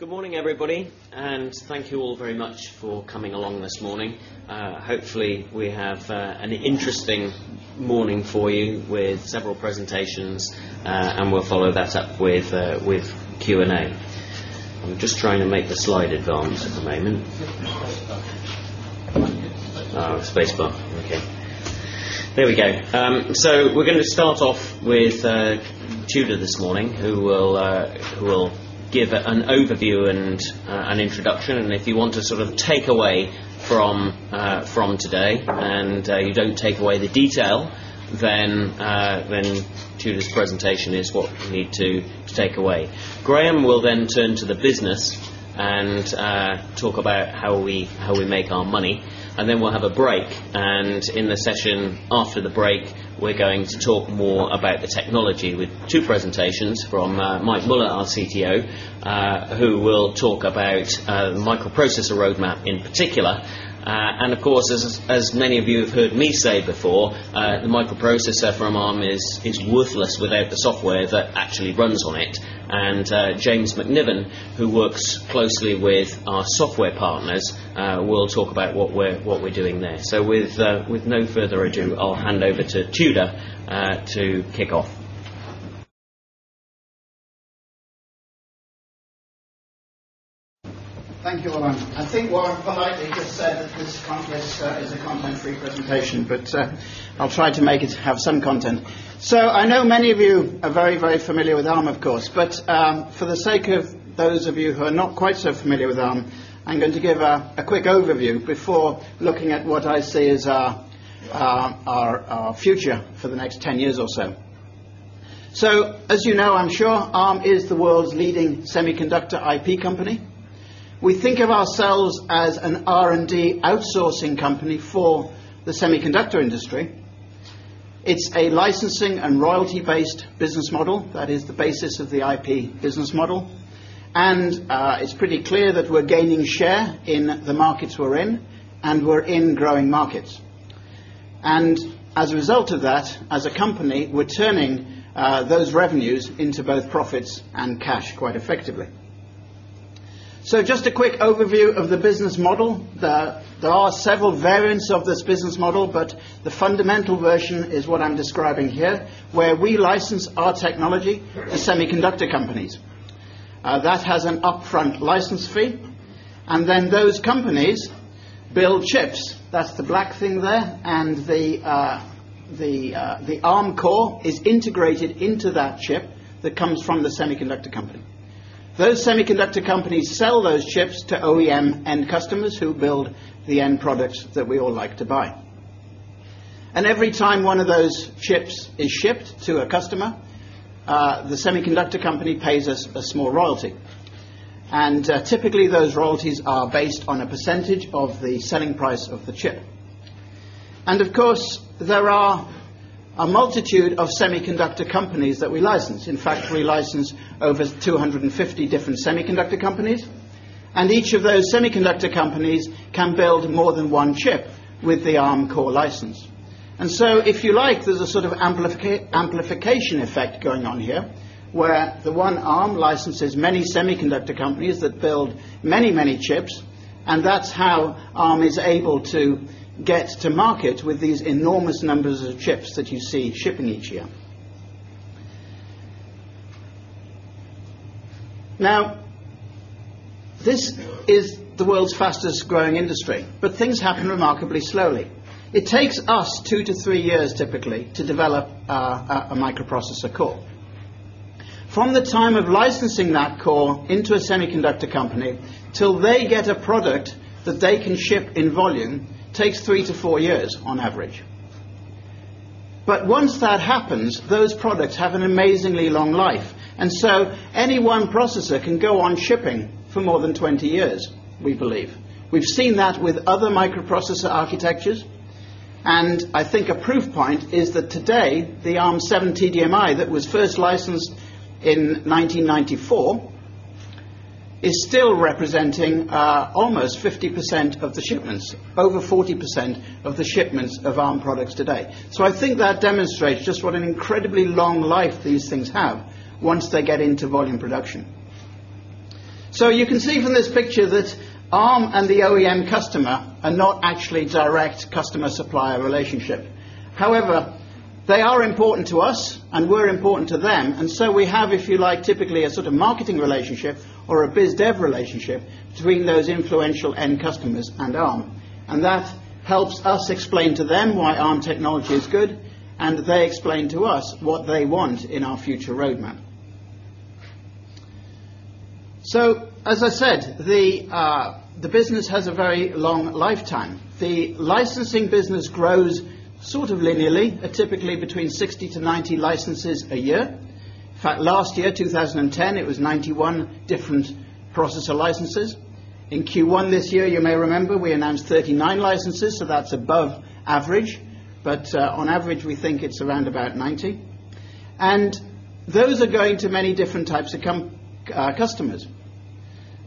Good morning, everybody, and thank you all very much for coming along this morning. Hopefully, we have an interesting morning for you with several presentations, and we'll follow that up with Q&A. I'm just trying to make the slide advance at the moment. Oh, spacebar. Okay. There we go. We are going to start off with Tudor this morning, who will give an overview and an introduction. If you want to sort of take away from today, and you don't take away the detail, then Tudor's presentation is what you need to take away. Graham will then turn to the business and talk about how we make our money. Then we'll have a break. In the session after the break, we're going to talk more about the technology with two presentations from Mike Müller, our Chief Technology Officer, who will talk about the microprocessor roadmap in particular. Of course, as many of you have heard me say before, the microprocessor from Arm is worthless without the software that actually runs on it. James McNiven, who works closely with our software partners, will talk about what we're doing there. With no further ado, I'll hand over to Tudor to kick off. Thank you all. I think what Mike just said was conscious is a content-free presentation, but I'll try to make it have some content. I know many of you are very, very familiar with Arm, of course. For the sake of those of you who are not quite so familiar with Arm, I'm going to give a quick overview before looking at what I see as our future for the next 10 years or so. As you know, I'm sure, Arm is the world's leading semiconductor IP company. We think of ourselves as an R&D outsourcing company for the semiconductor industry. It's a licensing and royalty-based business model. That is the basis of the IP business model. It's pretty clear that we're gaining share in the markets we're in, and we're in growing markets. As a result of that, as a company, we're turning those revenues into both profits and cash quite effectively. Just a quick overview of the business model. There are several variants of this business model, but the fundamental version is what I'm describing here, where we license our technology to semiconductor companies. That has an upfront license fee. Then those companies build chips. That's the black thing there. The Arm core is integrated into that chip that comes from the semiconductor company. Those semiconductor companies sell those chips to OEM end customers who build the end products that we all like to buy. Every time one of those chips is shipped to a customer, the semiconductor company pays us a small royalty. Typically, those royalties are based on a percentage of the selling price of the chip. There are a multitude of semiconductor companies that we license. In fact, we license over 250 different semiconductor companies. Each of those semiconductor companies can build more than one chip with the Arm core license. If you like, there's a sort of amplification effect going on here, where the one Arm licenses many semiconductor companies that build many, many chips. That's how Arm is able to get to market with these enormous numbers of chips that you see shipping each year. This is the world's fastest growing industry, but things happen remarkably slowly. It takes us two to three years, typically, to develop a microprocessor core. From the time of licensing that core into a semiconductor company till they get a product that they can ship in volume takes three to four years on average. Once that happens, those products have an amazingly long life. Any one processor can go on shipping for more than 20 years, we believe. We've seen that with other microprocessor architectures. A proof point is that today, the ARM7TDMI that was first licensed in 1994 is still representing almost 50% of the shipments, over 40% of the shipments of Arm products today. That demonstrates just what an incredibly long life these things have once they get into volume production. You can see from this picture that Arm Holdings and the OEM customer are not actually a direct customer-supplier relationship. However, they are important to us, and we're important to them. We have, if you like, typically a sort of marketing relationship or a biz dev relationship between those influential end customers and Arm. That helps us explain to them why Arm technology is good, and they explain to us what they want in our future roadmap. The business has a very long lifetime. The licensing business grows sort of linearly, typically between 60-90 licenses a year. In fact, last year, 2010, it was 91 different processor licenses. In Q1 this year, you may remember, we announced 39 licenses. That's above average. On average, we think it's around about 90. Those are going to many different types of customers.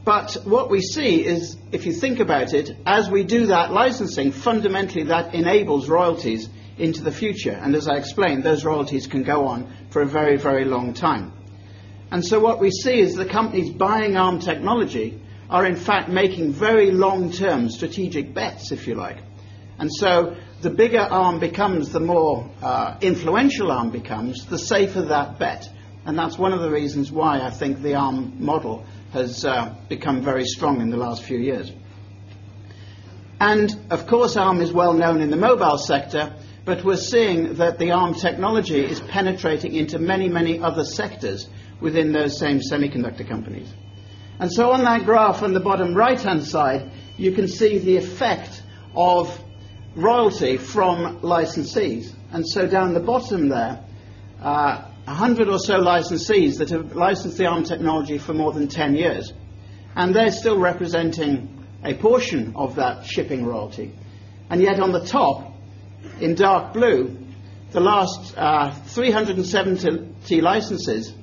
What we see is, if you think about it, as we do that licensing, fundamentally, that enables royalties into the future. As I explained, those royalties can go on for a very, very long time. What we see is the companies buying Arm technology are, in fact, making very long-term strategic bets, if you like. The bigger Arm becomes, the more influential Arm becomes, the safer that bet. That's one of the reasons why I think the Arm model has become very strong in the last few years. Arm Holdings is well known in the mobile sector, but we're seeing that the Arm technology is penetrating into many, many other sectors within those same semiconductor companies. On that graph on the bottom right-hand side, you can see the effect of royalty from licensees. Down the bottom there, 100 or so licensees that have licensed the Arm technology for more than 10 years, and they're still representing a portion of that shipping royalty. Yet on the top, in dark blue, the last 370 licenses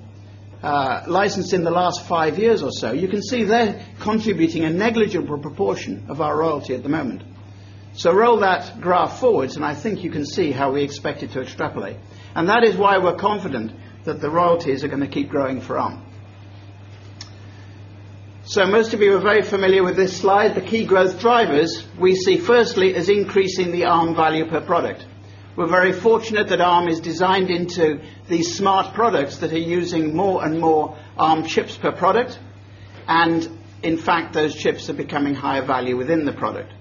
licensed in the last five years or so, you can see they're contributing a negligible proportion of our royalty at the moment. Roll that graph forwards, and I think you can see how we expect it to extrapolate. That is why we're confident that the royalties are going to keep growing for Arm. Most of you are very familiar with this slide. The key growth drivers we see firstly is increasing the Arm value per product. We're very fortunate that Arm is designed into these smart products that are using more and more Arm chips per product. In fact, those chips are becoming higher value within the product.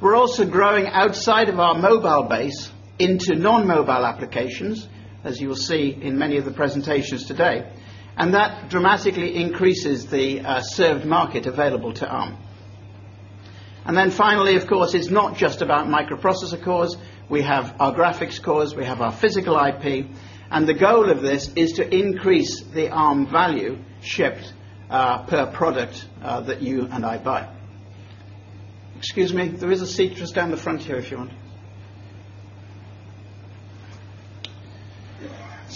We're also growing outside of our mobile base into non-mobile applications, as you will see in many of the presentations today. That dramatically increases the served market available to Arm. Finally, of course, it's not just about microprocessor cores. We have our graphics cores. We have our physical IP. The goal of this is to increase the Arm value chip per product that you and I buy. Excuse me, there is a seat just down the front here if you want.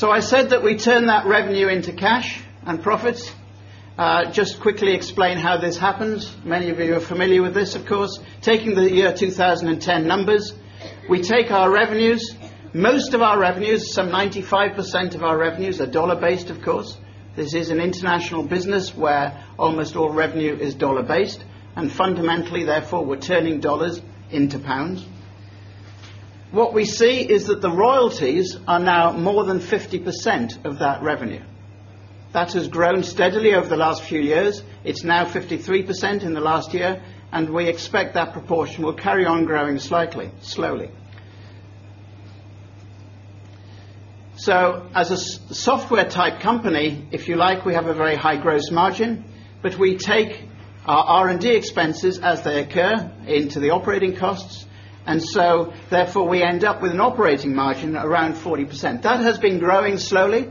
I said that we turn that revenue into cash and profits. Just quickly explain how this happens. Many of you are familiar with this, of course. Taking the year 2010 numbers, we take our revenues. Most of our revenues, some 95% of our revenues, are dollar-based, of course. This is an international business where almost all revenue is dollar-based. Fundamentally, therefore, we're turning dollars into pounds. What we see is that the royalties are now more than 50% of that revenue. That has grown steadily over the last few years. It's now 53% in the last year. We expect that proportion will carry on growing slightly slowly. As a software-type company, if you like, we have a very high gross margin. We take our R&D expenses as they occur into the operating costs. Therefore, we end up with an operating margin around 40%. That has been growing slowly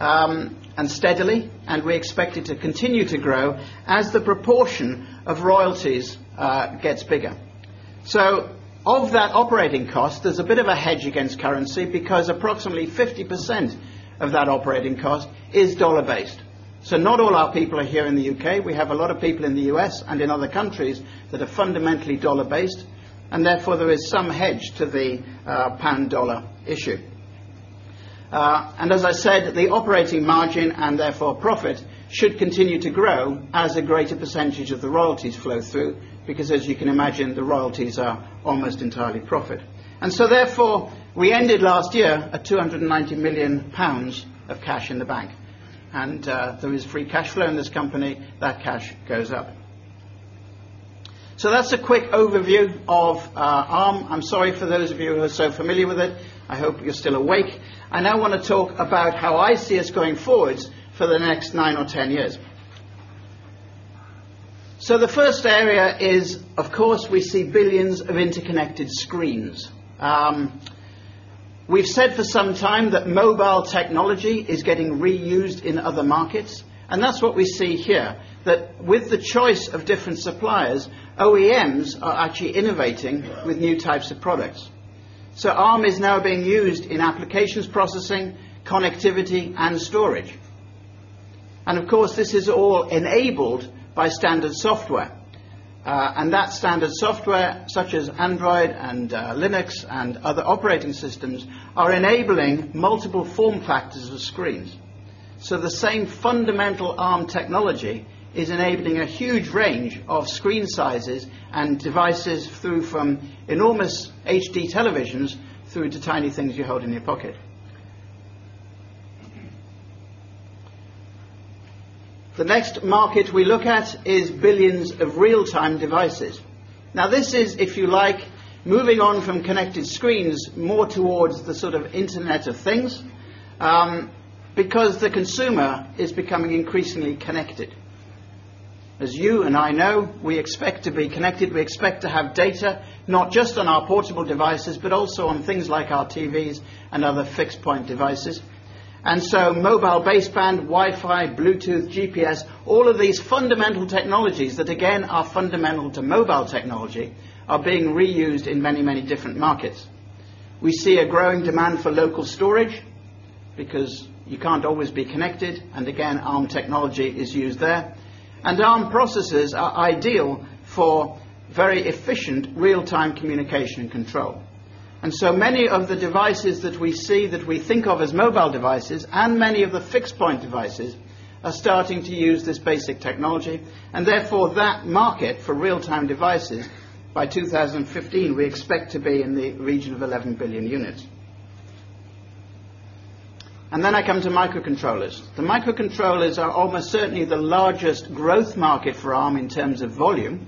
and steadily. We expect it to continue to grow as the proportion of royalties gets bigger. Of that operating cost, there's a bit of a hedge against currency because approximately 50% of that operating cost is dollar-based. Not all our people are here in the U.K. We have a lot of people in the U.S. and in other countries that are fundamentally dollar-based. Therefore, there is some hedge to the pound/dollar issue. As I said, the operating margin and therefore profit should continue to grow as a greater percentage of the royalties flow through because, as you can imagine, the royalties are almost entirely profit. Therefore, we ended last year at 290 million pounds of cash in the bank. There is free cash flow in this company. That cash goes up. That's a quick overview of Arm. I'm sorry for those of you who are so familiar with it. I hope you're still awake. I now want to talk about how I see us going forward for the next nine or 10 years. The first area is, of course, we see billions of interconnected screens. We've said for some time that mobile technology is getting reused in other markets. That's what we see here, that with the choice of different suppliers, OEMs are actually innovating with new types of products. Arm is now being used in applications processing, connectivity, and storage. This is all enabled by standard software. That standard software, such as Android and Linux and other operating systems, is enabling multiple form factors of screens. The same fundamental Arm technology is enabling a huge range of screen sizes and devices, from enormous HD televisions through to tiny things you hold in your pocket. The next market we look at is billions of real-time devices. This is, if you like, moving on from connected screens more towards the sort of Internet of Things because the consumer is becoming increasingly connected. As you and I know, we expect to be connected. We expect to have data not just on our portable devices, but also on things like our TVs and other fixed-point devices. Mobile baseband, Wi-Fi, Bluetooth, GPS, all of these fundamental technologies that, again, are fundamental to mobile technology are being reused in many different markets. We see a growing demand for local storage because you can't always be connected. Again, Arm technology is used there. Arm processors are ideal for very efficient real-time communication and control. Many of the devices that we see that we think of as mobile devices and many of the fixed-point devices are starting to use this basic technology. Therefore, that market for real-time devices by 2015, we expect to be in the region of 11 billion units. I come to microcontrollers. The microcontrollers are almost certainly the largest growth market for Arm in terms of volume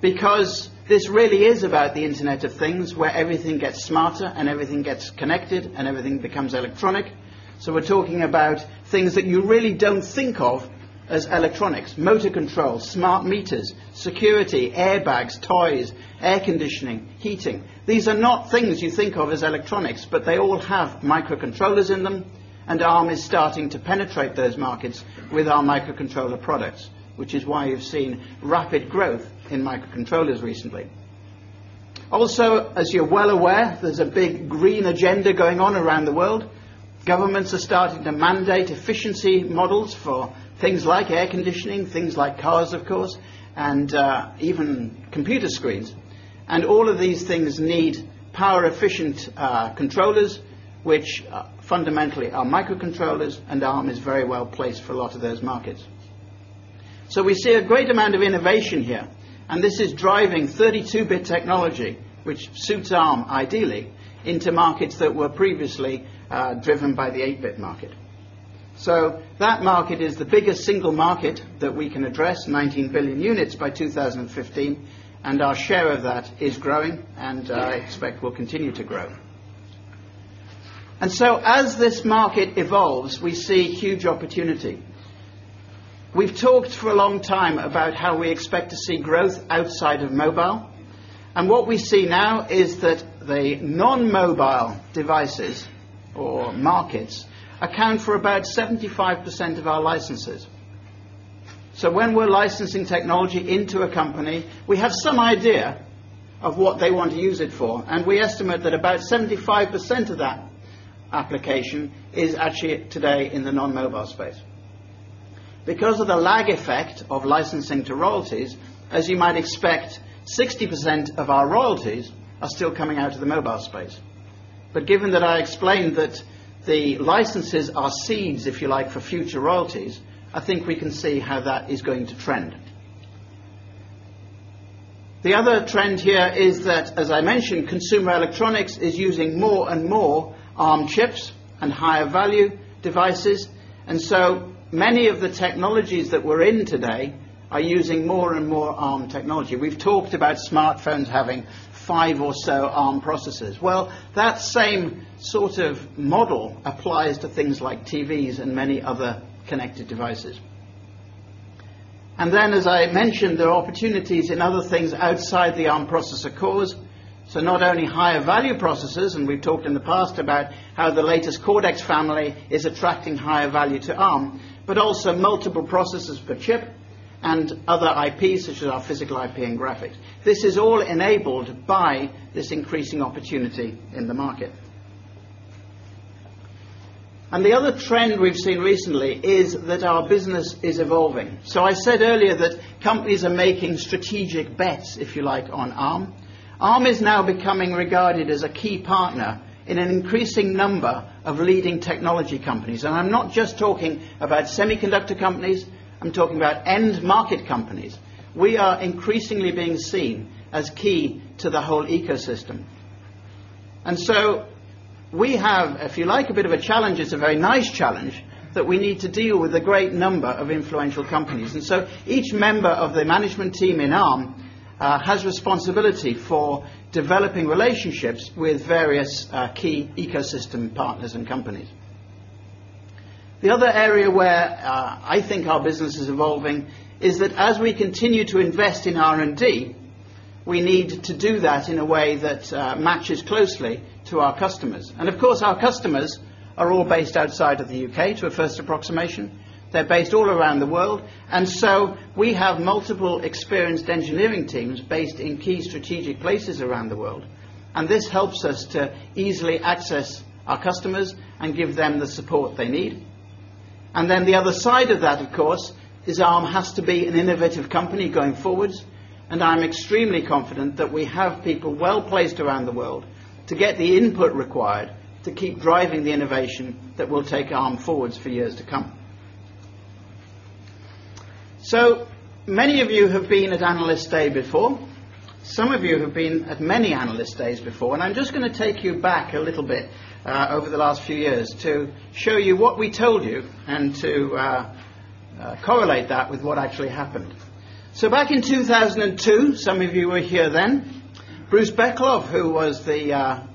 because this really is about the Internet of Things, where everything gets smarter and everything gets connected and everything becomes electronic. We're talking about things that you really don't think of as electronics. Motor control, smart meters, security, airbags, toys, air conditioning, heating. These are not things you think of as electronics, but they all have microcontrollers in them. Arm Holdings is starting to penetrate those markets with our microcontroller products, which is why you've seen rapid growth in microcontrollers recently. Also, as you're well aware, there's a big green agenda going on around the world. Governments are starting to mandate efficiency models for things like air conditioning, things like cars, of course, and even computer screens. All of these things need power-efficient controllers, which fundamentally are microcontrollers. Arm Holdings is very well placed for a lot of those markets. We see a great amount of innovation here. This is driving 32-bit technology, which suits Arm ideally, into markets that were previously driven by the 8-bit market. That market is the biggest single market that we can address, 19 billion units by 2015. Our share of that is growing. I expect we'll continue to grow. As this market evolves, we see huge opportunity. We've talked for a long time about how we expect to see growth outside of mobile. What we see now is that the non-mobile devices or markets account for about 75% of our licenses. When we're licensing technology into a company, we have some idea of what they want to use it for. We estimate that about 75% of that application is actually today in the non-mobile space. Because of the lag effect of licensing to royalties, as you might expect, 60% of our royalties are still coming out of the mobile space. Given that I explained that the licenses are seeds, if you like, for future royalties, I think we can see how that is going to trend. The other trend here is that, as I mentioned, consumer electronics is using more and more Arm chips and higher-value devices. Many of the technologies that we're in today are using more and more Arm technology. We've talked about smartphones having five or so Arm processors. That same sort of model applies to things like TVs and many other connected devices. As I mentioned, there are opportunities in other things outside the Arm processor cores. Not only higher-value processors, and we've talked in the past about how the latest Cortex family is attracting higher value to Arm, but also multiple processors per chip and other IPs, such as our physical IP and graphics. This is all enabled by this increasing opportunity in the market. The other trend we've seen recently is that our business is evolving. I said earlier that companies are making strategic bets, if you like, on Arm. Arm is now becoming regarded as a key partner in an increasing number of leading technology companies. I'm not just talking about semiconductor companies. I'm talking about end-market companies. We are increasingly being seen as key to the whole ecosystem. We have, if you like, a bit of a challenge. It's a very nice challenge that we need to deal with a great number of influential companies. Each member of the management team in Arm has responsibility for developing relationships with various key ecosystem partners and companies. The other area where I think our business is evolving is that as we continue to invest in R&D, we need to do that in a way that matches closely to our customers. Of course, our customers are all based outside of the U.K., to a first approximation. They're based all around the world. We have multiple experienced engineering teams based in key strategic places around the world. This helps us to easily access our customers and give them the support they need. The other side of that, of course, is Arm has to be an innovative company going forwards. I'm extremely confident that we have people well placed around the world to get the input required to keep driving the innovation that will take Arm forwards for years to come. Many of you have been at Analyst Day before. Some of you have been at many Analyst Days before. I'm just going to take you back a little bit over the last few years to show you what we told you and to correlate that with what actually happened. Back in 2002, some of you were here then, Bruce Bekloff, who was the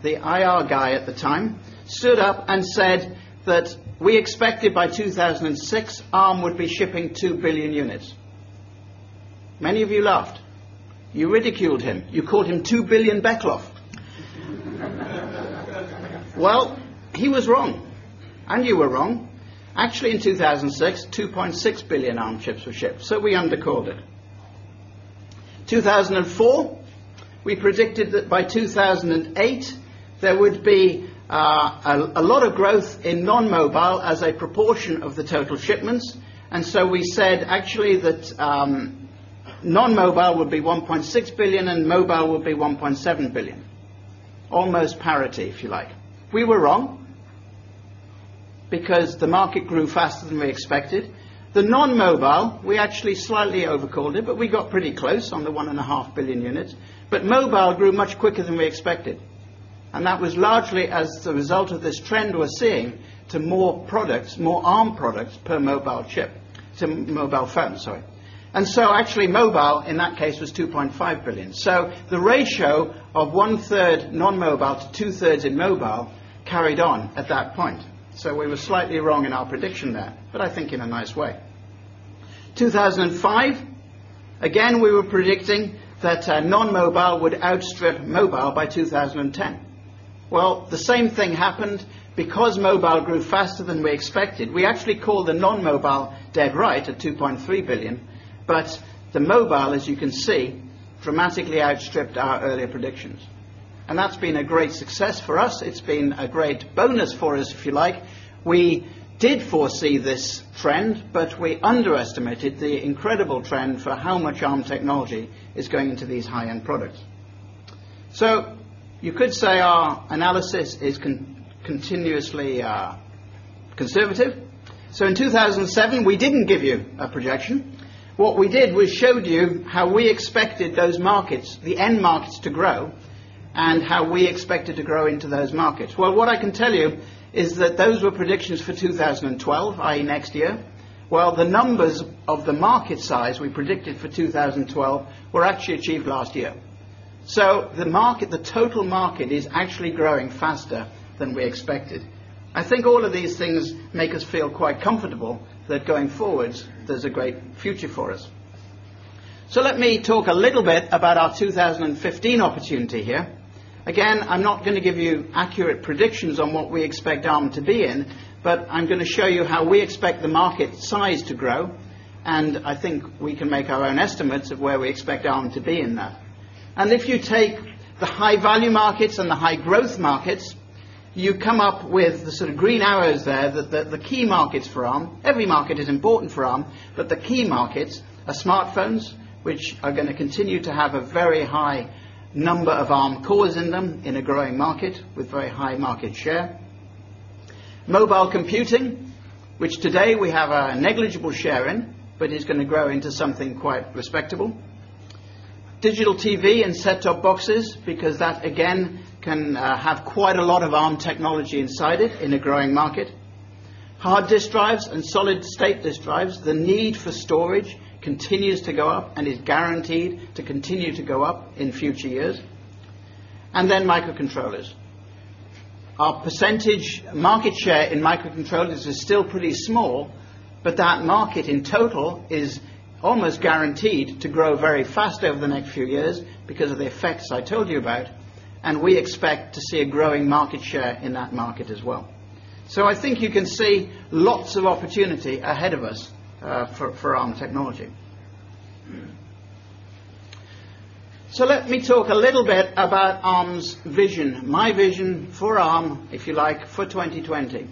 IR guy at the time, stood up and said that we expected by 2006 Arm would be shipping 2 billion units. Many of you laughed. You ridiculed him. You called him 2 billion Bekloff. He was wrong. You were wrong. Actually, in 2006, 2.6 billion Arm chips were shipped. We undercored it. In 2004, we predicted that by 2008 there would be a lot of growth in non-mobile as a proportion of the total shipments. We said actually that non-mobile would be 1.6 billion and mobile would be 1.7 billion. Almost parity, if you like. We were wrong because the market grew faster than we expected. The non-mobile, we actually slightly overcalled it, but we got pretty close on the 1.5 billion units. Mobile grew much quicker than we expected. That was largely as a result of this trend we're seeing to more products, more Arm products per mobile chip, mobile phone, sorry. Actually, mobile in that case was 2.5 billion. The ratio of 1/3 non-mobile to 2/3 in mobile carried on at that point. We were slightly wrong in our prediction there, but I think in a nice way. In 2005, again, we were predicting that non-mobile would outstrip mobile by 2010. The same thing happened. Because mobile grew faster than we expected, we actually called the non-mobile dead right at 2.3 billion. The mobile, as you can see, dramatically outstripped our earlier predictions. That's been a great success for us. It's been a great bonus for us, if you like. We did foresee this trend, but we underestimated the incredible trend for how much Arm Technology is going into these high-end products. You could say our analysis is continuously conservative. In 2007, we didn't give you a projection. What we did was showed you how we expected those markets, the end markets, to grow and how we expected to grow into those markets. What I can tell you is that those were predictions for 2012, i.e. next year. The numbers of the market size we predicted for 2012 were actually achieved last year. The total market is actually growing faster than we expected. I think all of these things make us feel quite comfortable that going forward, there's a great future for us. Let me talk a little bit about our 2015 opportunity here. Again, I'm not going to give you accurate predictions on what we expect Arm to be in, but I'm going to show you how we expect the market size to grow. I think we can make our own estimates of where we expect Arm to be in that. If you take the high-value markets and the high-growth markets, you come up with the sort of green arrows there that the key markets for Arm, every market is important for Arm, but the key markets are smartphones, which are going to continue to have a very high number of Arm cores in them in a growing market with very high market share. Mobile computing, which today we have a negligible share in, but is going to grow into something quite respectable. Digital TV and set-top boxes, because that, again, can have quite a lot of Arm technology inside it in a growing market. Hard disk drives and solid state disk drives, the need for storage continues to go up and is guaranteed to continue to go up in future years. Then microcontrollers. Our percentage market share in microcontrollers is still pretty small, but that market in total is almost guaranteed to grow very fast over the next few years because of the effects I told you about. We expect to see a growing market share in that market as well. I think you can see lots of opportunity ahead of us for Arm technology. Let me talk a little bit about Arm's vision, my vision for Arm, if you like, for 2020.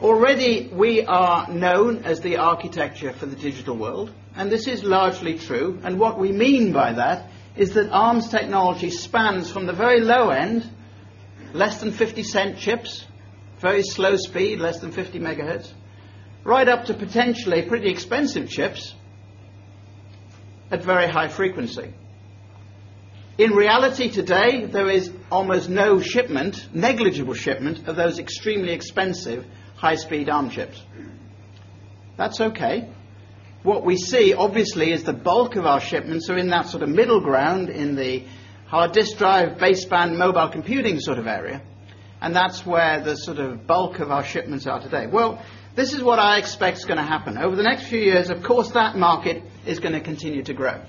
Already, we are known as the architecture for the digital world. This is largely true. What we mean by that is that Arm's technology spans from the very low end, less than $0.50 chips, very slow speed, less than 50 MHT, right up to potentially pretty expensive chips at very high frequency. In reality, today, there is almost no shipment, negligible shipment of those extremely expensive high-speed Arm chips. That's okay. What we see, obviously, is the bulk of our shipments in that sort of middle ground, in the hard disk drive, baseband, mobile computing sort of area. That's where the bulk of our shipments are today. This is what I expect is going to happen over the next few years. Of course, that market is going to continue to grow.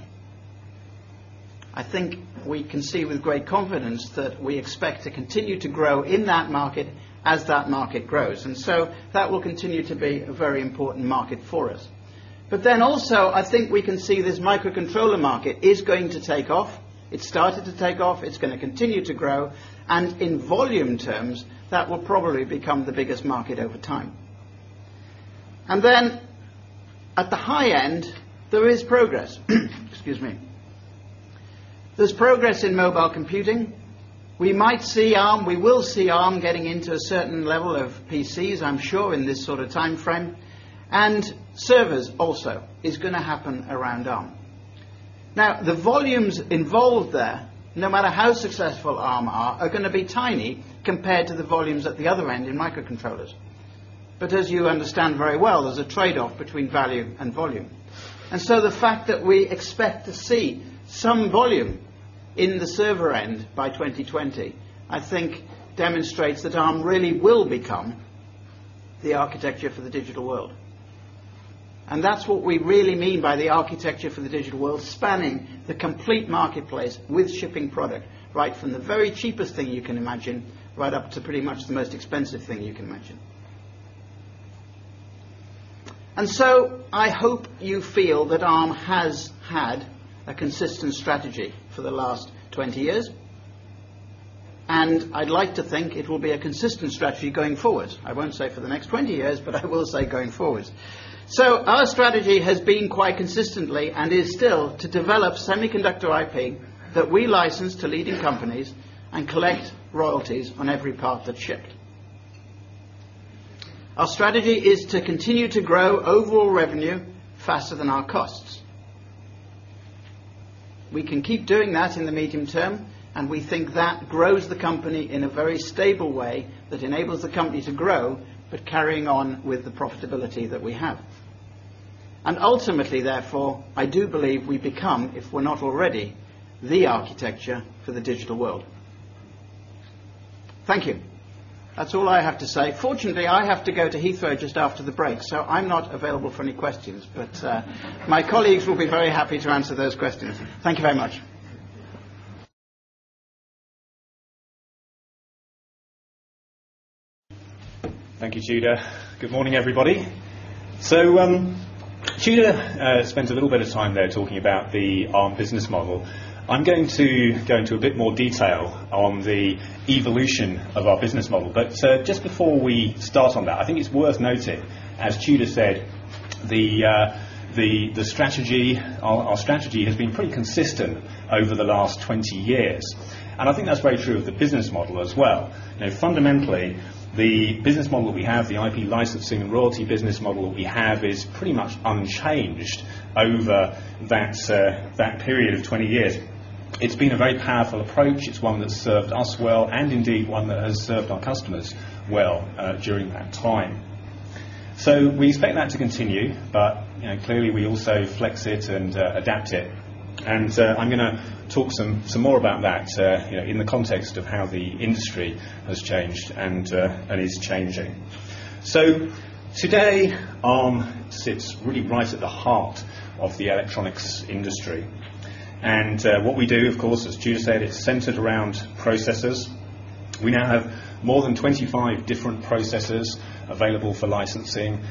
I think we can see with great confidence that we expect to continue to grow in that market as that market grows. That will continue to be a very important market for us. I think we can see this microcontroller market is going to take off. It started to take off. It's going to continue to grow. In volume terms, that will probably become the biggest market over time. At the high end, there is progress. Excuse me. There's progress in mobile computing. We might see Arm, we will see Arm getting into a certain level of PCs, I'm sure, in this sort of time frame. Servers also are going to happen around Arm. The volumes involved there, no matter how successful Arm are, are going to be tiny compared to the volumes at the other end in microcontrollers. As you understand very well, there's a trade-off between value and volume. The fact that we expect to see some volume in the server end by 2020, I think, demonstrates that Arm really will become the architecture for the digital world. That is what we really mean by the architecture for the digital world, spanning the complete marketplace with shipping product, right from the very cheapest thing you can imagine right up to pretty much the most expensive thing you can imagine. I hope you feel that Arm has had a consistent strategy for the last 20 years. I'd like to think it will be a consistent strategy going forwards. I won't say for the next 20 years, but I will say going forwards. Our strategy has been quite consistently and is still to develop semiconductor IP that we license to leading companies and collect royalties on every part that's shipped. Our strategy is to continue to grow overall revenue faster than our costs. We can keep doing that in the medium term. We think that grows the company in a very stable way that enables the company to grow, but carrying on with the profitability that we have. Ultimately, therefore, I do believe we become, if we're not already, the architecture for the digital world. Thank you. That's all I have to say. Fortunately, I have to go to Heathrow just after the break. I'm not available for any questions. My colleagues will be very happy to answer those questions. Thank you very much. Thank you, Tudor. Good morning, everybody. Tudor spends a little bit of time there talking about the Arm Holdings business model. I'm going to go into a bit more detail on the evolution of our business model. Just before we start on that, I think it's worth noting, as Tudor said, the strategy, our strategy has been pretty consistent over the last 20 years. I think that's very true of the business model as well. Fundamentally, the business model that we have, the IP licensing and royalty business model that we have, is pretty much unchanged over that period of 20 years. It's been a very powerful approach. It's one that's served us well and indeed one that has served our customers well during that time. We expect that to continue. Clearly, we also flex it and adapt it. I'm going to talk some more about that in the context of how the industry has changed and is changing. Today, Arm Holdings sits really right at the heart of the electronics industry. What we do, of course, as Tudor said, is centered around processors. We now have more than 25 different processors available for licensing,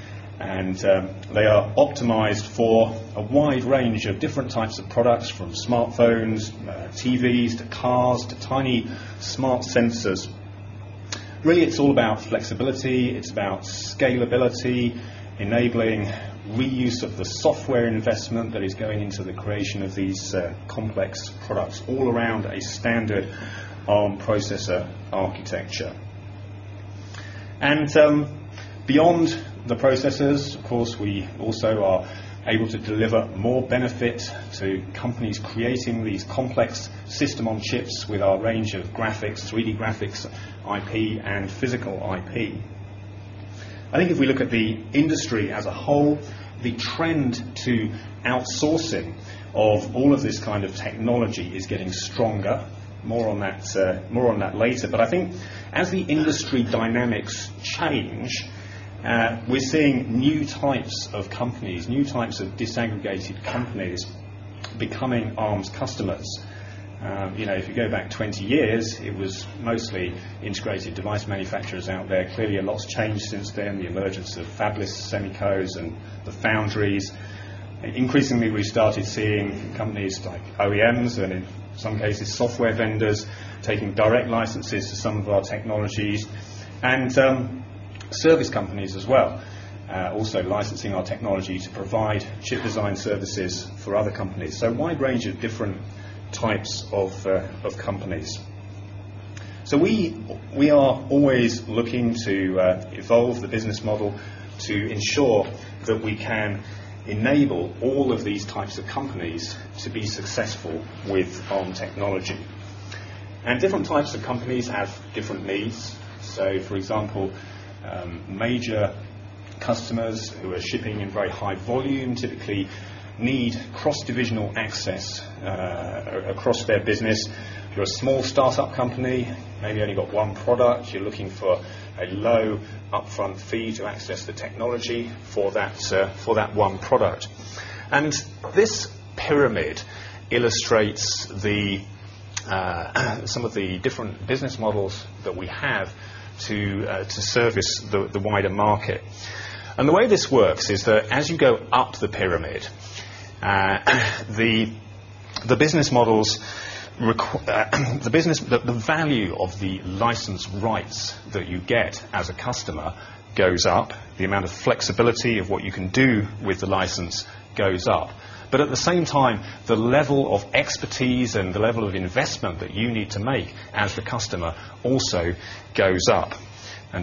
and they are optimized for a wide range of different types of products, from smartphones, TVs, to cars, to tiny smart sensors. Really, it's all about flexibility. It's about scalability, enabling reuse of the software investment that is going into the creation of these complex products all around a standard Arm processor architecture. Beyond the processors, of course, we also are able to deliver more benefits to companies creating these complex system-on-chips with our range of graphics, 3D graphics, IP, and physical IP. I think if we look at the industry as a whole, the trend to outsourcing of all of this kind of technology is getting stronger. More on that later. As the industry dynamics change, we're seeing new types of companies, new types of disaggregated companies becoming Arm customers. If you go back 20 years, it was mostly integrated device manufacturers out there. Clearly, a lot's changed since then, the emergence of fabless semiconductors and the foundries. Increasingly, we started seeing companies like OEMs and in some cases, software vendors taking direct licenses to some of our technologies and service companies as well, also licensing our technology to provide chip design services for other companies. A wide range of different types of companies. We are always looking to evolve the business model to ensure that we can enable all of these types of companies to be successful with Arm technology. Different types of companies have different needs. For example, major customers who are shipping in very high volume typically need cross-divisional access across their business. If you're a small startup company, maybe only got one product, you're looking for a low upfront fee to access the technology for that one product. This pyramid illustrates some of the different business models that we have to service the wider market. The way this works is that as you go up the pyramid, the business models, the value of the license rights that you get as a customer goes up. The amount of flexibility of what you can do with the license goes up. At the same time, the level of expertise and the level of investment that you need to make as the customer also goes up.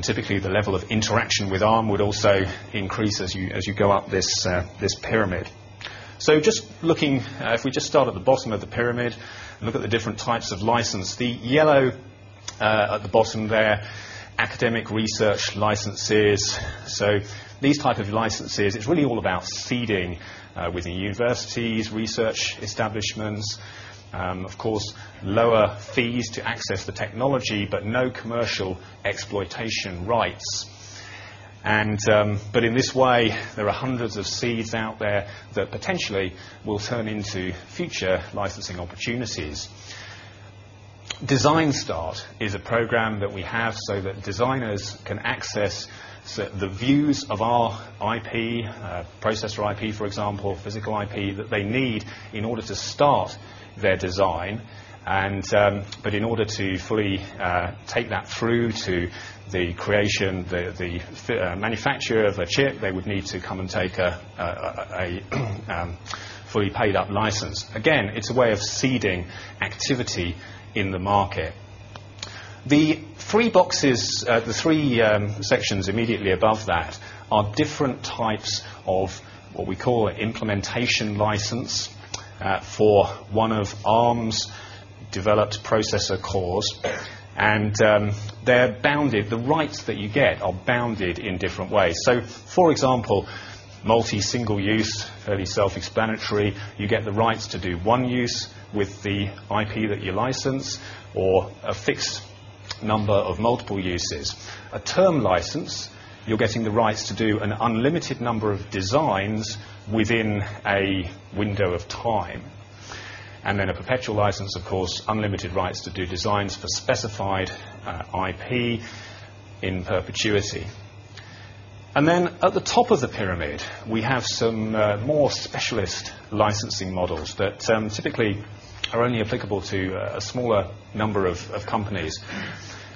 Typically, the level of interaction with Arm would also increase as you go up this pyramid. Just looking, if we start at the bottom of the pyramid, look at the different types of license. The yellow at the bottom there, academic research licenses. These types of licenses, it's really all about seeding within universities, research establishments. Of course, lower fees to access the technology, but no commercial exploitation rights. In this way, there are hundreds of seeds out there that potentially will turn into future licensing opportunities. Design Start is a program that we have so that designers can access the views of our IP, processor IP, for example, physical IP that they need in order to start their design. In order to fully take that through to the creation, the manufacture of the chip, they would need to come and take a fully paid-up license. Again, it's a way of seeding activity in the market. The three boxes, the three sections immediately above that, are different types of what we call an implementation license for one of Arm's developed processor cores. They're bounded. The rights that you get are bounded in different ways. For example, multi-single use, fairly self-explanatory. You get the rights to do one use with the IP that you license or a fixed number of multiple uses. A term license, you're getting the rights to do an unlimited number of designs within a window of time. A perpetual license, of course, unlimited rights to do designs for specified IP in perpetuity. At the top of the pyramid, we have some more specialist licensing models that typically are only applicable to a smaller number of companies.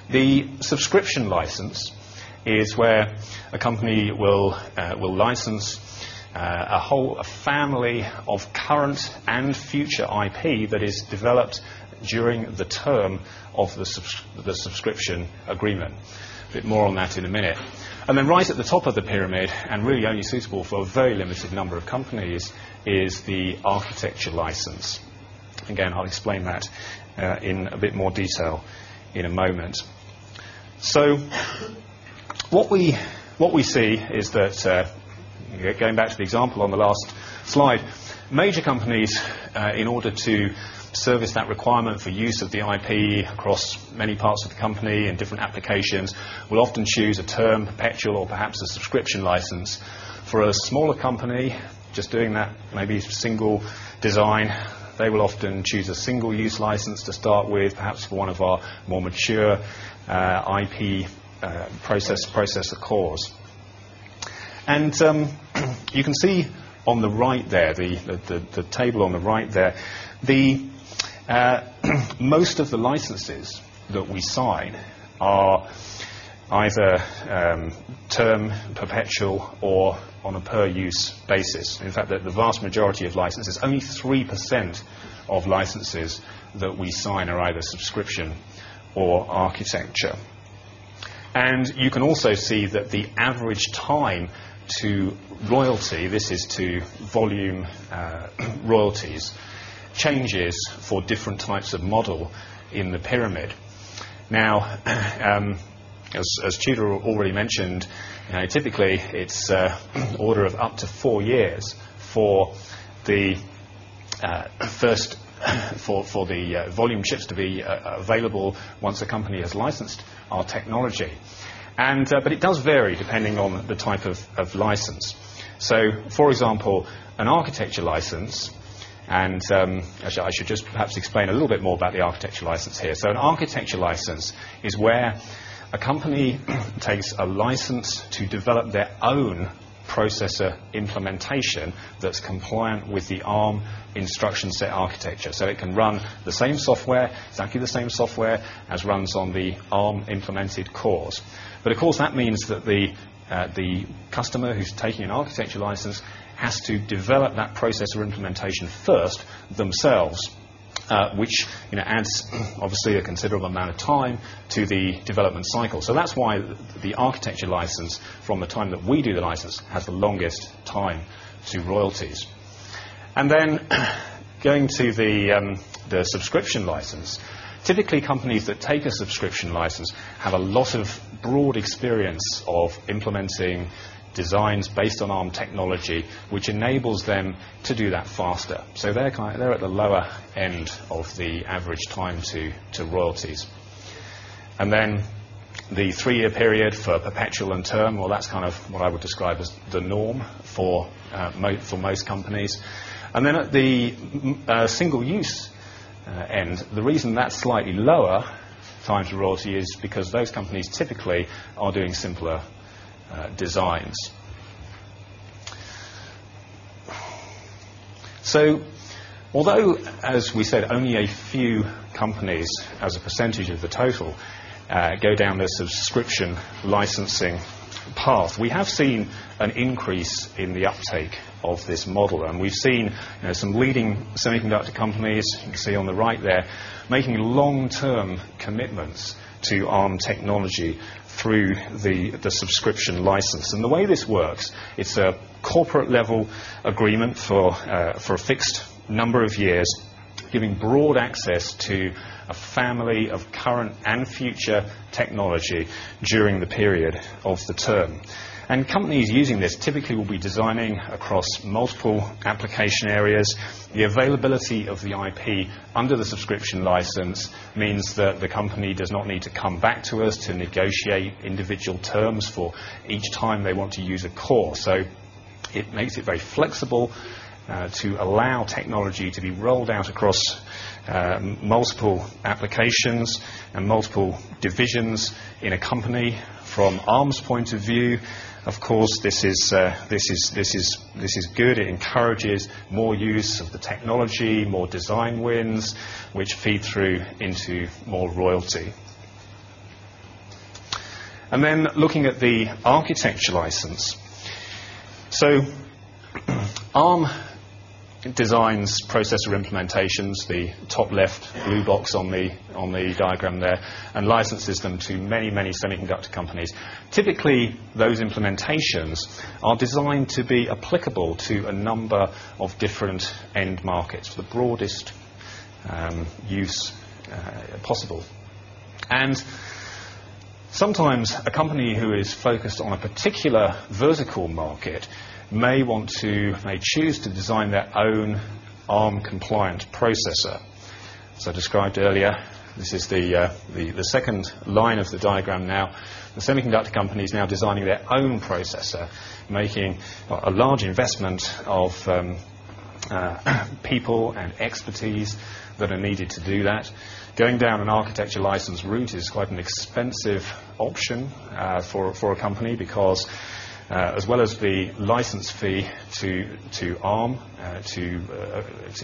The subscription license is where a company will license a whole family of current and future IP that is developed during the term of the subscription agreement. A bit more on that in a minute. Right at the top of the pyramid, and really only suitable for a very limited number of companies, is the architecture license. I'll explain that in a bit more detail in a moment. What we see is that, going back to the example on the last slide, major companies, in order to service that requirement for use of the IP across many parts of the company in different applications, will often choose a term, perpetual, or perhaps a subscription license. For a smaller company, just doing that maybe single design, they will often choose a single-use license to start with, perhaps for one of our more mature IP processor cores. You can see on the right there, the table on the right there, most of the licenses that we sign are either term, perpetual, or on a per-use basis. In fact, the vast majority of licenses, only 3% of licenses that we sign are either subscription or architecture. You can also see that the average time to royalty, this is to volume royalties, changes for different types of model in the pyramid. As Tudor already mentioned, typically, it's an order of up to four years for the first volume chips to be available once a company has licensed our technology. It does vary depending on the type of license. For example, an architecture license, and actually, I should just perhaps explain a little bit more about the architecture license here. An architecture license is where a company takes a license to develop their own processor implementation that's compliant with the Arm instruction set architecture. It can run the same software, exactly the same software as runs on the Arm implemented cores. Of course, that means that the customer who's taking an architecture license has to develop that processor implementation first themselves, which adds, obviously, a considerable amount of time to the development cycle. That's why the architecture license, from the time that we do the license, has the longest time to royalties. Going to the subscription license, typically, companies that take a subscription license have a lot of broad experience of implementing designs based on Arm technology, which enables them to do that faster. They're at the lower end of the average time to royalties. The three-year period for perpetual and term, that's kind of what I would describe as the norm for most companies. At the single-use end, the reason that's slightly lower time to royalty is because those companies typically are doing simpler designs. Although, as we said, only a few companies, as a percentage of the total, go down the subscription licensing path, we have seen an increase in the uptake of this model. We've seen some leading semiconductor companies, you can see on the right there, making long-term commitments to Arm technology through the subscription license. The way this works, it's a corporate-level agreement for a fixed number of years, giving broad access to a family of current and future technology during the period of the term. Companies using this typically will be designing across multiple application areas. The availability of the IP under the subscription license means that the company does not need to come back to us to negotiate individual terms for each time they want to use a core. It makes it very flexible to allow technology to be rolled out across multiple applications and multiple divisions in a company. From Arm's point of view, of course, this is good. It encourages more use of the technology, more design wins, which feed through into more royalty. Looking at the architecture license, Arm designs processor implementations, the top left blue box on the diagram there, and licenses them to many, many semiconductor companies. Typically, those implementations are designed to be applicable to a number of different end markets, the broadest use possible. Sometimes, a company who is focused on a particular vertical market may want to, may choose to design their own Arm-compliant processor. As I described earlier, this is the second line of the diagram now. The semiconductor company is now designing their own processor, making a large investment of people and expertise that are needed to do that. Going down an architecture license route is quite an expensive option for a company because, as well as the license fee to Arm, to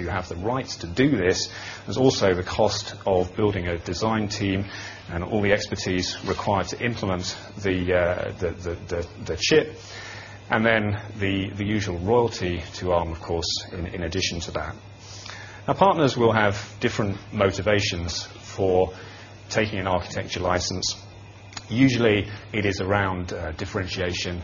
have the rights to do this, there's also the cost of building a design team and all the expertise required to implement the chip. There is the usual royalty to Arm, of course, in addition to that. Our partners will have different motivations for taking an architecture license. Usually, it is around differentiation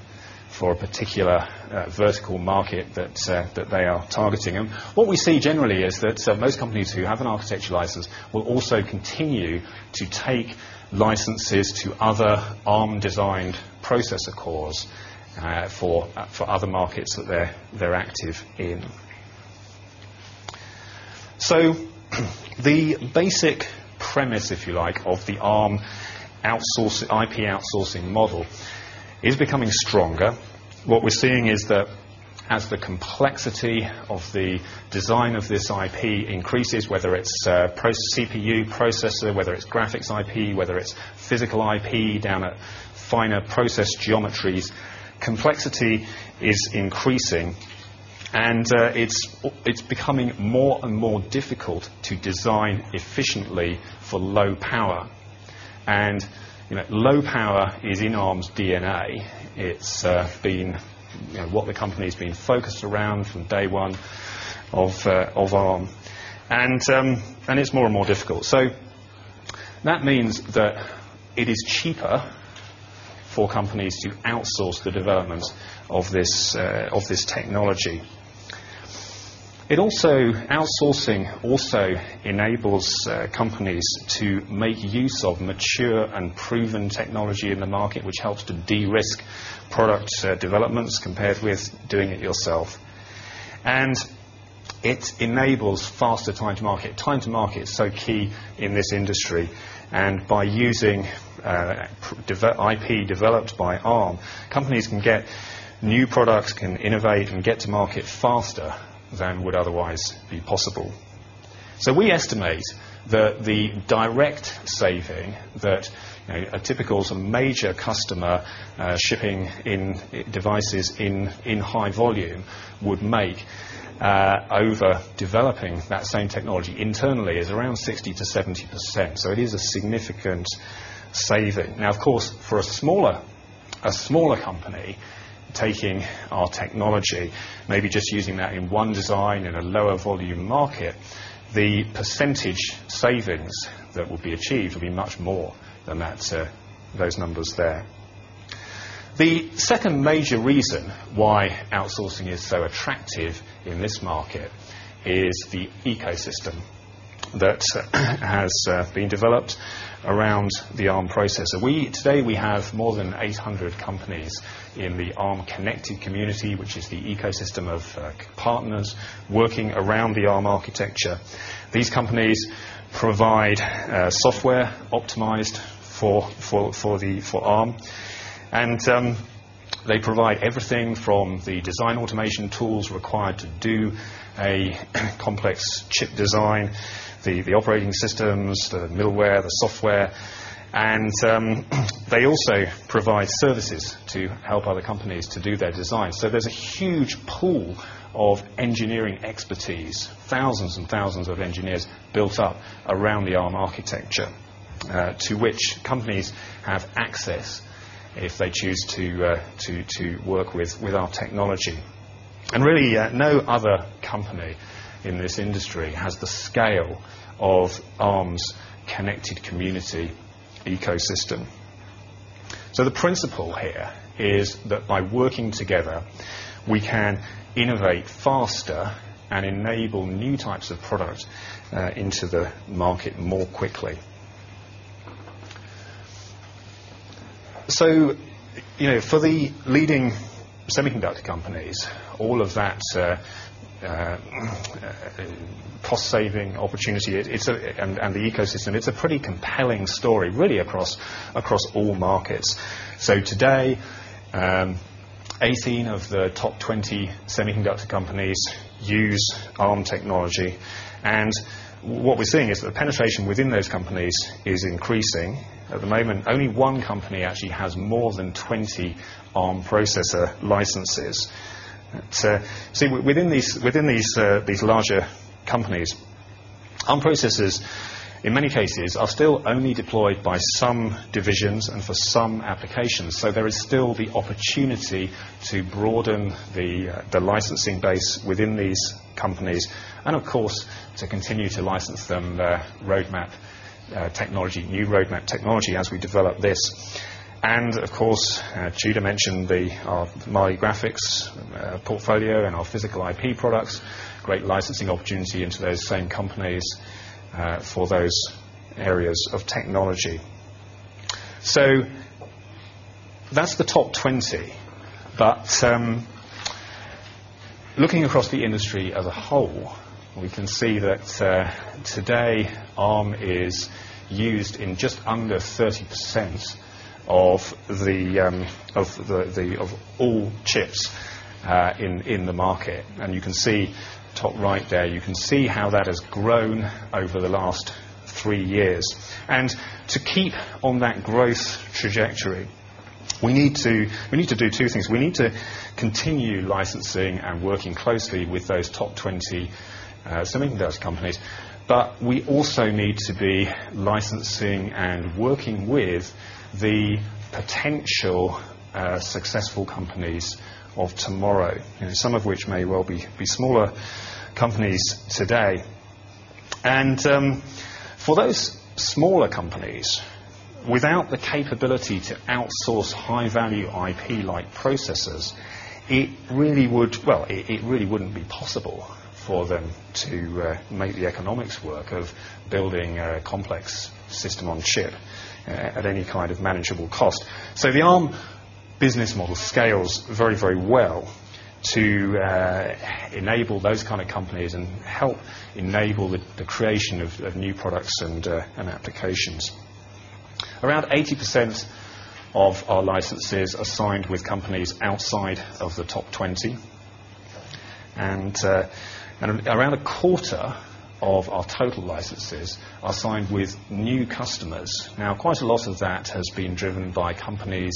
for a particular vertical market that they are targeting. What we see generally is that most companies who have an architecture license will also continue to take licenses to other Arm-designed processor cores for other markets that they're active in. The basic premise, if you like, of the Arm IP outsourcing model is becoming stronger. What we're seeing is that as the complexity of the design of this IP increases, whether it's a CPU processor, whether it's graphics IP, whether it's physical IP down at finer process geometries, complexity is increasing. It's becoming more and more difficult to design efficiently for low power. Low power is in Arm's DNA. It's been what the company has been focused around from day one of Arm. It's more and more difficult. That means that it is cheaper for companies to outsource the development of this technology. Outsourcing also enables companies to make use of mature and proven technology in the market, which helps to de-risk product developments compared with doing it yourself. It enables faster time to market. Time to market is so key in this industry. By using IP developed by Arm, companies can get new products, can innovate, and get to market faster than would otherwise be possible. We estimate that the direct saving that a typical major customer shipping devices in high volume would make over developing that same technology internally is around 60%-70%. It is a significant saving. Of course, for a smaller company taking our technology, maybe just using that in one design in a lower volume market, the percentage savings that will be achieved will be much more than those numbers there. The second major reason why outsourcing is so attractive in this market is the ecosystem that has been developed around the Arm processor. Today, we have more than 800 companies in the Arm-connected community, which is the ecosystem of partners working around the Arm architecture. These companies provide software optimized for Arm. They provide everything from the design automation tools required to do a complex chip design, the operating systems, the middleware, the software. They also provide services to help other companies to do their design. There is a huge pool of engineering expertise, thousands and thousands of engineers built up around the Arm architecture, to which companies have access if they choose to work with our technology. Really, no other company in this industry has the scale of Arm's connected community ecosystem. The principle here is that by working together, we can innovate faster and enable new types of products into the market more quickly. For the leading semiconductor companies, all of that cost-saving opportunity and the ecosystem, it's a pretty compelling story really across all markets. Today, 18 of the top 20 semiconductor companies use Arm technology. What we're seeing is that the penetration within those companies is increasing. At the moment, only one company actually has more than 20 Arm processor licenses. Within these larger companies, Arm processors, in many cases, are still only deployed by some divisions and for some applications. There is still the opportunity to broaden the licensing base within these companies and, of course, to continue to license them new roadmap technology as we develop this. Tudor mentioned our Mali graphics portfolio and our physical IP products, great licensing opportunity into those same companies for those areas of technology. That's the top 20. Looking across the industry as a whole, we can see that today Arm is used in just under 30% of all chips in the market. You can see top right there, you can see how that has grown over the last three years. To keep on that growth trajectory, we need to do two things. We need to continue licensing and working closely with those top 20 semiconductor companies. We also need to be licensing and working with the potential successful companies of tomorrow, some of which may well be smaller companies today. For those smaller companies, without the capability to outsource high-value IP-like processors, it really wouldn't be possible for them to make the economics work of building a complex system on chip at any kind of manageable cost. The Arm business model scales very, very well to enable those kind of companies and help enable the creation of new products and applications. Around 80% of our licenses are signed with companies outside of the top 20. Around a quarter of our total licenses are signed with new customers. Quite a lot of that has been driven by companies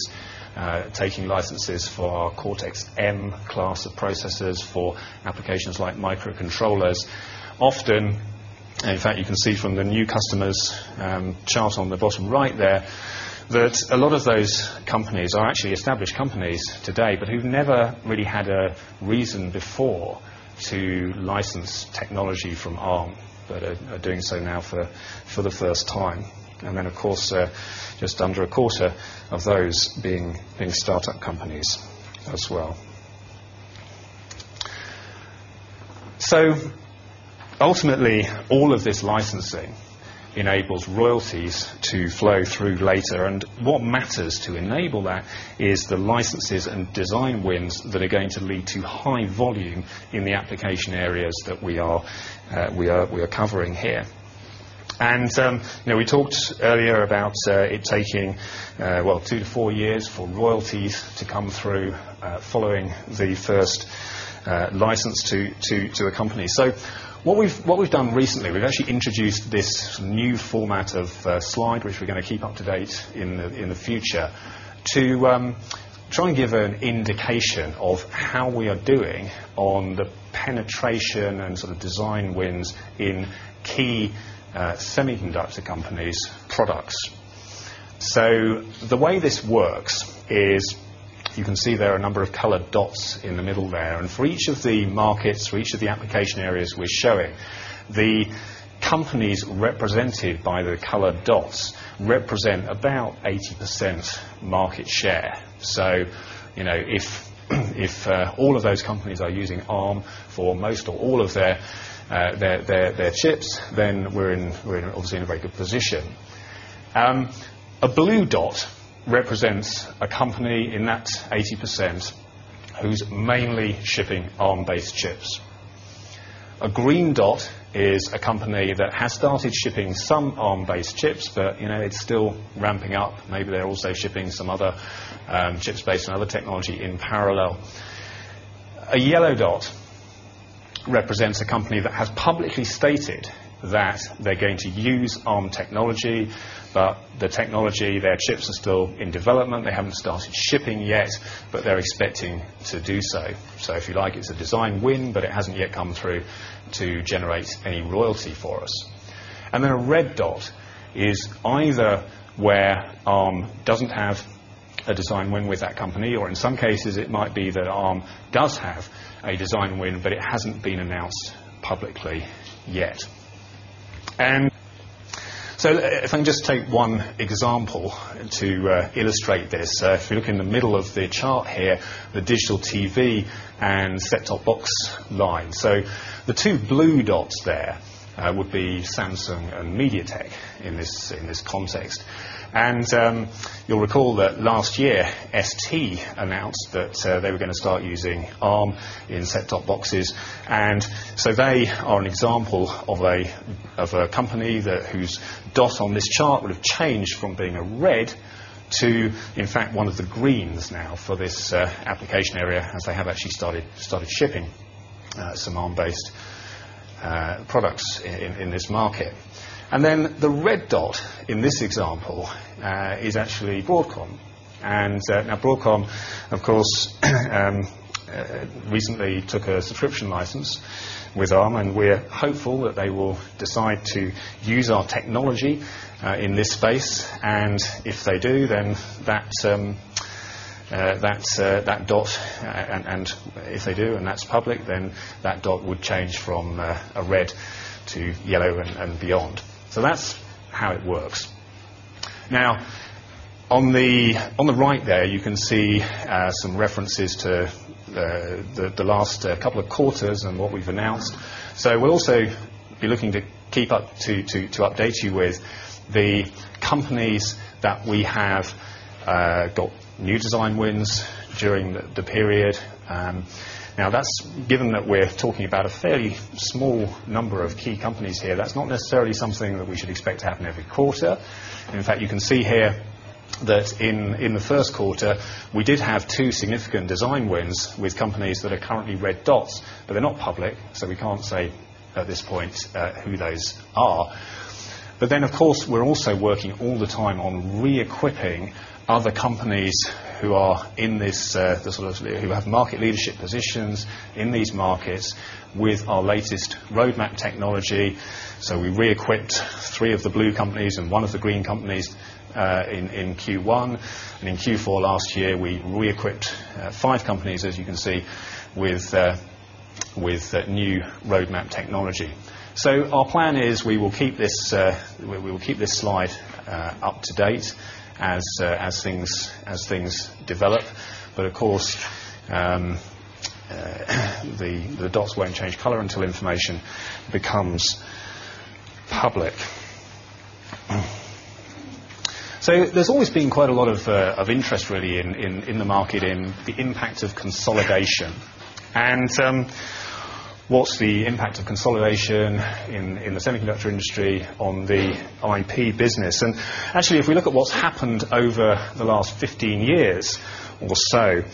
taking licenses for our Cortex-M class of processors for applications like microcontrollers. Often, you can see from the new customers chart on the bottom right there that a lot of those companies are actually established companies today, but who've never really had a reason before to license technology from Arm Holdings, but are doing so now for the first time. Just under a quarter of those are start-up companies as well. Ultimately, all of this licensing enables royalties to flow through later. What matters to enable that is the licenses and design wins that are going to lead to high volume in the application areas that we are covering here. We talked earlier about it taking two to four years for royalties to come through following the first license to a company. What we've done recently is actually introduced this new format of slide, which we're going to keep up to date in the future, to try and give an indication of how we are doing on the penetration and sort of design wins in key semiconductor companies' products. The way this works is you can see there are a number of colored dots in the middle there. For each of the markets, for each of the application areas we're showing, the companies represented by the colored dots represent about 80% market share. You know if all of those companies are using Arm Holdings for most or all of their chips, then we're obviously in a very good position. A blue dot represents a company in that 80% who's mainly shipping Arm-based chips. A green dot is a company that has started shipping some Arm-based chips, but it's still ramping up. Maybe they're also shipping some other chips based on other technology in parallel. A yellow dot represents a company that has publicly stated that they're going to use Arm Holdings technology, but the technology, their chips are still in development. They haven't started shipping yet, but they're expecting to do so. If you like, it's a design win, but it hasn't yet come through to generate any royalty for us. A red dot is either where Arm Holdings doesn't have a design win with that company, or in some cases, it might be that Arm Holdings does have a design win, but it hasn't been announced publicly yet. If I can just take one example to illustrate this. If you look in the middle of the chart here, the digital TV and set-top box line, the two blue dots there would be Samsung and MediaTek in this context. You'll recall that last year, ST announced that they were going to start using Arm in set-top boxes. They are an example of a company whose dot on this chart would have changed from being a red to, in fact, one of the greens now for this application area. They have actually started shipping some Arm-based products in this market. The red dot in this example is actually Broadcom. Broadcom, of course, recently took a subscription license with Arm. We're hopeful that they will decide to use our technology in this space. If they do, and if they do and that's public, then that dot would change from a red to yellow and beyond. That's how it works. On the right there, you can see some references to the last couple of quarters and what we've announced. We'll also be looking to keep up to update you with the companies that we have got new design wins during the period. Given that we're talking about a fairly small number of key companies here, that's not necessarily something that we should expect to happen every quarter. In fact, you can see here that in the first quarter, we did have two significant design wins with companies that are currently red dots, but they're not public. We can't say at this point who those are. We're also working all the time on re-equipping other companies who have market leadership positions in these markets with our latest roadmap technology. We re-equipped three of the blue companies and one of the green companies in Q1. In Q4 last year, we re-equipped five companies, as you can see, with new roadmap technology. Our plan is we will keep this slide up to date as things develop. The dots won't change color until information becomes public. There's always been quite a lot of interest, really, in the market in the impacts of consolidation. What's the impact of consolidation in the semiconductor industry on the IP business? If we look at what's happened over the last 15 years or so,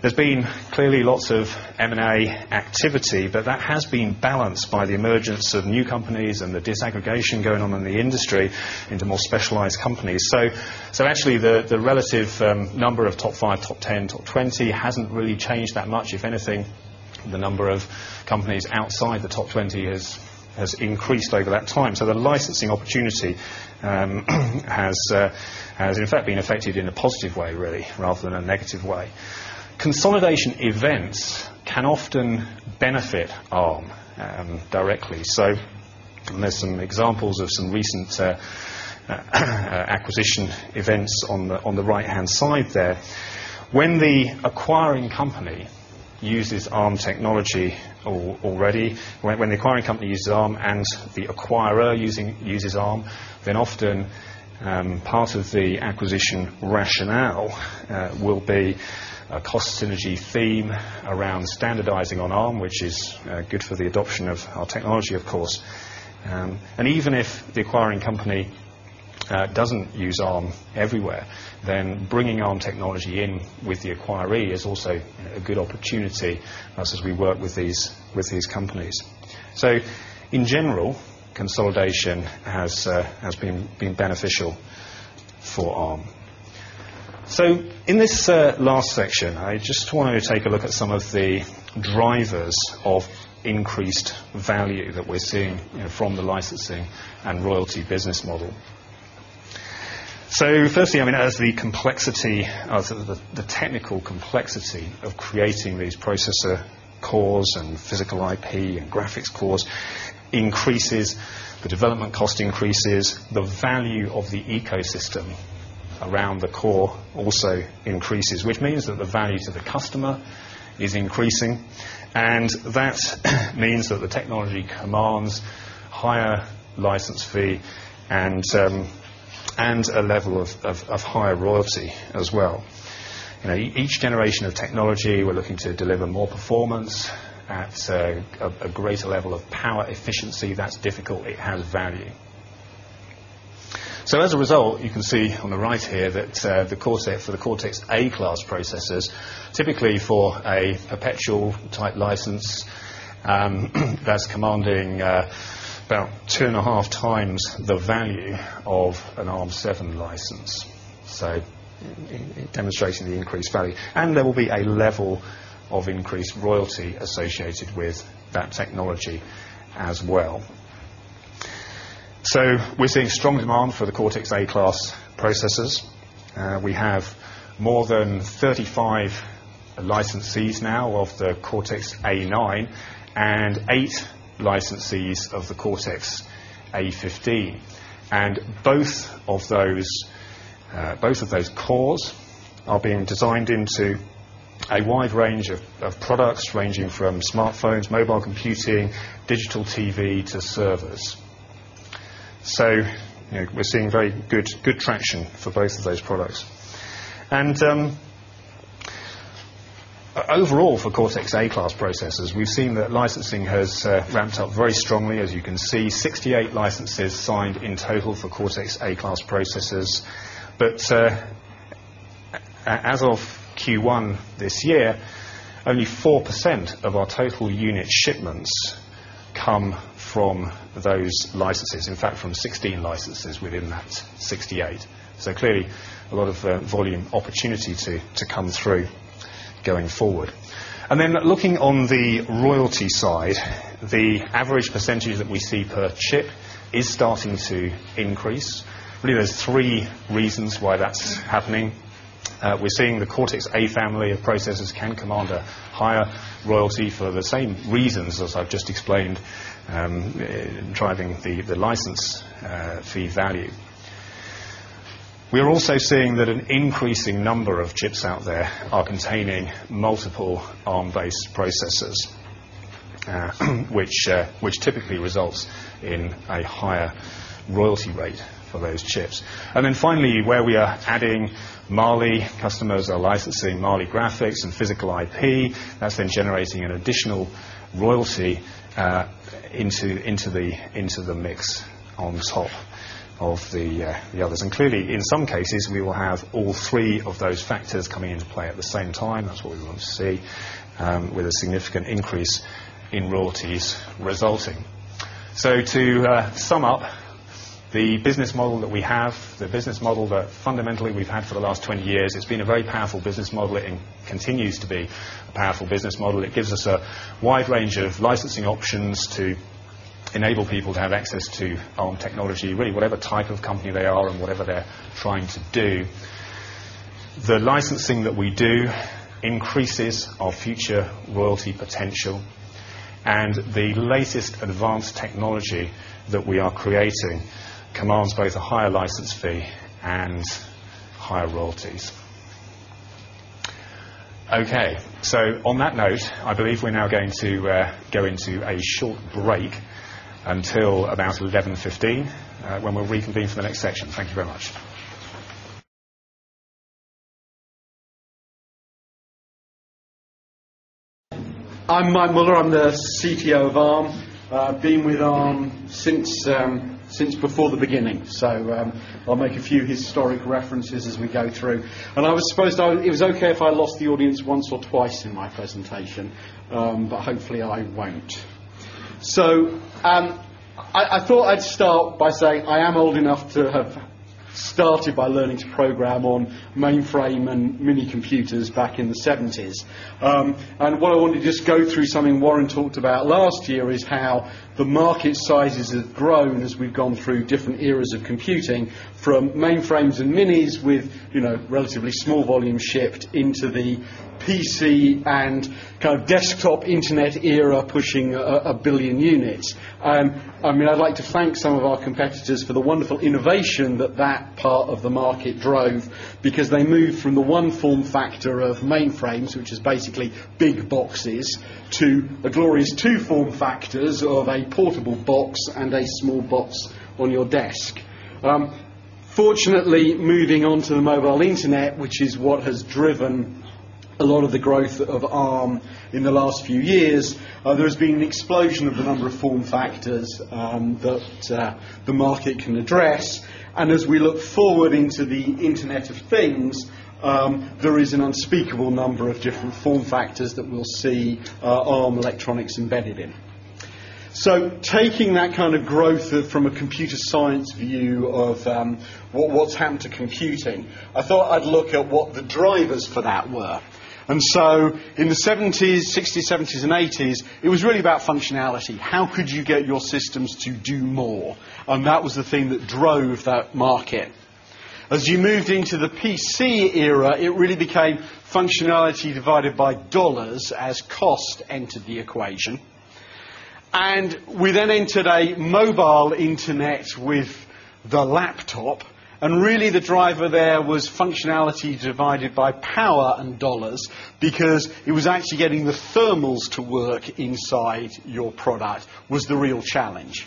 there's been clearly lots of M&A activity, but that has been balanced by the emergence of new companies and the disaggregation going on in the industry into more specialized companies. Actually, the relative number of top 5, top 10, top 20 hasn't really changed that much. If anything, the number of companies outside the top 20 has increased over that time. The licensing opportunity has, in fact, been affected in a positive way, really, rather than a negative way. Consolidation events can often benefit Arm Holdings directly. There are some examples of some recent acquisition events on the right-hand side there. When the acquiring company uses Arm echnology already, when the acquiring company uses Arm Holdings and the acquirer uses Arm, then often part of the acquisition rationale will be a cost synergy theme around standardizing on Arm, which is good for the adoption of our technology, of course. Even if the acquiring company doesn't use Arm everywhere, bringing Arm Holdings technology in with the acquirer is also a good opportunity as we work with these companies. In general, consolidation has been beneficial for Arm Holdings. In this last section, I just want to take a look at some of the drivers of increased value that we're seeing from the licensing and royalty business model. Firstly, as the complexity, sort of the technical complexity of creating these processor cores and physical IP and graphics cores increases, the development cost increases, the value of the ecosystem around the core also increases, which means that the value to the customer is increasing. That means that the technology commands a higher license fee and a level of higher royalty as well. Each generation of technology, we're looking to deliver more performance at a greater level of power efficiency. That's difficult. It has value. As a result, you can see on the right here that the core set for the Cortex-A class processors, typically for a perpetual-type license, is commanding about 2.5T the value of an Arm 7 license. It demonstrates an increased value. There will be a level of increased royalty associated with that technology as well. We're seeing strong demand for the Cortex-A class processors. We have more than 35 licensees now of the Cortex-A9 and eight licensees of the Cortex-A15. Both of those cores are being designed into a wide range of products ranging from smartphones, mobile computing, digital TV, to servers. We're seeing very good traction for both of those products. Overall, for Cortex-A class processors, we've seen that licensing has ramped up very strongly, as you can see, 68 licenses signed in total for Cortex-A class processors. As of Q1 this year, only 4% of our total unit shipments come from those licenses, in fact, from 16 licenses within that 68. Clearly, a lot of volume opportunity to come through going forward. Looking on the royalty side, the average percentage that we see per chip is starting to increase. I believe there's three reasons why that's happening. We're seeing the Cortex-A family of processors can command a higher royalty for the same reasons as I've just explained, driving the license fee value. We are also seeing that an increasing number of chips out there are containing multiple Arm-based processors, which typically results in a higher royalty rate for those chips. Finally, where we are adding Mali customers or licensing Mali graphics and physical IP, that's then generating an additional royalty into the mix on top of the others. Clearly, in some cases, we will have all three of those factors coming into play at the same time. That's what we want to see, with a significant increase in royalties resulting. To sum up, the business model that we have, the business model that fundamentally we've had for the last 20 years, it's been a very powerful business model. It continues to be a powerful business model. It gives us a wide range of licensing options to enable people to have access to Arm technology, really, whatever type of company they are and whatever they're trying to do. The licensing that we do increases our future royalty potential. The latest advanced technology that we are creating commands both a higher license fee and higher royalties. On that note, I believe we're now going to go into a short break until about 11:15 A.M. when we'll reconvene for the next session. Thank you very mu I'm Mike Müller, the CTO of Arm. I've been with Arm since before the beginning. I'll make a few historic references as we go through. I was supposed to, it was okay if I lost the audience once or twice in my presentation, but hopefully, I won't do. I thought I'd start by saying I am old enough to have started by learning to program on mainframe and minicomputers back in the 1970s. What I wanted to go through, something Warren talked about last year, is how the market sizes have grown as we've gone through different eras of computing, from mainframes and minis with relatively small volume shipped into the PC and kind of desktop internet era pushing a billion units. I'd like to thank some of our competitors for the wonderful innovation that that part of the market drove because they moved from the one form factor of mainframes, which is basically big boxes, to a glorious two form factors of a portable box and a small box on your desk. Fortunately, moving on to the mobile internet, which is what has driven a lot of the growth of Arm Holdings in the last few years, there's been an explosion of the number of form factors that the market can address. As we look forward into the Internet of Things, there is an unspeakable number of different form factors that we'll see Arm electronics embedded in. Taking that kind of growth from a computer science view of what's happened to computing, I thought I'd look at what the drivers for that were. In the 1960s, 1970s, and 1980s, it was really about functionality. How could you get your systems to do more? That was the thing that drove that market. As you moved into the PC era, it really became functionality divided by dollars as cost entered the equation. We then entered a mobile internet with the laptop, and really, the driver there was functionality divided by power and dollars because actually getting the thermals to work inside your product was the real challenge.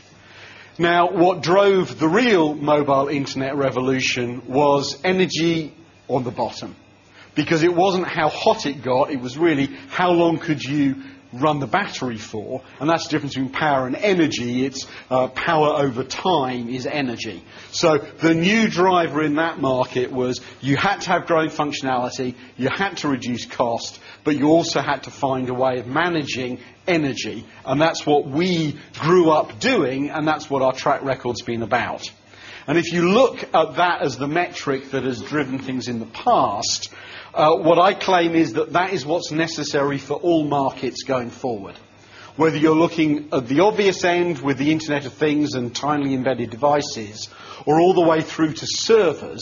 What drove the real mobile internet revolution was energy on the bottom because it wasn't how hot it got. It was really how long could you run the battery for, and that's the difference between power and energy. It's power over time is energy. The new driver in that market was you had to have growing functionality, you had to reduce cost, but you also had to find a way of managing energy. That's what we grew up doing, and that's what our track record's been about. If you look at that as the metric that has driven things in the past, what I claim is that that is what's necessary for all markets going forward. Whether you're looking at the obvious end with the Internet of Things and tiny, embedded devices or all the way through to servers,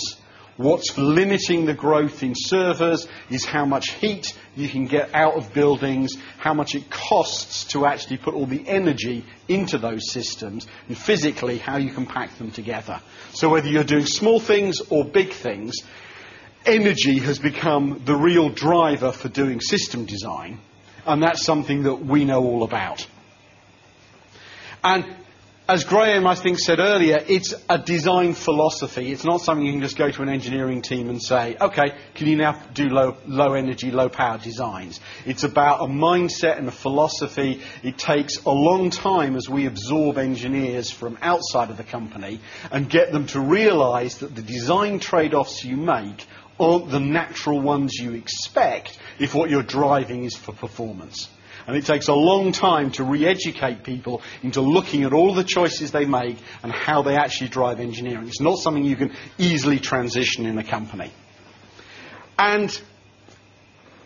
what's limiting the growth in servers is how much heat you can get out of buildings, how much it costs to actually put all the energy into those systems, and physically how you can pack them together. Whether you're doing small things or big things, energy has become the real driver for doing system design. That's something that we know all about. As Graham, I think, said earlier, it's a design philosophy. It's not something you can just go to an engineering team and say, "Okay, can you now do low energy, low-power designs?" It's about a mindset and a philosophy. It takes a long time as we absorb engineers from outside of the company and get them to realize that the design trade-offs you make aren't the natural ones you expect if what you're driving is for performance. It takes a long time to re-educate people into looking at all the choices they make and how they actually drive engineering. It's not something you can easily transition in a company.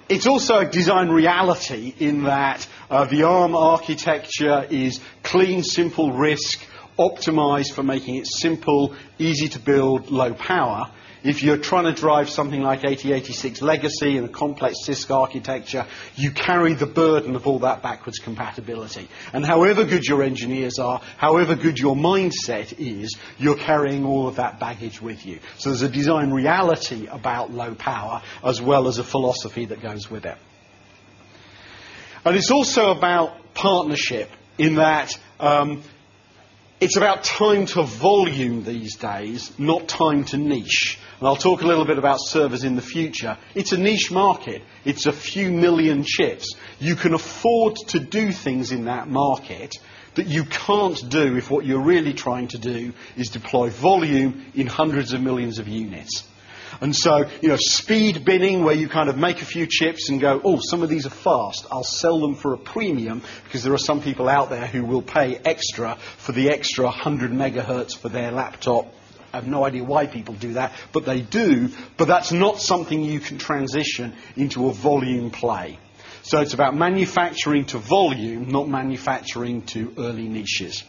It's also a design reality in that the Arm architecture is clean, simple, risk, optimized for making it simple, easy to build, low power. If you're trying to drive something like 8086 legacy and a complex Cisco architecture, you carry the burden of all that backwards compatibility. However good your engineers are, however good your mindset is, you're carrying all of that baggage with you. There's a design reality about low power as well as a philosophy that goes with it. It's also about partnership in that it's about time to volume these days, not time to niche. I'll talk a little bit about servers in the future. It's a niche market. It's a few million chips. You can afford to do things in that market that you can't do if what you're really trying to do is deploy volume in hundreds of millions of units. You know speed bidding where you kind of make a few chips and go, "Oh, some of these are fast. I'll sell them for a premium because there are some people out there who will pay extra for the extra 100 MH for their laptop." I have no idea why people do that, but they do. That's not something you can transition into a volume play. It's about manufacturing to volume, not manufacturing to early niches.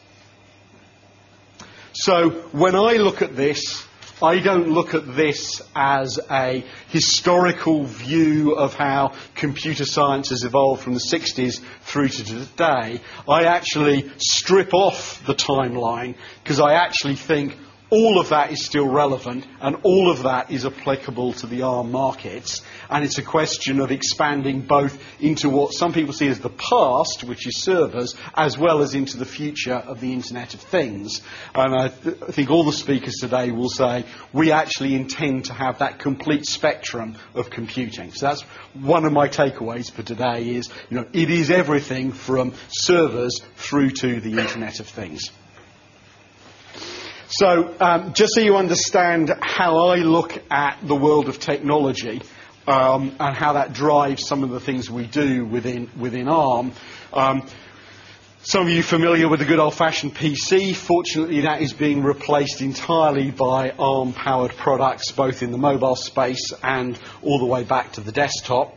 When I look at this, I don't look at this as a historical view of how computer science has evolved from the 1960s through to today. I actually strip off the timeline because I actually think all of that is still relevant and all of that is applicable to the Arm markets. It's a question of expanding both into what some people see as the past, which is servers, as well as into the future of the Internet of Things. I think all the speakers today will say we actually intend to have that complete spectrum of computing. That's one of my takeaways for today: it is everything from servers through to the Internet of Things. Just so you understand how I look at the world of technology, and how that drives some of the things we do within Arm. Some of you are familiar with the good old-fashioned PC. Fortunately, that is being replaced entirely by Arm-powered products, both in the mobile space and all the way back to the desktop.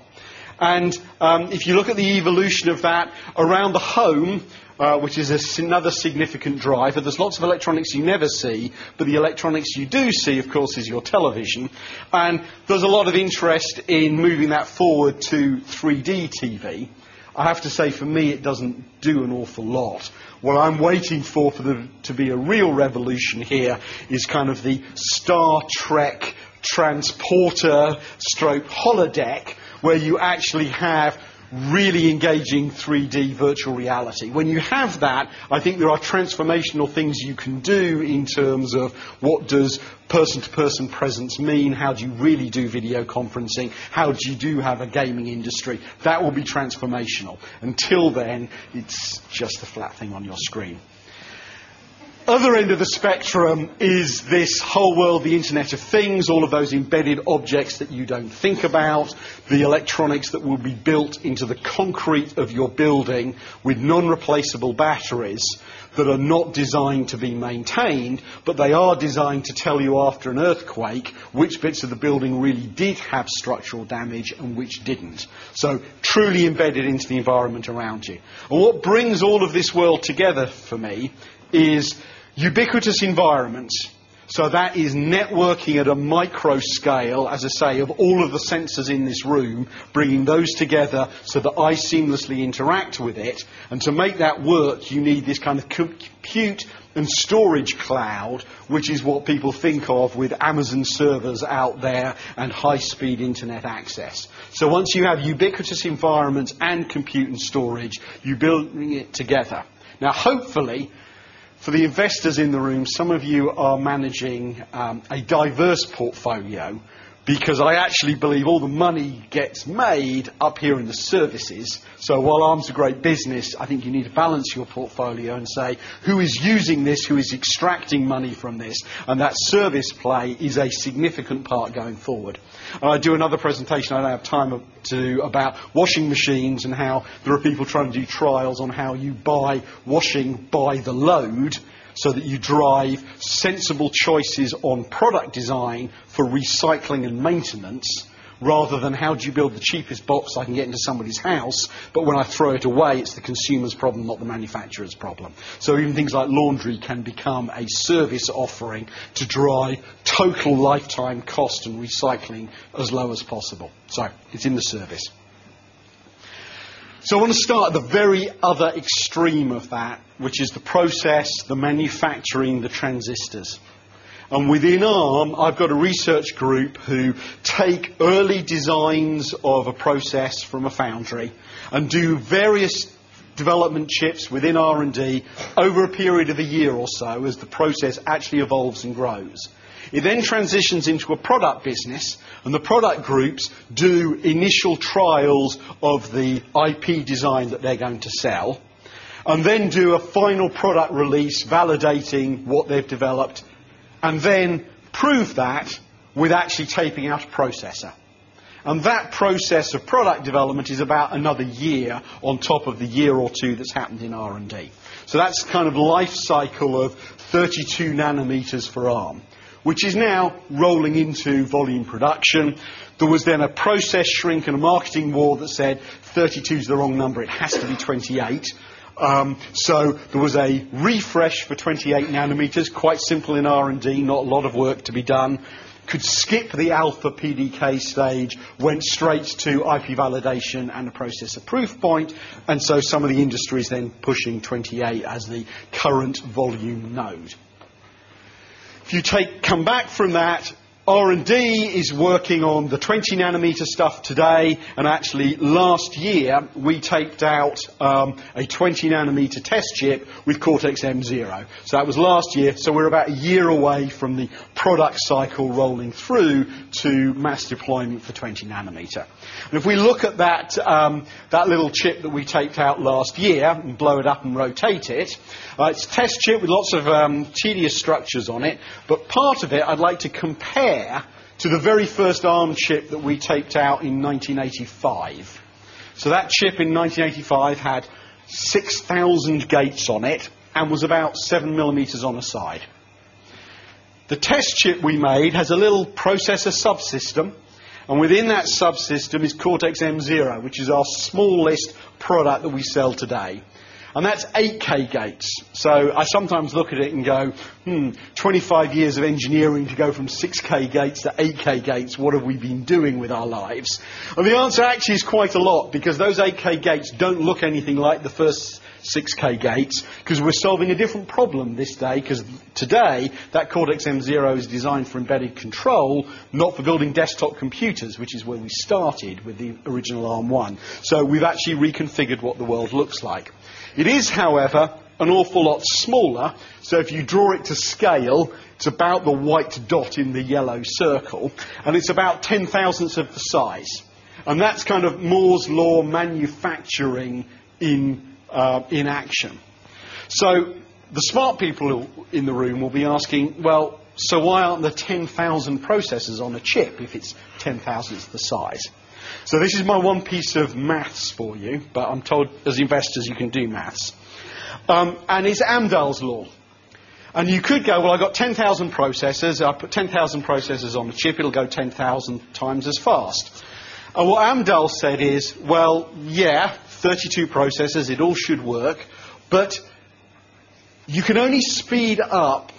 If you look at the evolution of that around the home, which is another significant driver, there's lots of electronics you never see. The electronics you do see, of course, is your television. There's a lot of interest in moving that forward to 3D TV. I have to say, for me, it doesn't do an awful lot. What I'm waiting for to be a real revolution here is kind of the Star Trek transporter stroke holodeck, where you actually have really engaging 3D virtual reality. When you have that, I think there are transformational things you can do in terms of what does person-to-person presence mean? How do you really do video conferencing? How do you have a gaming industry? That will be transformational. Until then, it's just a flat thing on your screen. The other end of the spectrum is this whole world, the Internet of Things, all of those embedded objects that you don't think about, the electronics that will be built into the concrete of your building with non-replaceable batteries that are not designed to be maintained. They are designed to tell you after an earthquake which bits of the building really did have structural damage and which didn't. Truly embedded into the environment around you. What brings all of this world together for me is ubiquitous environments. That is networking at a micro scale, as I say, of all of the sensors in this room, bringing those together so that I seamlessly interact with it. To make that work, you need this kind of compute and storage cloud, which is what people think of with Amazon Web Services servers out there and high-speed Internet access. Once you have ubiquitous environments and compute and storage, you're building it together. Hopefully, for the investors in the room, some of you are managing a diverse portfolio because I actually believe all the money gets made up here in the services. While Arm Holdings is a great business, I think you need to balance your portfolio and say, who is using this? Who is extracting money from this? That service play is a significant part going forward. I do another presentation I don't have time to do about washing machines and how there are people trying to do trials on how you buy washing by the load so that you drive sensible choices on product design for recycling and maintenance, rather than how do you build the cheapest box I can get into somebody's house, but when I throw it away, it's the consumer's problem, not the manufacturer's problem. Even things like laundry can become a service offering to drive total lifetime cost and recycling as low as possible. It's in the service. I want to start at the very other extreme of that, which is the process, the manufacturing, the transistors. Within Arm, I've got a research group who take early designs of a process from a foundry and do various development chips within R&D over a period of a year or so as the process actually evolves and grows. It then transitions into a product business, and the product groups do initial trials of the IP design that they're going to sell and then do a final product release validating what they've developed and then prove that with actually taking out a processor. That process of product development is about another year on top of the year or two that's happened in R&D. That's kind of the life cycle of 3nm for Arm Holdings, which is now rolling into volume production. There was then a process shrink and a marketing war that said 32 is the wrong number. It has to be 28, so there was a refresh for 28 nm, quite simple in R&D, not a lot of work to be done, could skip the alpha PDK stage, went straight to IP validation and a process of proof point. Some of the industries then pushing 28 as the current volume node. If you come back from that, R&D is working on the 20 nm stuff today. Last year, we taped out a 20 nm test chip with Cortex M0. That was last year. We're about a year away from the product cycle rolling through to mass deployment for 20 nm. If we look at that, that little chip that we taped out last year and blow it up and rotate it, it's a test chip with lots of tedious structures on it. Part of it I'd like to compare to the very first Arm Holdings chip that we taped out in 1985. That chip in 1985 had 6,000 gates on it and was about 7 mm on the side. The test chip we made has a little processor subsystem. Within that subsystem is Cortex M0, which is our smallest product that we sell today. That's 8K gates. I sometimes look at it and go, 25 years of engineering to go from 6K gates, 8K gates, what have we been doing with our lives? The answer actually is quite a lot because those 8K gates do not look anything like the first 6K gates because we're solving a different problem this day. Today that Cortex M0 is designed for embedded control, not for building desktop computers, which is where we started with the original ARM 1. We've actually reconfigured what the world looks like. It is, however, an awful lot smaller. If you draw it to scale, it's about the white dot in the yellow circle, and it's about 1 0,000 of the size. That's kind of Moore's law of manufacturing in action. The smart people in the room will be asking, why aren't there 10,000 processors on a chip if it's 10,000 the size? This is my one piece of math for you, but I'm told as investors you can do math. It's Amdahl's law. You could go, I've got 10,000 processors. I put 10,000 processors on the chip. It'll go 10,000 times as fast. What Amdahl said is, yeah, 32 processors, it all should work. You can only speed up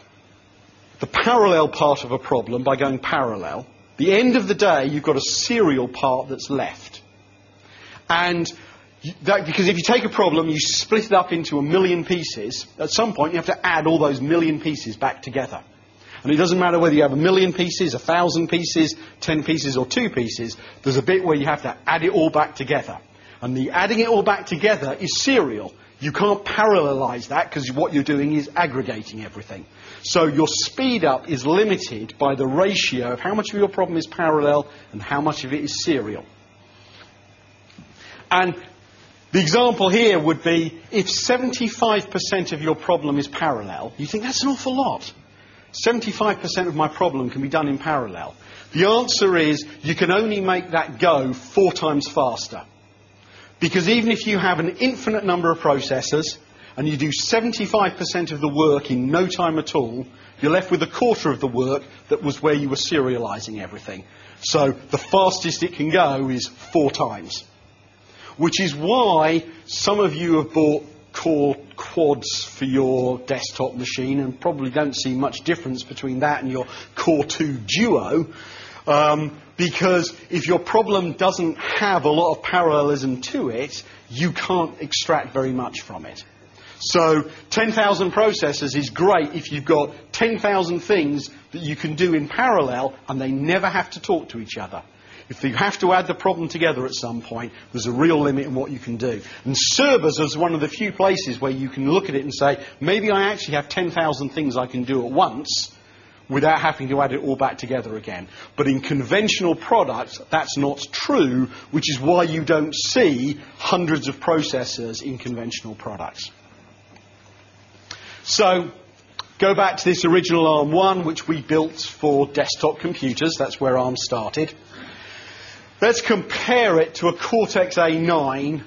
the parallel part of a problem by going parallel. At the end of the day, you've got a serial part that's left. If you take a problem, you split it up into a million pieces, at some point, you have to add all those million pieces back together. It doesn't matter whether you have a million pieces, 1,000 pieces, 10 pieces, or 2 pieces. There's a bit where you have to add it all back together, and the adding it all back together is serial. You can't parallelize that because what you're doing is aggregating everything. Your speed up is limited by the ratio of how much of your problem is parallel and how much of it is serial. The example here would be if 75% of your problem is parallel, you think that's an awful lot. 75% of my problem can be done in parallel. The answer is you can only make that go four times faster because even if you have an infinite number of processors and you do 75% of the work in no time at all, you're left with a quarter of the work that was where you were serializing everything. The fastest it can go is four times, which is why some of you have bought Core Quads for your desktop machine and probably don't see much difference between that and your Core 2 Duo. If your problem doesn't have a lot of parallelism to it, you can't extract very much from it. 10,000 processors is great if you've got 10,000 things that you can do in parallel and they never have to talk to each other. If you have to add the problem together at some point, there's a real limit in what you can do. Servers are one of the few places where you can look at it and say, maybe I actually have 10,000 things I can do at once without having to add it all back together again. In conventional products, that's not true, which is why you don't see hundreds of processors in conventional products. Go back to this original ARM 1, which we built for desktop computers. That's where Arm started. Let's compare it to a Cortex A9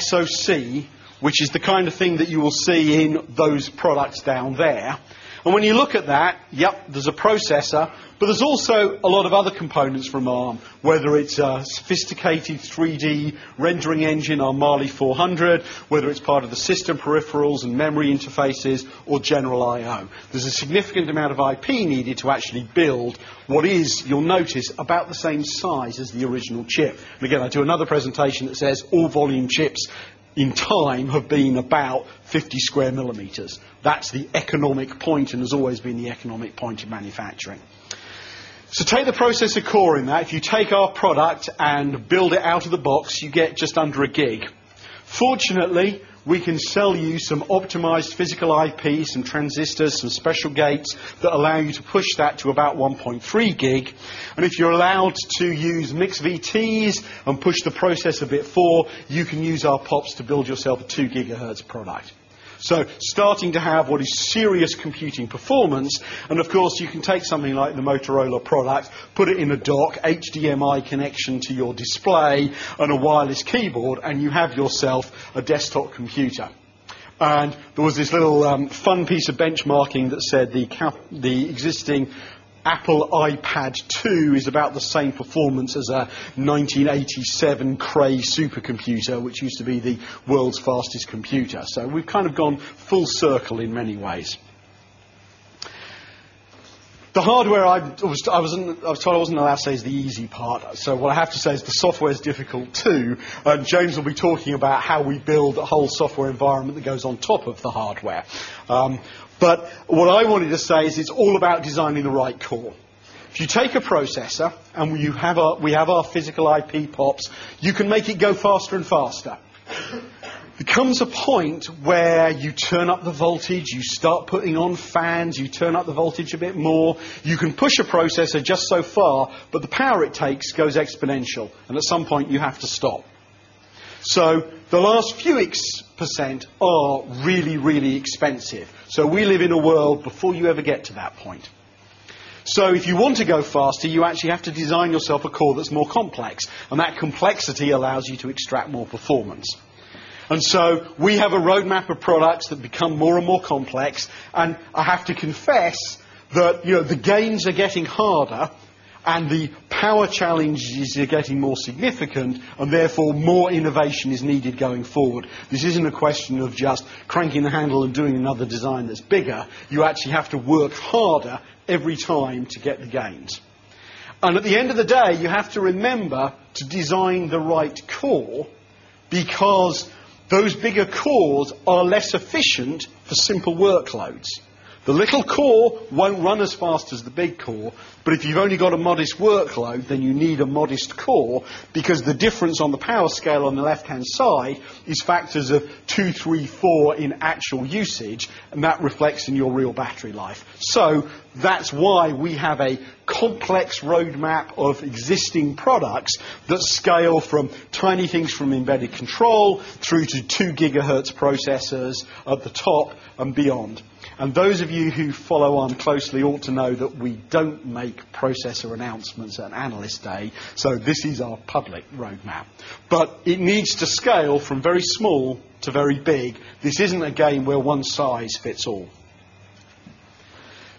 SoC, which is the kind of thing that you will see in those products down there. When you look at that, yep, there's a processor, but there's also a lot of other components from Arm, whether it's a sophisticated 3D rendering engine or Mali 400, whether it's part of the system peripherals and memory interfaces or general I/O. There's a significant amount of IP needed to actually build what is, you'll notice, about the same size as the original chip. I do another presentation that says all volume chips in time have been about 50 sq. That's the economic point and has always been the economic point in manufacturing. Take the processor core in that. If you take our product and build it out of the box, you get just under a gig. Fortunately, we can sell you some optimized physical IP, some transistors, some special gates that allow you to push that to about 1.3 GB. If you're allowed to use mixed VTs and push the processor a bit forward, you can use our POPs to build yourself a 2 gigahertz product. Starting to have what is serious computing performance. Of course, you can take something like the Motorola product, put it in a dock, HDMI connection to your display, and a wireless keyboard, and you have yourself a desktop computer. There was this little fun piece of benchmarking that said the existing Apple iPad 2 is about the same performance as a 1987 Cray supercomputer, which used to be the world's fastest computer. We've kind of gone full circle in many ways. The hardware, I was told I wasn't allowed to say is the easy part. What I have to say is the software is difficult too. James will be talking about how we build a whole software environment that goes on top of the hardware. What I wanted to say is it's all about designing the right core. If you take a processor and we have our physical IP POPs, you can make it go faster and faster. It comes a point where you turn up the voltage, you start putting on fans, you turn up the voltage a bit more, you can push a processor just so far, but the power it takes goes exponential. At some point, you have to stop. The last few % are really, really expensive. We live in a world before you ever get to that point. If you want to go faster, you actually have to design yourself a core that's more complex. That complexity allows you to extract more performance. We have a roadmap of products that become more and more complex. I have to confess that the gains are getting harder and the power challenges are getting more significant. Therefore, more innovation is needed going forward. This isn't a question of just cranking the handle and doing another design that's bigger. You actually have to work harder every time to get the gains. At the end of the day, you have to remember to design the right core because those bigger cores are less efficient for simple workloads. The little core won't run as fast as the big core. If you've only got a modest workload, then you need a modest core because the difference on the power scale on the left-hand side is factors of two, three, four in actual usage. That reflects in your real battery life. That's why we have a complex roadmap of existing products that scale from tiny things from embedded control through to 2 GHz processors at the top and beyond. Those of you who follow Arm Holdings closely ought to know that we don't make processor announcements at Analyst Day. This is our public roadmap. It needs to scale from very small to very big. This isn't a game where one size fits all.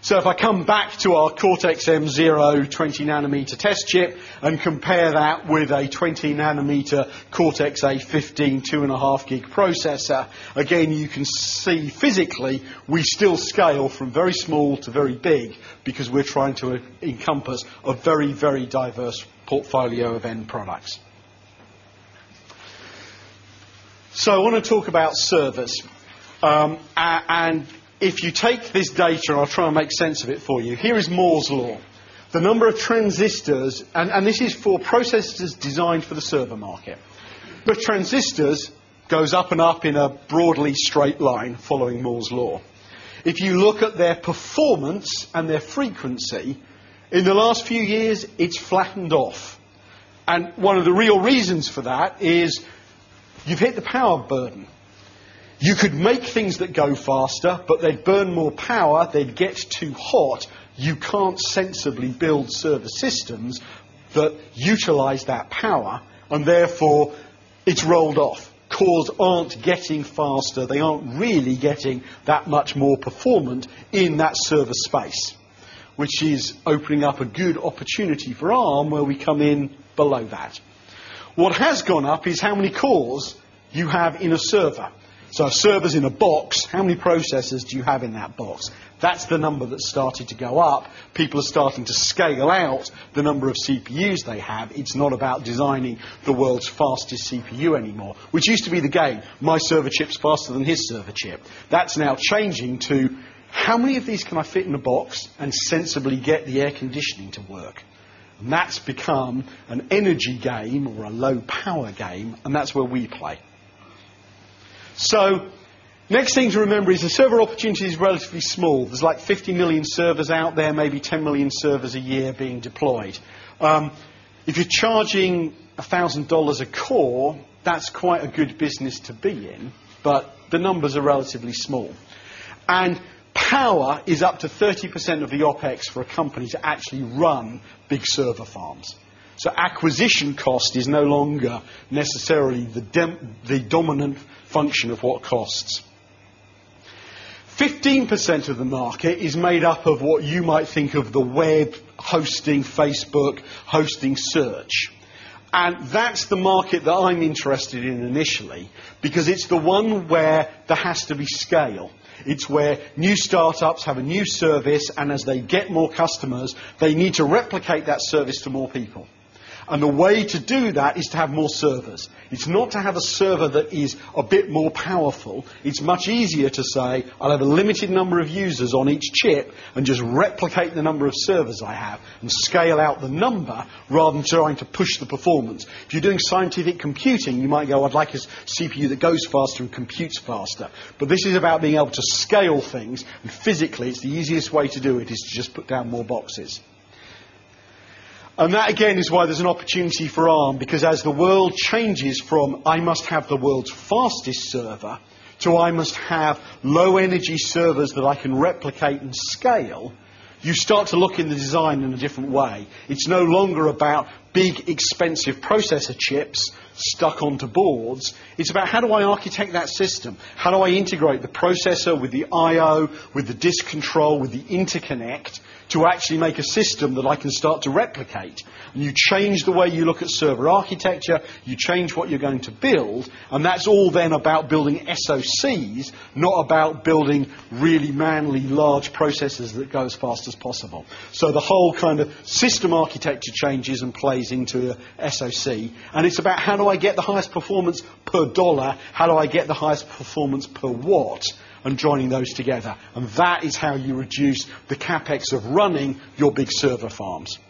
If I come back to our Cortex M0 20 nm test chip and compare that with a 20 nm Cortex A15 2.5 GB processor, again, you can see physically, we still scale from very small to very big because we're trying to encompass a very, very diverse portfolio of end products. I want to talk about servers. If you take this data, I'll try and make sense of it for you. Here is Moore's law. The number of transistors, and this is for processors designed for the server market, the transistors go up and up in a broadly straight line following Moore's law. If you look at their performance and their frequency, in the last few years, it's flattened off. One of the real reasons for that is you've hit the power burden. You could make things that go faster, but they'd burn more power, they'd get too hot. You can't sensibly build server systems that utilize that power, and therefore, it's rolled off. Cores aren't getting faster. They aren't really getting that much more performance in that server space, which is opening up a good opportunity for Arm Holdings where we come in below that. What has gone up is how many cores you have in a server. A server is in a box. How many processors do you have in that box? That's the number that started to go up. People are starting to scale out the number of CPUs they have. It's not about designing the world's fastest CPU anymore, which used to be the game. My server chip's faster than his server chip. That's now changing to how many of these can I fit in a box and sensibly get the air conditioning to work. That's become an energy game or a low-power game, and that's where we play. The next thing to remember is the server opportunity is relatively small. There's like 50 million servers out there, maybe 10 million servers a year being deployed. If you're charging $1,000 a core, that's quite a good business to be in, but the numbers are relatively small. Power is up to 30% of the OpEx for a company to actually run big server farms. Acquisition cost is no longer necessarily the dominant function of what costs. 15% of the market is made up of what you might think of as the web hosting, Facebook hosting search. That's the market that I'm interested in initially because it's the one where there has to be scale. It's where new startups have a new service, and as they get more customers, they need to replicate that service to more people. The way to do that is to have more servers. It's not to have a server that is a bit more powerful. It's much easier to say, I'll have a limited number of users on each chip and just replicate the number of servers I have and scale out the number rather than trying to push the performance. If you're doing scientific computing, you might go, I'd like a CPU that goes faster and computes faster. This is about being able to scale things, and physically, the easiest way to do it is to just put down more boxes. That, again, is why there's an opportunity for Arm because as the world changes from I must have the world's fastest server to I must have low-energy servers that I can replicate and scale, you start to look in the design in a different way. It's no longer about big, expensive processor chips stuck onto boards. It's about how do I architect that system? How do I integrate the processor with the I/O, with the disk control, with the interconnect to actually make a system that I can start to replicate? You change the way you look at server architecture. You change what you're going to build. That is all then about building SoCs, not about building really large processors that go as fast as possible. The whole kind of system architecture changes and plays into SoC. It's about how do I get the highest performance per dollar? How do I get the highest performance per watt? Joining those together is how you reduce the CapEx of running your big server farms.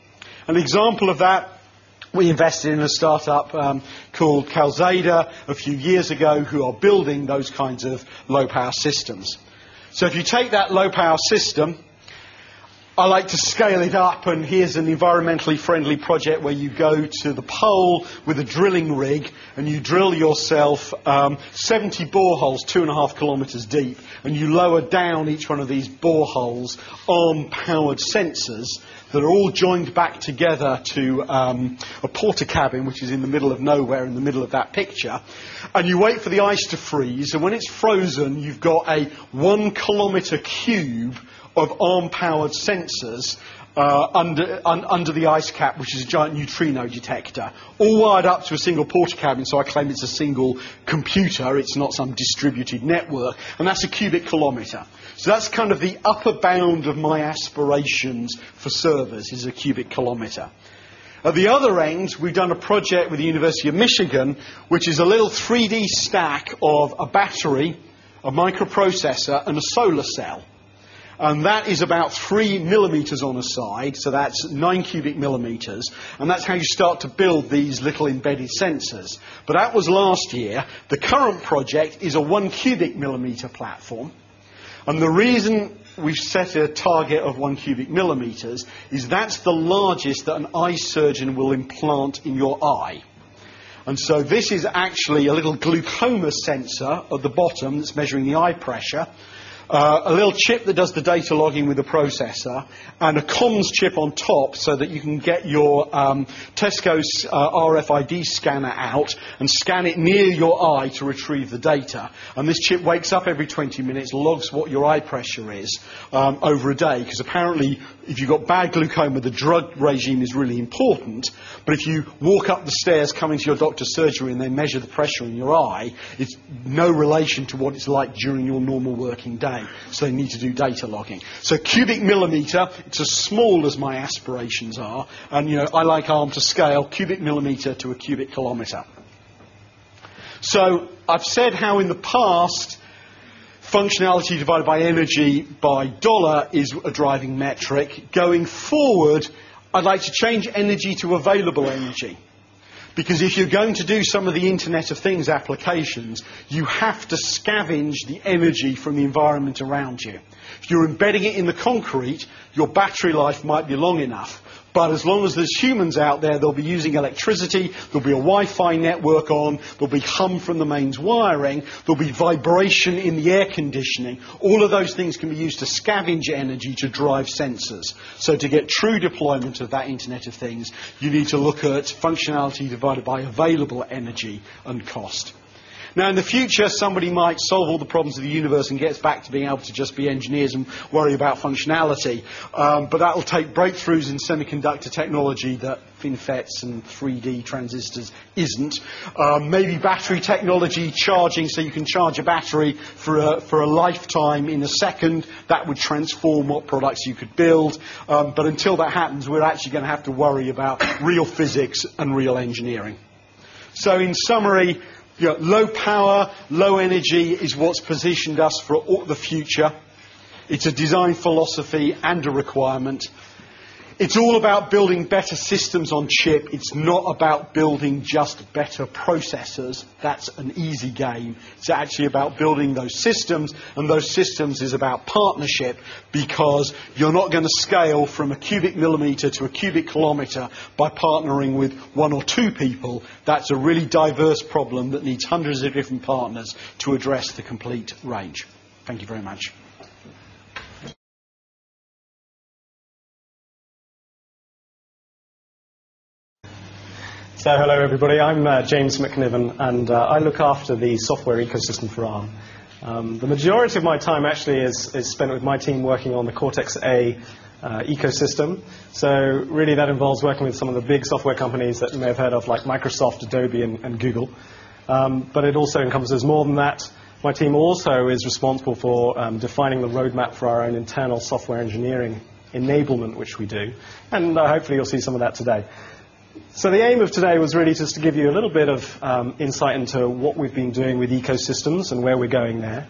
An example of that, we invested in a startup called Lazada a few years ago who are building those kinds of low-power systems. If you take that low-power system, I like to scale it up. Here's an environmentally friendly project where you go to the pole with a drilling rig and you drill yourself 70 boreholes 2.5 km deep. You lower down each one of these boreholes Arm Holdings-powered sensors that are all joined back together to a porter cabin, which is in the middle of nowhere in the middle of that picture. You wait for the ice to freeze. When it's frozen, you've got a 1 km³ of Arm Holdings-powered sensors under the ice cap, which is a giant neutrino detector, all wired up to a single porter cabin. I claim it's a single computer. It's not some distributed network. That's a km³. That's kind of the upper bound of my aspirations for servers, a km³ At the other end, we've done a project with the University of Michigan, which is a little 3D stack of a battery, a microprocessor, and a solar cell. That is about 3 mm on a side. That's 9 mm³. That's how you start to build these little embedded sensors. That was last year. The current project is a 1 mm³ platform. The reason we've set a target of 1 mm³ is that's the largest that an eye surgeon will implant in your eye. This is actually a little glaucoma sensor at the bottom that's measuring the eye pressure, a little chip that does the data logging with the processor, and a comms chip on top so that you can get your Tesco's RFID scanner out and scan it near your eye to retrieve the data. This chip wakes up every 20 minutes, logs what your eye pressure is over a day because apparently, if you've got bad glaucoma, the drug regime is really important. If you walk up the stairs coming to your doctor's surgery and they measure the pressure in your eye, it's no relation to what it's like during your normal working day. They need to do data logging. Cubic millimeter, it's as small as my aspirations are. I like Arm Holdings to scale cubic millimeter to a cubic kilometer. I've said how in the past, functionality divided by energy by dollar is a driving metric. Going forward, I'd like to change energy to available energy. If you're going to do some of the Internet of Things applications, you have to scavenge the energy from the environment around you. If you're embedding it in the concrete, your battery life might be long enough. As long as there's humans out there, they'll be using electricity, there'll be a Wi-Fi network on, there'll be hum from the mains wiring, there'll be vibration in the air conditioning. All of those things can be used to scavenge energy to drive sensors. To get true deployment of that Internet of Things, you need to look at functionality divided by available energy and cost. In the future, somebody might solve all the problems of the universe and get back to being able to just be engineers and worry about functionality. That will take breakthroughs in semiconductor technology that FinFETs and 3D transistors isn't. Maybe battery technology, charging, so you can charge a battery for a lifetime in a second. That would transform what products you could build. Until that happens, we're actually going to have to worry about real physics and real engineering. In summary, low power, low energy is what's positioned us for the future. It's a design philosophy and a requirement. It's all about building better systems on chip. It's not about building just better processors. That's an easy game. It's actually about building those systems. Those systems are about partnership because you're not going to scale from a cubic millimeter to a cubic kilometer by partnering with one or two people. That's a really diverse problem that needs hundreds of different partners to address the complete range. Thank you very much. Hello, everybody. I'm James McNiven. I look after the software ecosystem for Arm Holdings. The majority of my time actually is spent with my team working on the Cortex A ecosystem. That involves working with some of the big software companies that you may have heard of, like Microsoft, Adobe, and Google. It also encompasses more than that. My team is responsible for defining the roadmap for our own internal software engineering enablement, which we do. Hopefully, you'll see some of that today. The aim of today was to give you a little bit of insight into what we've been doing with ecosystems and where we're going there.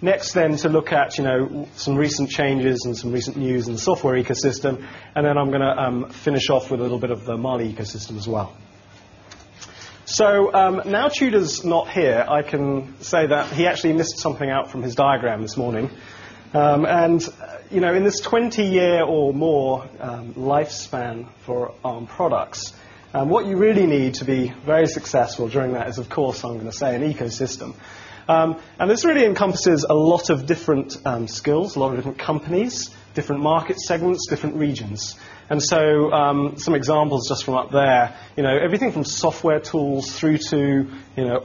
Next, to look at some recent changes and some recent news in the software ecosystem. I'm going to finish off with a little bit of the Mali ecosystem as well. Now Tudor's not here. I can say that he actually missed something out from his diagram this morning. In this 20-year or more lifespan for Arm Holdings products, what you really need to be very successful during that is, of course, I'm going to say, an ecosystem. This really encompasses a lot of different skills, a lot of different companies, different market segments, different regions. Some examples just from up there, everything from software tools through to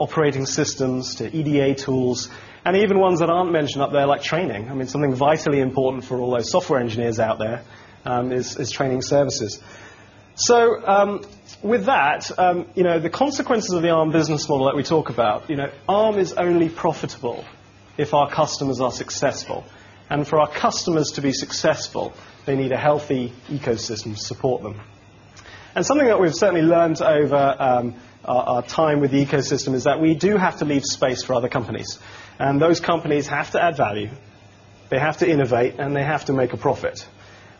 operating systems to EDA tools, and even ones that aren't mentioned up there, like training. Something vitally important for all those software engineers out there is training services. With that, the consequences of the Arm Holdings business model that we talk about, Arm Holdings is only profitable if our customers are successful. For our customers to be successful, they need a healthy ecosystem to support them. Something that we've certainly learned over our time with the ecosystem is that we do have to leave space for other companies. Those companies have to add value. They have to innovate. They have to make a profit.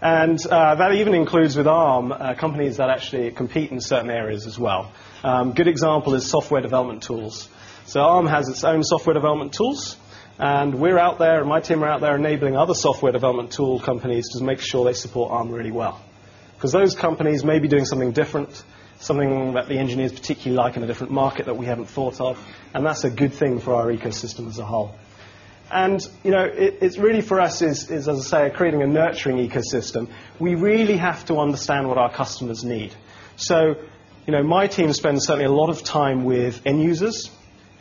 That even includes with Arm Holdings companies that actually compete in certain areas as well. A good example is software development tools. Arm Holdings has its own software development tools. My team are out there enabling other software development tool companies to make sure they support Arm Holdings really well. Those companies may be doing something different, something that the engineers particularly like in a different market that we haven't thought of. That's a good thing for our ecosystem as a whole. It is really for us, as I say, creating a nurturing ecosystem. We really have to understand what our customers need. My team spends certainly a lot of time with end users,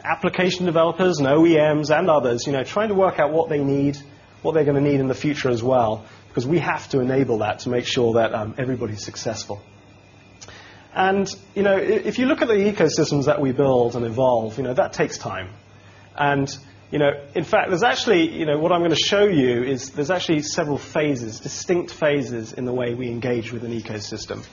application developers, OEMs, and others, trying to work out what they need, what they're going to need in the future as well. We have to enable that to make sure that everybody's successful. If you look at the ecosystems that we build and evolve, that takes time. In fact, what I'm going to show you is there are actually several phases, distinct phases in the way we engage with an ecosystem.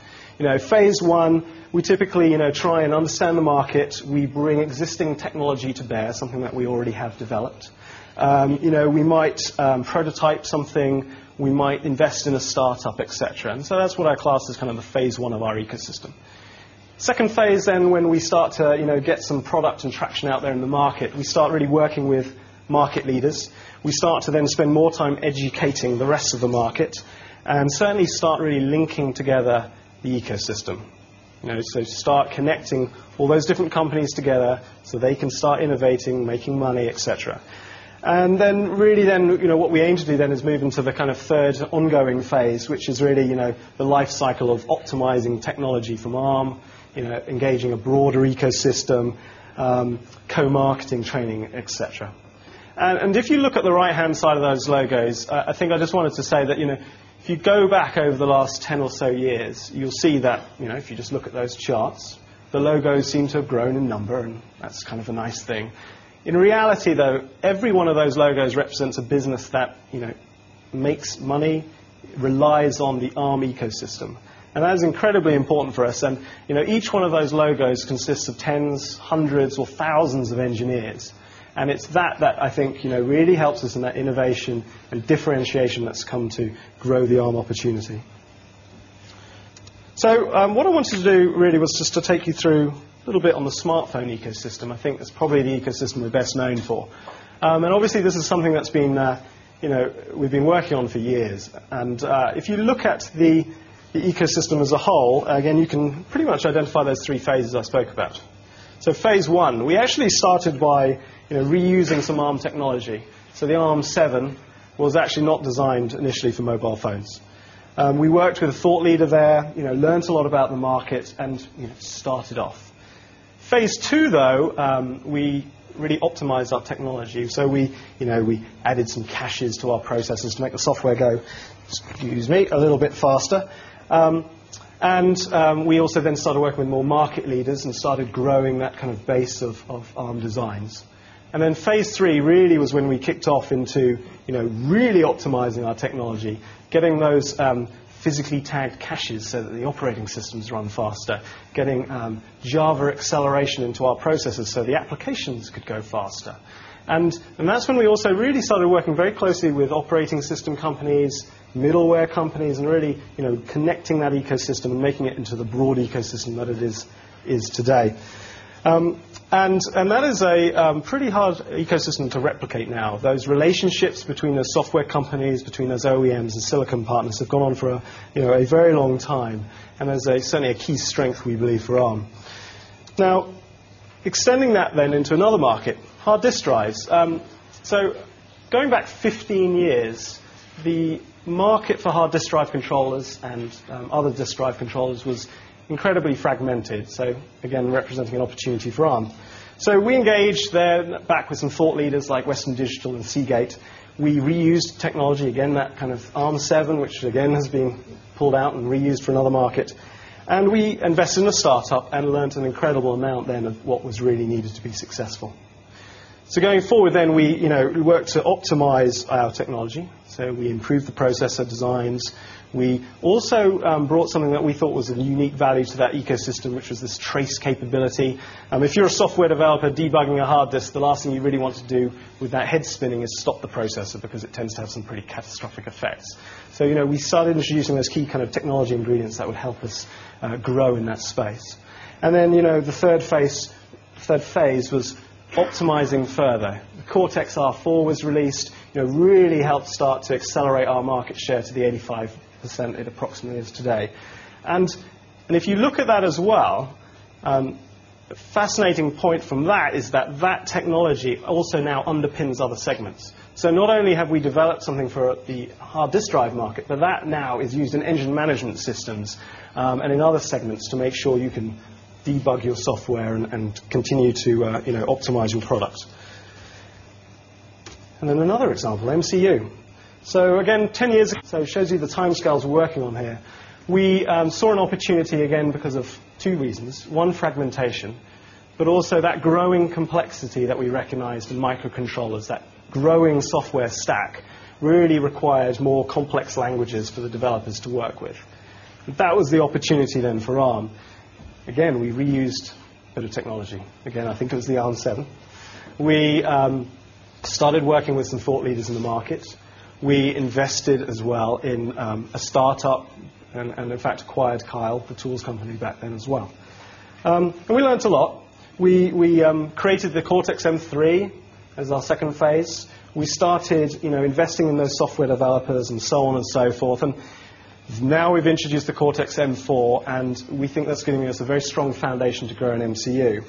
Phase one, we typically try and understand the market. We bring existing technology to bear, something that we already have developed. We might prototype something. We might invest in a startup, et cetera. That is what I class as kind of a phase one of our ecosystem. The second phase, when we start to get some product and traction out there in the market, we start really working with market leaders. We start to then spend more time educating the rest of the market and certainly start really linking together the ecosystem. We start connecting all those different companies together so they can start innovating, making money, et cetera. What we aim to do then is move into the kind of third ongoing phase, which is really the life cycle of optimizing technology from Arm Holdings, engaging a broader ecosystem, co-marketing, training, et cetera. If you look at the right-hand side of those logos, I just wanted to say that if you go back over the last 10 or so years, you'll see that if you just look at those charts, the logos seem to have grown in number. That is kind of a nice thing. In reality, though, every one of those logos represents a business that makes money, relies on the Arm Holdings ecosystem. That is incredibly important for us. Each one of those logos consists of 10s,100s, or 1,000s of engineers. It is that that I think really helps us in that innovation and differentiation that has come to grow the Arm Holdings opportunity. What I wanted to do really was just to take you through a little bit on the smartphone ecosystem. I think that's probably the ecosystem we're best known for. Obviously, this is something that we've been working on for years. If you look at the ecosystem as a whole, again, you can pretty much identify those three phases I spoke about. Phase one, we actually started by reusing some Arm technology. The ARM7 was actually not designed initially for mobile phones. We worked with a thought leader there, learned a lot about the market, and it started off. Phase two, we really optimized our technology. We added some caches to our processors to make the software go, excuse me, a little bit faster. We also then started working with more market leaders and started growing that kind of base of Arm designs. Phase three really was when we kicked off into really optimizing our technology, getting those physically tagged caches so that the operating systems run faster, getting Java acceleration into our processors so the applications could go faster. That's when we also really started working very closely with operating system companies, middleware companies, and really connecting that ecosystem and making it into the broad ecosystem that it is today. That is a pretty hard ecosystem to replicate now. Those relationships between those software companies, between those OEMs, and silicon partners have gone on for a very long time. That's certainly a key strength, we believe, for Arm. Extending that then into another market, hard disk drives. Going back 15 years, the market for hard disk drive controllers and other disk drive controllers was incredibly fragmented, representing an opportunity for Arm. We engaged then back with some thought leaders like Western Digital and Seagate. We reused technology, again, that kind of ARM7, which again has been pulled out and reused for another market. We invested in a startup and learned an incredible amount then of what was really needed to be successful. Going forward, we worked to optimize our technology. We improved the processor designs. We also brought something that we thought was of unique value to that ecosystem, which was this trace capability. If you're a software developer debugging a hard disk, the last thing you really want to do with that head spinning is stop the processor because it tends to have some pretty catastrophic effects. We started introducing those key kind of technology ingredients that would help us grow in that space. The third phase was optimizing further. Cortex R4 was released, really helped start to accelerate our market share to the 85% it approximately is today. If you look at that as well, a fascinating point from that is that technology also now underpins other segments. Not only have we developed something for the hard disk drive market, but that now is used in engine management systems and in other segments to make sure you can debug your software and continue to optimize your product. Another example, MCU. Again, 10 years. It shows you the time scales we're working on here. We saw an opportunity again because of two reasons. One, fragmentation, but also that growing complexity that we recognized in microcontrollers, that growing software stack really requires more complex languages for the developers to work with. That was the opportunity then for Arm Holdings. Again, we reused a bit of technology. I think it was the ARM7. We started working with some thought leaders in the market. We invested as well in a startup and, in fact, acquired Keil, the tools company, back then as well. We learned a lot. We created the Cortex M3 as our second phase. We started investing in those software developers and so on and so forth. Now we've introduced the Cortex M4. We think that's going to give us a very strong foundation to grow in MCU.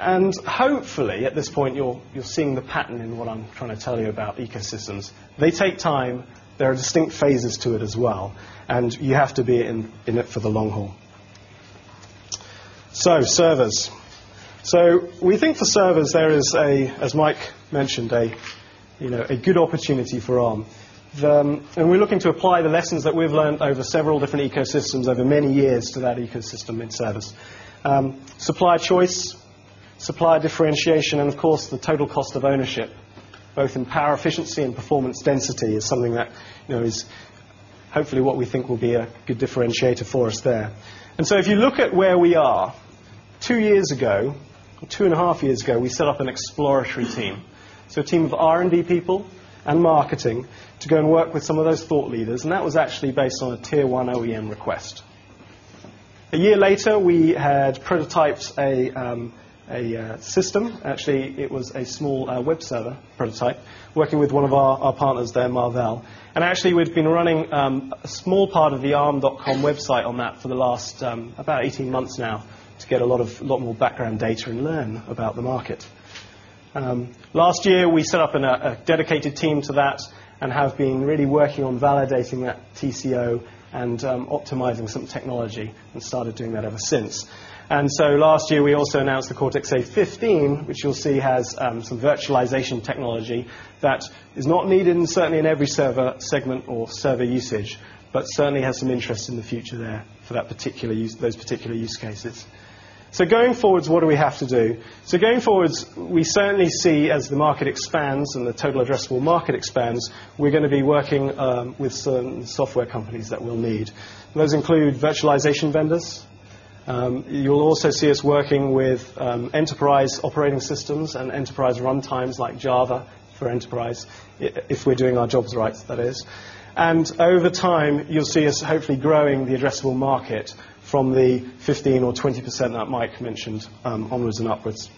Hopefully, at this point, you're seeing the pattern in what I'm trying to tell you about ecosystems. They take time. There are distinct phases to it as well. You have to be in it for the long haul. For servers, we think there is, as Mike mentioned, a good opportunity for Arm Holdings. We're looking to apply the lessons that we've learned over several different ecosystems over many years to that ecosystem in servers. Supplier choice, supplier differentiation, and of course, the total cost of ownership, both in power efficiency and performance density, is something that is hopefully what we think will be a good differentiator for us there. If you look at where we are, two years ago, or two and a half years ago, we set up an exploratory team, a team of R&D people and marketing to go and work with some of those thought leaders. That was actually based on a Tier-1 OEM request. A year later, we had prototyped a system. It was a small web server prototype working with one of our partners there, Marvell. We've been running a small part of the ARM.com website on that for the last about 18 months now to get a lot more background data and learn about the market. Last year, we set up a dedicated team to do that and have been really working on validating that TCO and optimizing some technology and started doing that ever since. Last year, we also announced the Cortex A15, which you'll see has some virtualization technology that is not needed certainly in every server segment or server usage, but certainly has some interest in the future there for those particular use cases. Going forwards, what do we have to do? Going forwards, we certainly see as the market expands and the total addressable market expands, we're going to be working with some software companies that we'll need. Those include virtualization vendors. You'll also see us working with enterprise operating systems and enterprise runtimes like Java for enterprise if we're doing our jobs right, that is. Over time, you'll see us hopefully growing the addressable market from the 15% or 20% that Mike mentioned onwards and upwards.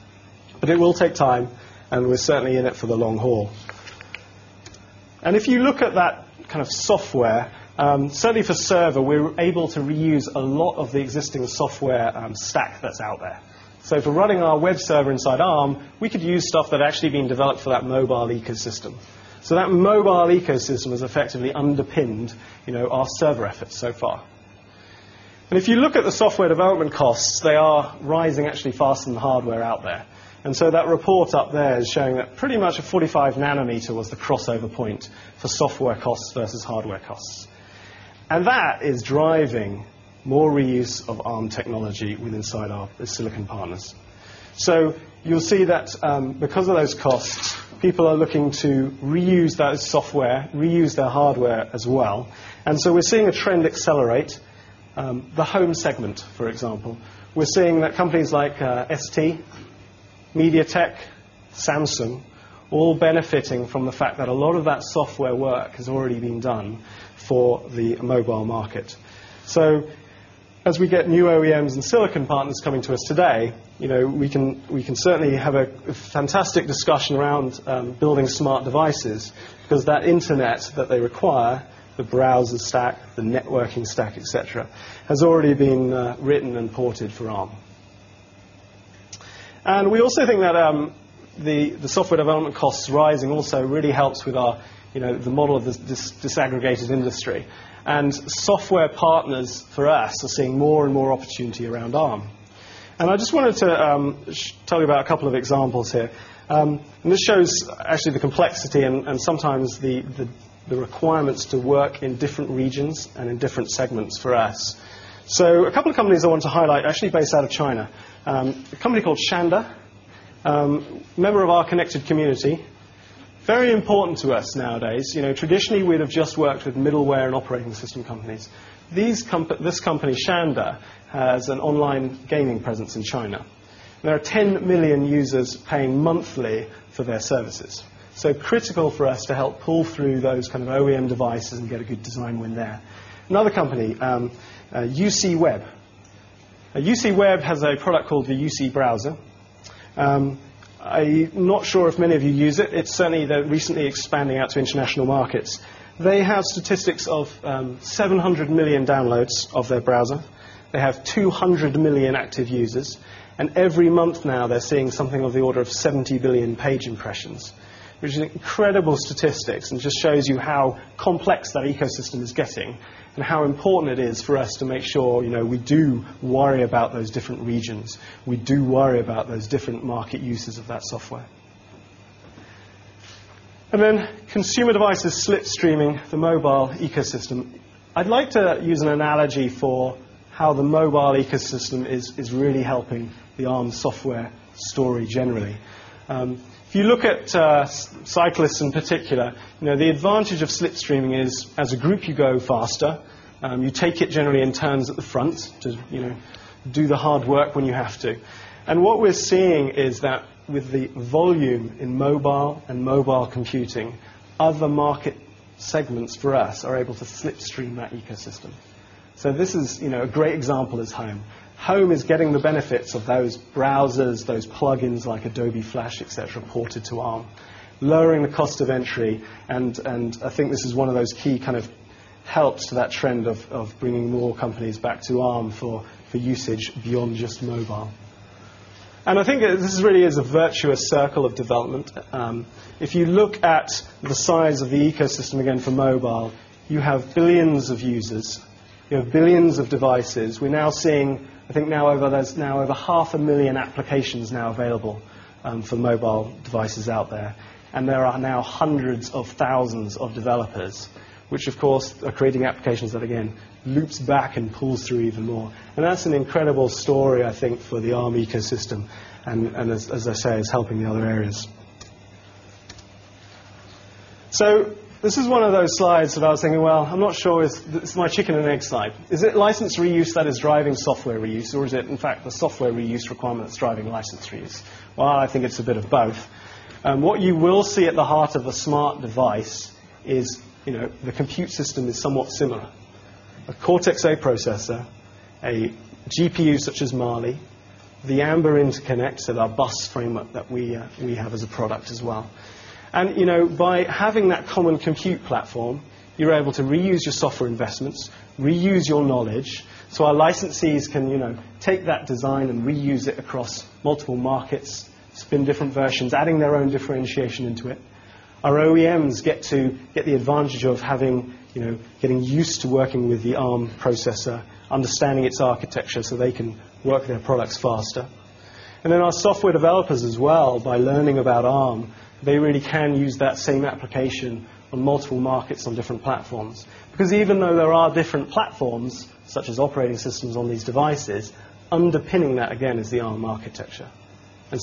It will take time. We're certainly in it for the long haul. If you look at that kind of software, certainly for server, we're able to reuse a lot of the existing software stack that's out there. For running our web server inside Arm, we could use stuff that had actually been developed for that mobile ecosystem. That mobile ecosystem has effectively underpinned our server efforts so far. If you look at the software development costs, they are rising actually faster than the hardware out there. That report up there is showing that pretty much a 45 nm was the crossover point for software costs versus hardware costs. That is driving more reuse of Arm technology within our silicon partners. You'll see that because of those costs, people are looking to reuse that software, reuse their hardware as well. We're seeing a trend accelerate. The home segment, for example, we're seeing that companies like ST, MediaTek, Samsung are all benefiting from the fact that a lot of that software work has already been done for the mobile market. As we get new OEMs and silicon partners coming to us today, we can certainly have a fantastic discussion around building smart devices because that internet that they require, the browser stack, the networking stack, etc., has already been written and ported for Arm. We also think that the software development costs rising also really helps with the model of this disaggregated industry. Software partners for us are seeing more and more opportunity around Arm. I just wanted to tell you about a couple of examples here. This shows the complexity and sometimes the requirements to work in different regions and in different segments for us. A couple of companies I want to highlight are actually based out of China, a company called Shanda, a member of our connected community, very important to us nowadays. Traditionally, we'd have just worked with middleware and operating system companies. This company, Shanda, has an online gaming presence in China. There are 10 million users paying monthly for their services. It is critical for us to help pull through those kind of OEM devices and get a good design win there. Another company, UC Web, has a product called the UC Browser. I'm not sure if many of you use it. It's certainly recently expanding out to international markets. They have statistics of 700 million downloads of their browser. They have 200 million active users. Every month now, they're seeing something of the order of 70 billion page impressions, which is incredible statistics and just shows you how complex that ecosystem is getting and how important it is for us to make sure we do worry about those different regions. We do worry about those different market uses of that software. Consumer devices slipstreaming the mobile ecosystem. I'd like to use an analogy for how the mobile ecosystem is really helping the Arm software story generally. If you look at cyclists in particular, the advantage of slipstreaming is as a group, you go faster. You take it generally in turns at the front to do the hard work when you have to. What we're seeing is that with the volume in mobile and mobile computing, other market segments for us are able to slipstream that ecosystem. This is a great example as home. Home is getting the benefits of those browsers, those plugins like Adobe Flash, etc., ported to Arm, lowering the cost of entry. I think this is one of those key kind of helps to that trend of bringing more companies back to Arm for usage beyond just mobile. I think this really is a virtuous circle of development. If you look at the size of the ecosystem again for mobile, you have billions of users. You have billions of devices. We're now seeing, I think now over, there's now over half a million applications now available for mobile devices out there. There are now hundreds of thousands of developers, which of course are creating applications that, again, loops back and pulls through even more. That's an incredible story, I think, for the Arm ecosystem. As I say, it's helping in other areas. This is one of those slides about saying, I'm not sure it's my chicken and egg slide. Is it license reuse that is driving software reuse, or is it, in fact, the software reuse requirement that's driving license reuse? I think it's a bit of both. What you will see at the heart of a smart device is the compute system is somewhat similar. A Cortex A processor, a GPU such as Mali, the Amber Interconnect, so our bus framework that we have as a product as well. By having that common compute platform, you're able to reuse your software investments, reuse your knowledge. Our licensees can take that design and reuse it across multiple markets, spin different versions, adding their own differentiation into it. Our OEMs get the advantage of getting used to working with the Arm Holdings processor, understanding its architecture so they can work their products faster. Our software developers as well, by learning about Arm Holdings, really can use that same application on multiple markets on different platforms. Even though there are different platforms, such as operating systems on these devices, underpinning that, again, is the Arm Holdings architecture.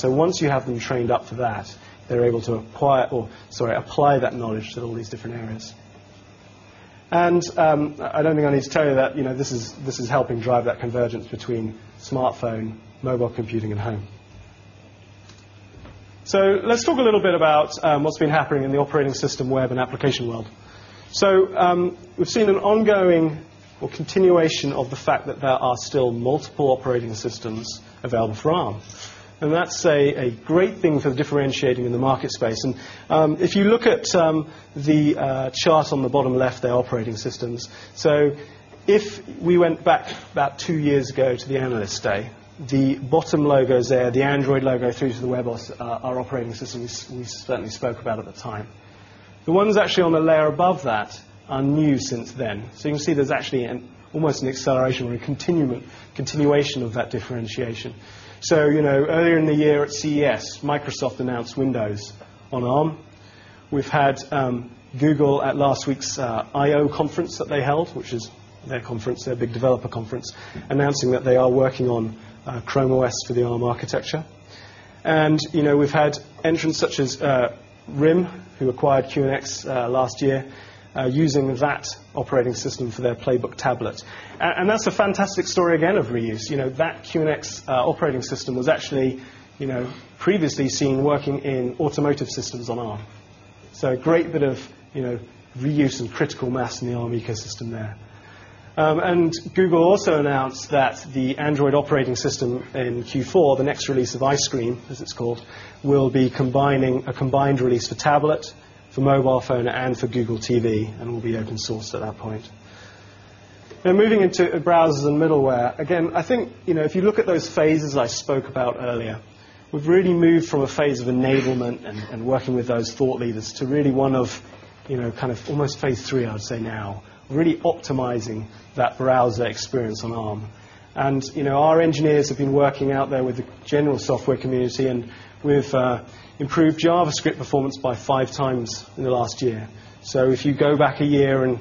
Once you have them trained up for that, they're able to acquire or, sorry, apply that knowledge to all these different areas. I don't think I need to tell you that this is helping drive that convergence between smartphone, mobile computing, and home. Let's talk a little bit about what's been happening in the operating system web and application world. We've seen an ongoing or continuation of the fact that there are still multiple operating systems available for Arm Holdings. That's a great thing for differentiating in the market space. If you look at the chart on the bottom left, the operating systems, if we went back about two years ago to the analyst day, the bottom logos there, the Android logo through to the web, are operating systems we certainly spoke about at the time. The ones actually on the layer above that are new since then. You can see there's actually almost an acceleration or a continuation of that differentiation. Earlier in the year at CES, Microsoft announced Windows on Arm Holdings. We've had Google at last week's I/O conference that they held, which is their conference, their big developer conference, announcing that they are working on Chrome OS for the Arm architecture. We've had entrants such as RIM, who acquired QNX last year, using that operating system for their Playbook tablet. That's a fantastic story again of reuse. That QNX operating system was actually previously seen working in automotive systems on Arm. A great bit of reuse and critical mass in the Arm ecosystem there. Google also announced that the Android operating system in Q4, the next release of iScreen, as it's called, will be a combined release for tablet, for mobile phone, and for Google TV and will be open source at that point. Moving into browsers and middleware, if you look at those phases I spoke about earlier, we've really moved from a phase of enablement and working with those thought leaders to really one of kind of almost phase three, I would say now, really optimizing that browser experience on Arm. Our engineers have been working out there with the general software community. We've improved JavaScript performance by five times in the last year. If you go back a year and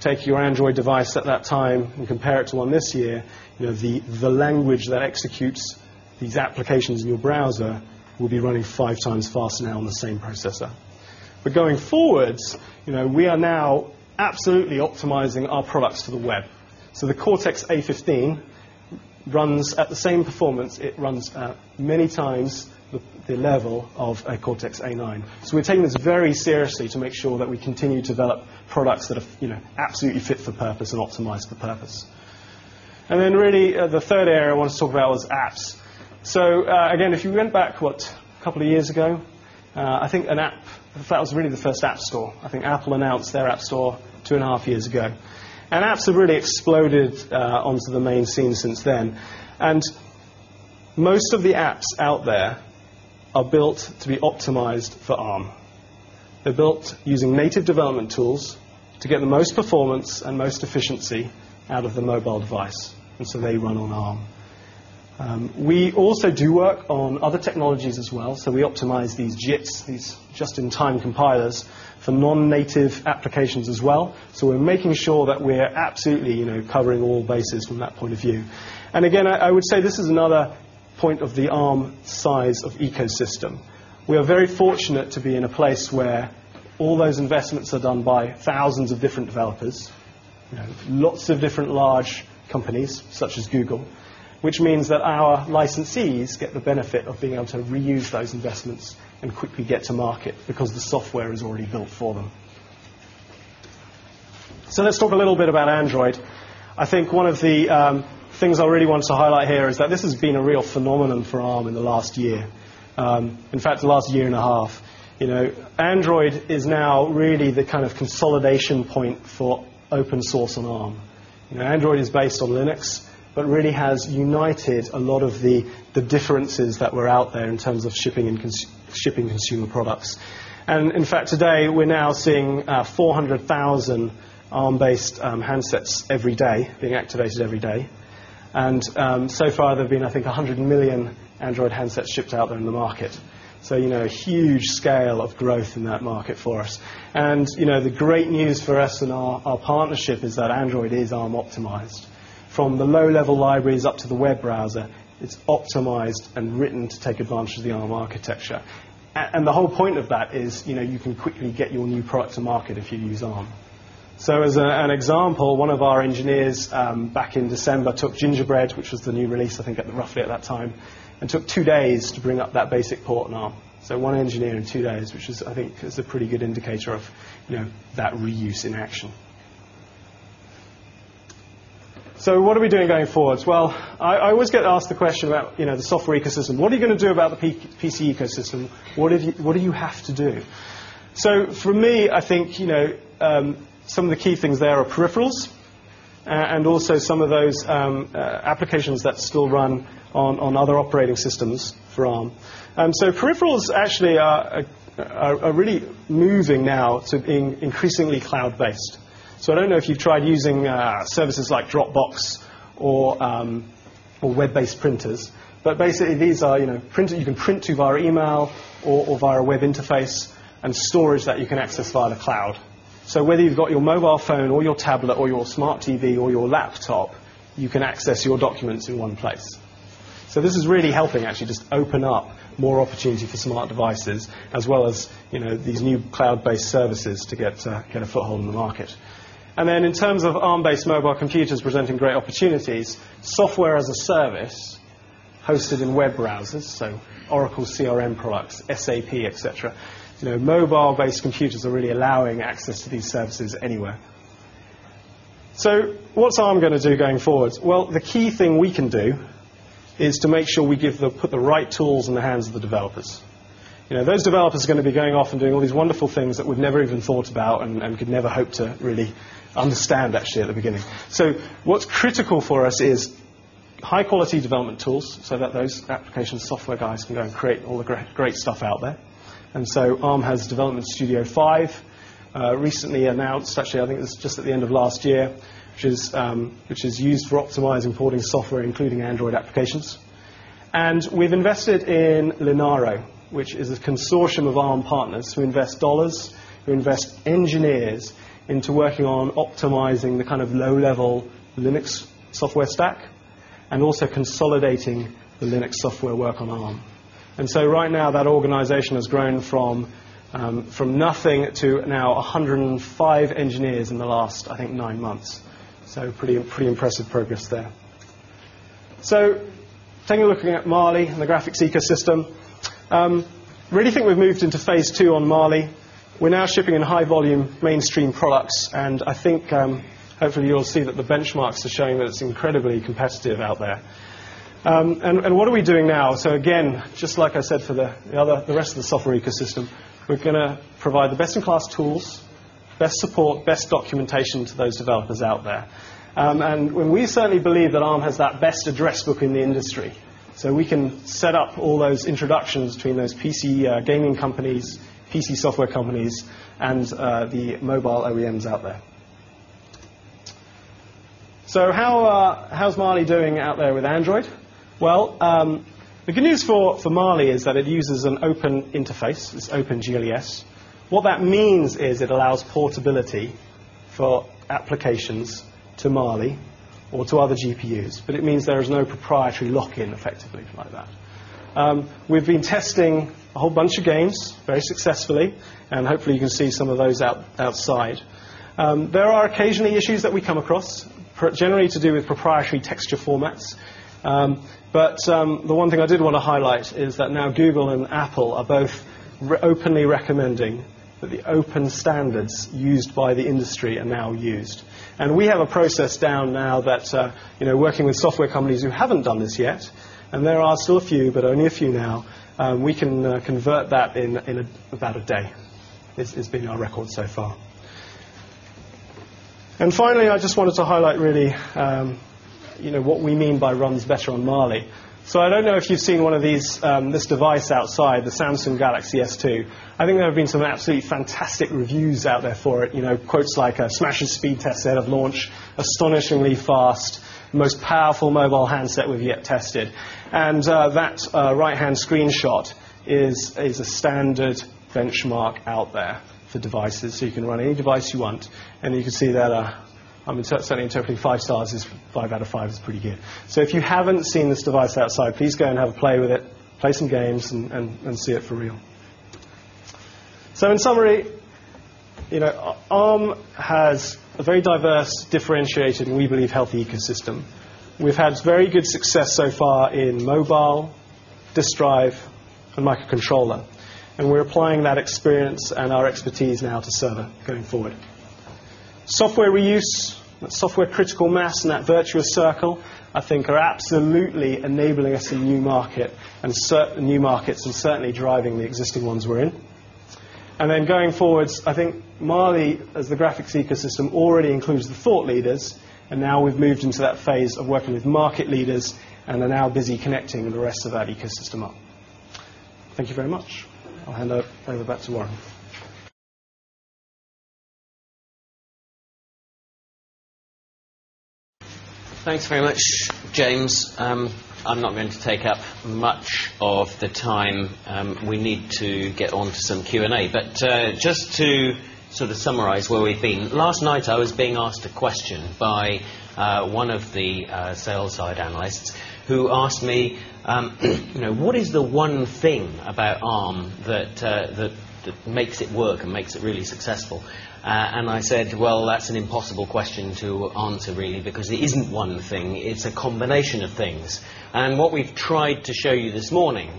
take your Android device at that time and compare it to one this year, the language that executes these applications in your browser will be running five times faster now on the same processor. Going forwards, we are now absolutely optimizing our products to the web. The Cortex A15 runs at the same performance. It runs at many times the level of a Cortex A9. We're taking this very seriously to make sure that we continue to develop products that are absolutely fit for purpose and optimized for purpose. The third area I wanted to talk about was apps. If you went back a couple of years ago, I think an app, that was really the first App Store. I think Apple announced their App Store two and a half years ago. Apps have really exploded onto the main scene since then. Most of the apps out there are built to be optimized for Arm. They're built using native development tools to get the most performance and most efficiency out of the mobile device, and so they run on Arm. We also do work on other technologies as well. We optimize these JITs, these just-in-time compilers for non-native applications as well. We're making sure that we're absolutely covering all bases from that point of viewould say this is another point of the Arm size of ecosystem. We are very fortunate to be in a place where all those investments are done by thousands of different developers, lots of different large companies such as Google, which means that our licensees get the benefit of being able to reuse those investments and quickly get to market because the software is already built for them. Let's talk a little bit about Android. One of the things I really wanted to highlight here is that this has been a real phenomenon for Arm Holdings in the last year, in fact, the last year and a half. Android is now really the kind of consolidation point for open source on Arm Holdings. Android is based on Linux, but really has united a lot of the differences that were out there in terms of shipping and consumer products. In fact, today, we're now seeing 400,000 Arm-based handsets being activated every day. So far, there have been, I think, 100 million Android handsets shipped out there in the market. A huge scale of growth in that market for us. The great news for us in our partnership is that Android is Arm optimized. From the low-level libraries up to the web browser, it's optimized and written to take advantage of the Arm Holdings architecture. The whole point of that is you can quickly get your new product to market if you use Arm Holdings. As an example, one of our engineers back in December took Gingerbread, which was the new release, I think, roughly at that time, and took two days to bring up that basic port on Arm Holdings. One engineer in two days, which I think is a pretty good indicator of that reuse in action. What are we doing going forward? I always get asked the question about the software ecosystem. What are you going to do about the PC ecosystem? What do you have to do? For me, I think some of the key things there are peripherals and also some of those applications that still run on other operating systems for Arm. Peripherals actually are really moving now to being increasingly cloud-based. I don't know if you've tried using services like Dropbox or web-based printers. Basically, these are printers you can print to via email or via a web interface and storage that you can access via the cloud. Whether you've got your mobile phone or your tablet or your smart TV or your laptop, you can access your documents in one place. This is really helping actually just open up more opportunity for smart devices, as well as these new cloud-based services to get a foothold in the market. In terms of Arm-based mobile computers presenting great opportunities, software as a service hosted in web browsers, so Oracle CRM products, SAP, et cetera, mobile-based computers are really allowing access to these services anywhere. What's Arm going to do going forward? The key thing we can do is to make sure we put the right tools in the hands of the developers. Those developers are going to be going off and doing all these wonderful things that we've never even thought about and could never hope to really understand actually at the beginning. What's critical for us is high-quality development tools so that those application software guys can go and create all the great stuff out there. Arm has Development Studio 5 recently announced, actually, I think it was just at the end of last year, which is used for optimizing supporting software, including Android applications. We've invested in Linaro, which is a consortium of Arm partners who invest dollars, who invest engineers into working on optimizing the kind of low-level Linux software stack and also consolidating the Linux software work on Arm. Right now, that organization has grown from nothing to now 105 engineers in the last, I think, nine months. Pretty impressive progress there. Taking a look at Mali and the graphics ecosystem, I really think we've moved into phase two on Mali. We're now shipping in high-volume mainstream products. I think hopefully you'll see that the benchmarks are showing that it's incredibly competitive out there. What are we doing now? Just like I said for the rest of the software ecosystem, we're going to provide the best-in-class tools, best support, best documentation to those developers out there. We certainly believe that Arm has that best address book in the industry. We can set up all those introductions between those PC gaming companies, PC software companies, and the mobile OEMs out there. How's Mali doing out there with Android? The good news for Mali is that it uses an open interface. It's OpenGL ES. What that means is it allows portability for applications to Mali or to other GPUs. It means there is no proprietary lock-in effectively like that. We've been testing a whole bunch of games very successfully. Hopefully, you can see some of those outside. There are occasionally issues that we come across, generally to do with proprietary texture formats. The one thing I did want to highlight is that now Google and Apple are both openly recommending that the open standards used by the industry are now used. We have a process down now that, working with software companies who haven't done this yet, and there are still a few, but only a few now, we can convert that in about a day. It's been our record so far. Finally, I just wanted to highlight really what we mean by runs better on Mali. I don't know if you've seen this device outside, the Samsung Galaxy S2. I think there have been some absolutely fantastic reviews out there for it. Quotes like a smashing speed test ahead of launch, astonishingly fast, most powerful mobile handset we've yet tested. That right-hand screenshot is a standard benchmark out there for devices. You can run any device you want. You can see that I'm certainly interpreting five stars as 5/5 is pretty good. If you haven't seen this device outside, please go and have a play with it, play some games, and see it for real. In summary, Arm Holdings has a very diverse, differentiated, and we believe healthy ecosystem. We've had very good success so far in mobile, disk drive, and microcontroller. We're applying that experience and our expertise now to server going forward. Software reuse, that software critical mass and that virtuous circle, I think, are absolutely enabling us in new markets and certainly driving the existing ones we're in. Going forward, I think Mali, as the graphics ecosystem, already includes the thought leaders. Now we've moved into that phase of working with market leaders and are now busy connecting the rest of that ecosystem up. Thank you very much. I'll hand over back to Warren. Thanks very much, James. I'm not going to take up much of the time. We need to get on to some Q&A. Just to sort of summarize where we've been, last night I was being asked a question by one of the sales side analysts who asked me, what is the one thing about Arm Holdings that makes it work and makes it really successful? I said that's an impossible question to answer really because it isn't one thing. It's a combination of things. What we've tried to show you this morning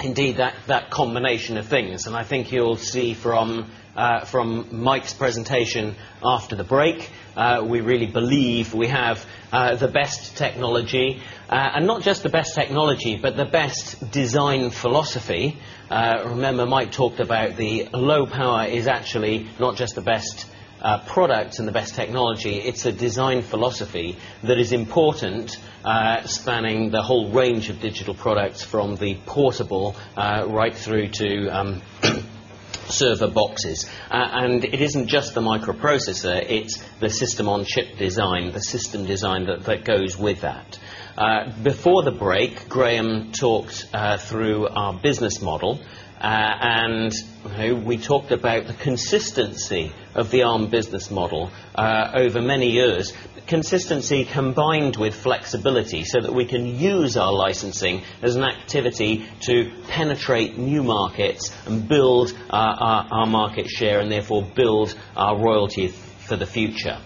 is indeed that combination of things. I think you'll see from Mike's presentation after the break, we really believe we have the best technology. Not just the best technology, but the best design philosophy. Remember, Mike talked about the low power is actually not just the best products and the best technology. It's a design philosophy that is important spanning the whole range of digital products from the portable right through to server boxes. It isn't just the microprocessor. It's the system on chip design, the system design that goes with that. Before the break, Graham talked through our business model. We talked about the consistency of the Arm business model over many years, consistency combined with flexibility so that we can use our licensing as an activity to penetrate new markets and build our market share and therefore build our royalty for the future.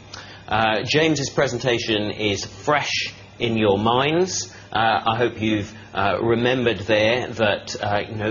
James's presentation is fresh in your minds. I hope you've remembered there that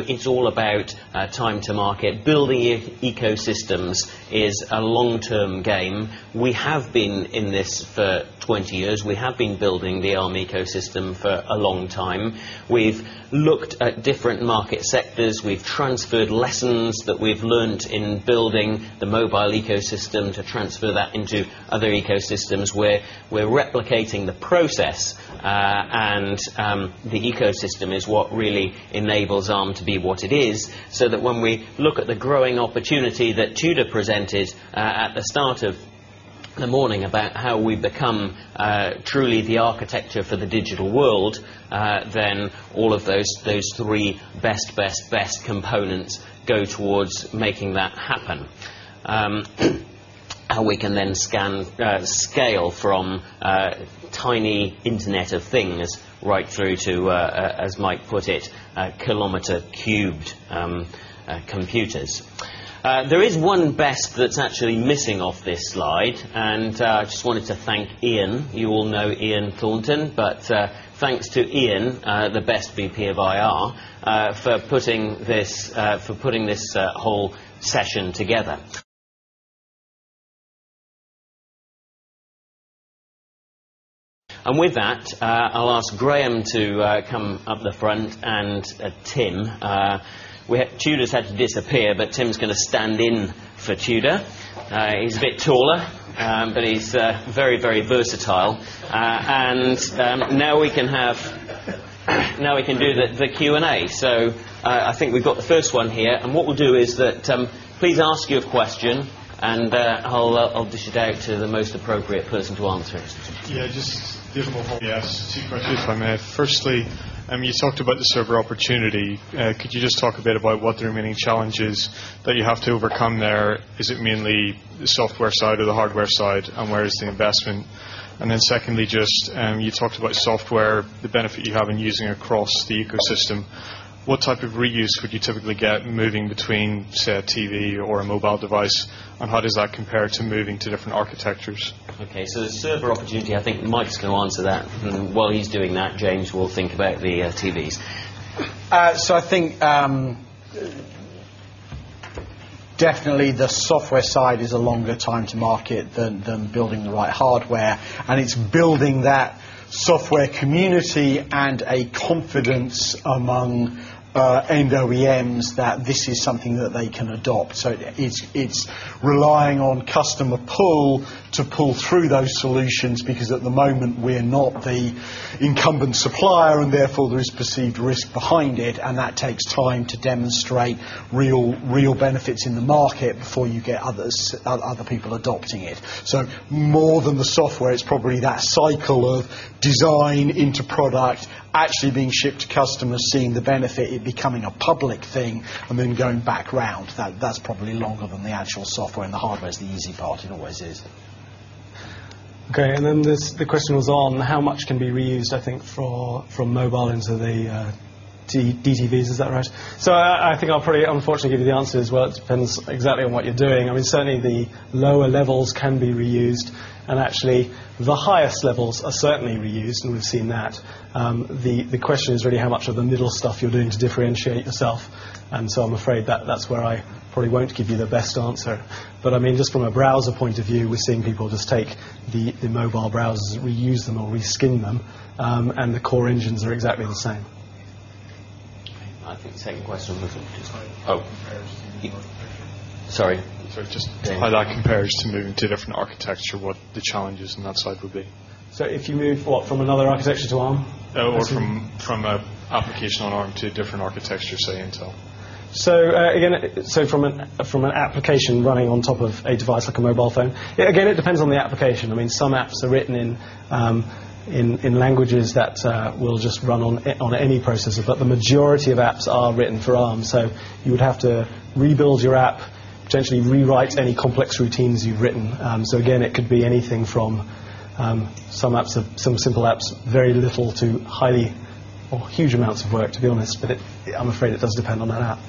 it's all about time to market. Building ecosystems is a long-term game. We have been in this for 20 years. We have been building the Arm Holdings ecosystem for a long time. We've looked at different market sectors. We've transferred lessons that we've learned in building the mobile ecosystem to transfer that into other ecosystems. We're replicating the process. The ecosystem is what really enables Arm to be what it is so that when we look at the growing opportunity that Tudor presented at the start of the morning about how we become truly the architecture for the digital world, all of those three best, best, best components go towards making that happen. How we can then scale from a tiny internet of things right through to, as Mike put it, kilometer-cubed computers. There is one best that's actually missing off this slide. I just wanted to thank Ian. You all know Ian Thornton. Thanks to Ian, the best VP of IR, for putting this whole session together. With that, I'll ask Graham to come up the front and Tim. Tudor's had to disappear, but Tim's going to stand in for Tudor. He's a bit taller, but he's very, very versatile. Now we can do the Q&A. I think we've got the first one here. What we'll do is please ask your question. I'll dish it out to the most appropriate person to answer it. Just give them a whole question if I may. Firstly, you talked about the server opportunity. Could you just talk a bit about what the remaining challenges that you have to overcome there? Is it mainly the software side or the hardware side? Where is the investment? Secondly, you talked about software, the benefit you have in using it across the ecosystem. What type of reuse would you typically get moving between, say, a TV or a mobile device? How does that compare to moving to different architectures? OK, the server opportunity, I think Mike's going to answer that. While he's doing that, James will think about the TVs. I think definitely the software side is a longer time to market than building the right hardware. It's building that software community and a confidence among aimed OEMs that this is something that they can adopt. It's relying on customer pull to pull through those solutions because at the moment, we're not the incumbent supplier. Therefore, there is perceived risk behind it. That takes time to demonstrate real benefits in the market before you get other people adopting it. More than the software, it's probably that cycle of design into product, actually being shipped to customers, seeing the benefit, it becoming a public thing, and then going back round. That's probably longer than the actual software, and the hardware is the easy part. It always is. OK, and then the question was on how much can be reused, I think, from mobile into the digital TVs. Is that right? I think I'll probably, unfortunately, give you the answer as well. It depends exactly on what you're doing. Certainly, the lower levels can be reused. Actually, the highest levels are certainly reused, and we've seen that. The question is really how much of the middle stuff you're doing to differentiate yourself. I'm afraid that that's where I probably won't give you the best answer. Just from a browser point of view, we're seeing people just take the mobile browsers, reuse them, or reskin them, and the core engines are exactly the same. I think the second question I'm looking at is, comparison? Sorry. If I compare it to moving to a different architecture, what the challenges in that slide would be? If you move from another architecture to Arm or from an application on Arm to a different architecture, say Intel? From an application running on top of a device like a mobile phone, it depends on the application. Some apps are written in languages that will just run on any processor. The majority of apps are written for Arm. You would have to rebuild your app, potentially rewrite any complex routines you've written. It could be anything from some apps to some simple apps, very little to highly or huge amounts of work, to be honest. It does depend on that app.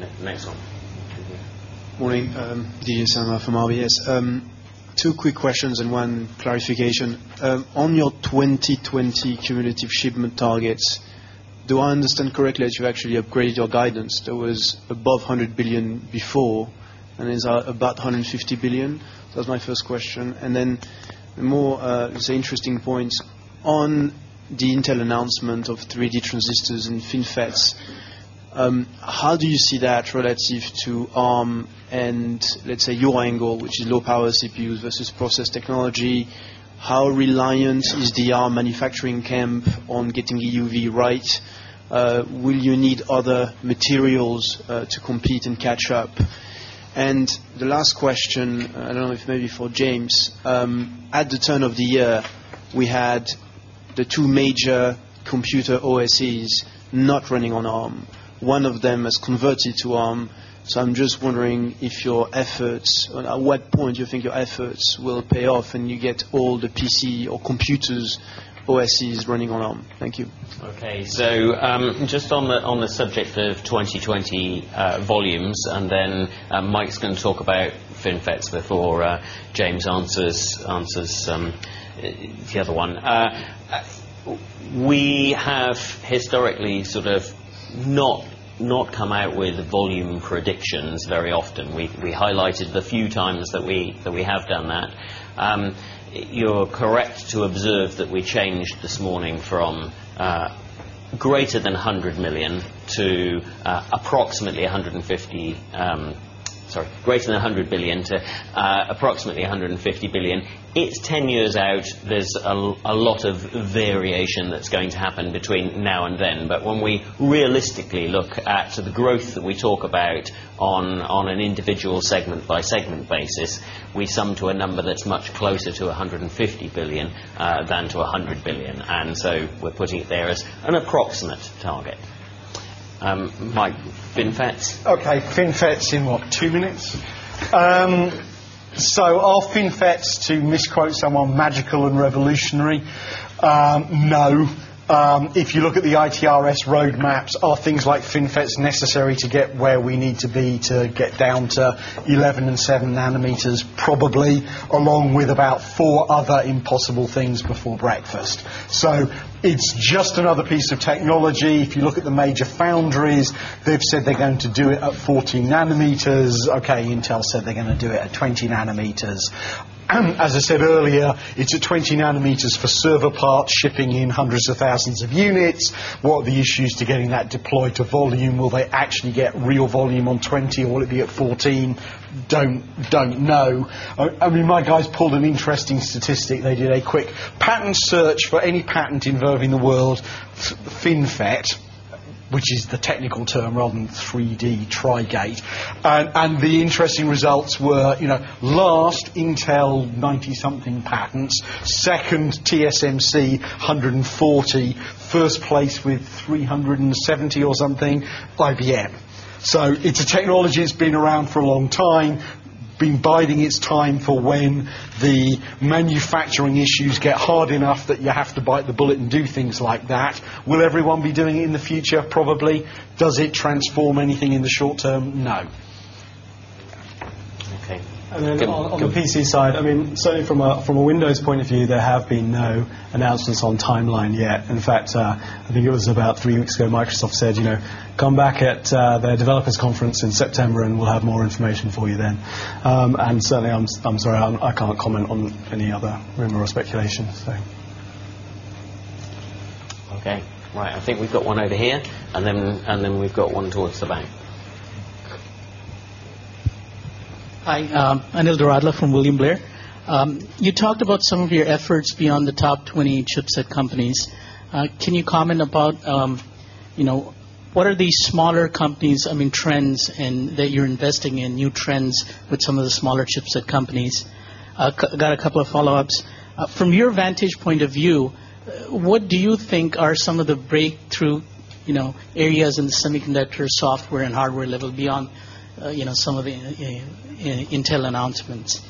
Yeah, the next one. Morning, Digi Samar from RVS. Two quick questions and one clarification. On your 2020 cumulative shipment targets, do I understand correctly that you've actually upgraded your guidance? There was above 100 billion before. Is that about 150 billion? That was my first question. The more interesting points on the Intel announcement of 3D transistors and FinFETs. How do you see that relative to Arm Holdings and let's say your angle, which is low-power CPUs versus process technology? How reliant is the Arm Holdings manufacturing camp on getting EUV right? Will you need other materials to complete and catch up? The last question, I don't know if maybe for James, at the turn of the year, we had the two major computer OSes not running on Arm Holdings. One of them has converted to Arm Holdings. I'm just wondering if your efforts, at what point do you think your efforts will pay off and you get all the PC or computers OSes running on Arm Holdings? Thank you. OK, so just on the subject of 2020 volumes, and then Mike's going to talk about FinFETs before James answers the other one. We have historically not come out with a volume for additions very often. We highlighted the few times that we have done that. You're correct to observe that we changed this morning from greater than 100 billion to approximately 150 billion. It's 10 years out. There's a lot of variation that's going to happen between now and then. When we realistically look at the growth that we talk about on an individual segment-by-segment basis, we sum to a number that's much closer to 150 billion than to 100 billion. We're putting it there as an approximate target. Mike, FinFETs? OK, FinFETs in what, two minutes? Are FinFETs, to misquote someone, magical and revolutionary? No. If you look at the ITRS roadmaps, are things like FinFETs necessary to get where we need to be to get down to 11 and 7 nm? Probably, along with about four other impossible things before breakfast. It's just another piece of technology. If you look at the major foundries, they've said they're going to do it at 14 nanometers. Intel said they're going to do it at 20 nm. As I said earlier, it's at 20 nm for server parts, shipping in hundreds of thousands of units. What are the issues to getting that deployed to volume? Will they actually get real volume on 20, or will it be at 14? Don't know. My guys pulled an interesting statistic. They did a quick patent search for any patent involving the word FinFET, which is the technical term rather than 3D, Tri-Gate. The interesting results were, last, Intel 90-something patents, second, TSMC 140, first place with 370 or something, IBM. It's a technology that's been around for a long time, been biding its time for when the manufacturing issues get hard enough that you have to bite the bullet and do things like that. Will everyone be doing it in the future? Probably. Does it transform anything in the short term? No. OK. On the PC side, certainly from a Windows point of view, there have been no announcements on timeline yet. In fact, I think it was about three weeks ago, Microsoft said, you know, come back at their developers' conference in September, and we'll have more information for you then. I'm sorry I can't comment on any other rumor or speculation. OK, right. I think we've got one over here, and then we've got one towards the bank. Hi, Anil Dharadhala from William Blair. You talked about some of your efforts beyond the top 20 Chipset companies. Can you comment about what are these smaller companies, I mean, trends that you're investing in, new trends with some of the smaller chipset companies? I've got a couple of follow-ups. From your vantage point of view, what do you think are some of the breakthrough areas in the semiconductor software and hardware level beyond some of the Intel announcements?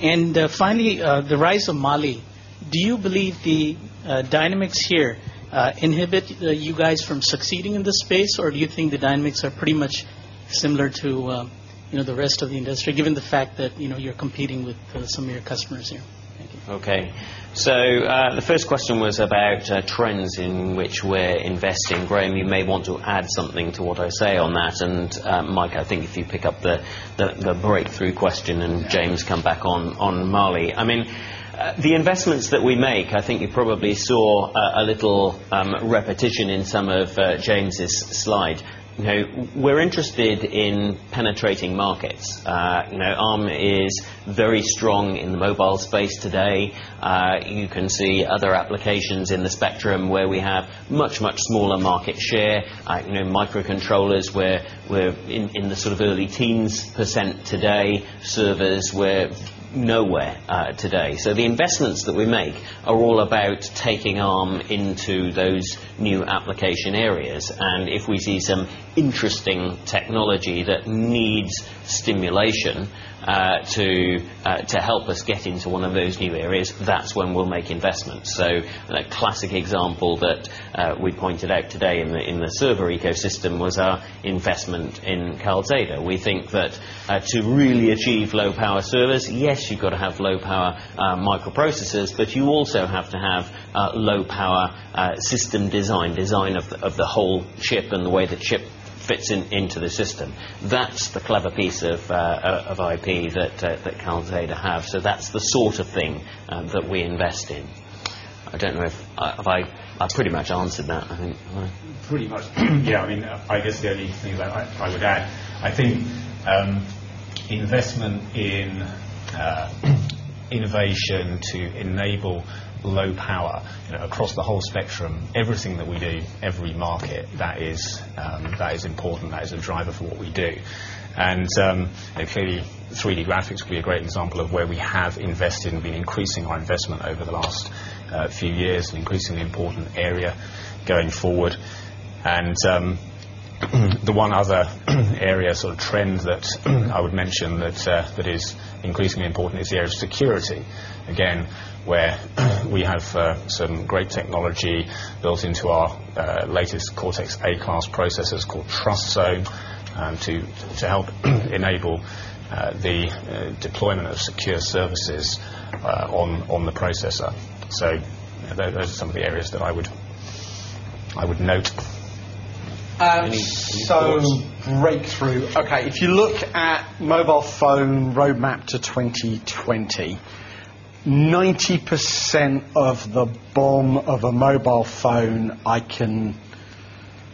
Finally, the rise of Mali, do you believe the dynamics here inhibit you guys from succeeding in this space? Do you think the dynamics are pretty much similar to the rest of the industry, given the fact that you're competing with some of your customers here? OK. The first question was about trends in which we're investing. Graham, you may want to add something to what I say on that. Mike, I think if you pick up the breakthrough question and James come back on Mali. The investments that we make, I think you probably saw a little repetition in some of James's slide. We're interested in penetrating markets. Arm is very strong in the mobile space today. You can see other applications in the spectrum where we have much, much smaller market share. Microcontrollers, we're in the sort of early teens % today. Servers, we're nowhere today. The investments that we make are all about taking Arm Holdings into those new application areas. If we see some interesting technology that needs stimulation to help us get into one of those new areas, that's when we'll make investments. A classic example that we pointed out today in the server ecosystem was our investment in Calzata. We think that to really achieve low-power servers, yes, you've got to have low-power microprocessors. You also have to have low-power system design, design of the whole chip and the way the chip fits into the system. That's the clever piece of IP that Calzata has. That's the sort of thing that we invest in. I don't know if I've pretty much answered that, I think. Pretty much. Yeah, I mean, if I guess the only thing that I would add, I think investment in innovation to enable low power across the whole spectrum, everything that we do, every market, that is important. That is a driver for what we do. Clearly, 3D graphics will be a great example of where we have invested and been increasing our investment over the last few years, an increasingly important area going forward. The one other area, sort of trend, that I would mention that is increasingly important is the area of security. Again, we have some great technology built into our latest Cortex A-class processors called TrustZone to help enable the deployment of secure services on the processor. Those are some of the areas that I would note. Breakthrough, OK, if you look at mobile phone roadmap to 2020, 90% of the BOM of a mobile phone, I can,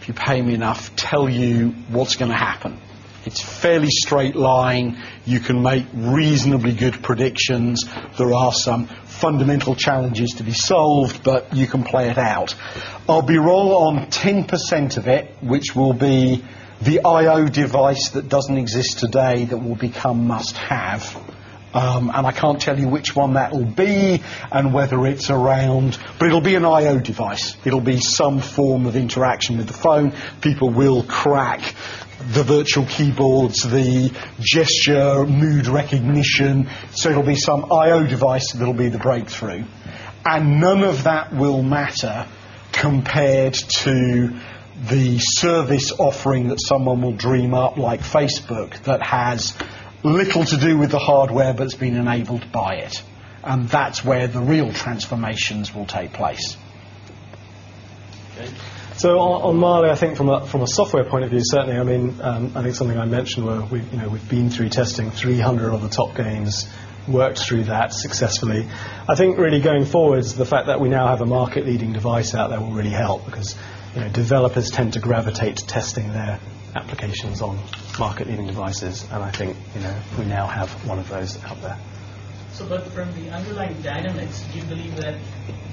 if you pay me enough, tell you what's going to happen. It's a fairly straight line. You can make reasonably good predictions. There are some fundamental challenges to be solved, but you can play it out. I'll be wrong on 10% of it, which will be the I/O device that doesn't exist today that will become must-have. I can't tell you which one that will be and whether it's around, but it'll be an I/O device. It'll be some form of interaction with the phone. People will crack the virtual keyboards, the gesture, mood recognition. It'll be some I/O device that'll be the breakthrough. None of that will matter compared to the service offering that someone will dream up, like Facebook, that has little to do with the hardware but has been enabled by it. That's where the real transformations will take place. On Mali, I think from a software point of view, certainly, I mean, I think something I mentioned where we've been through testing 300 of the top games and worked through that successfully. I think really going forward, the fact that we now have a market-leading device out there will really help because developers tend to gravitate to testing their applications on market-leading devices. I think we now have one of those out there. From the underlying dynamics, given that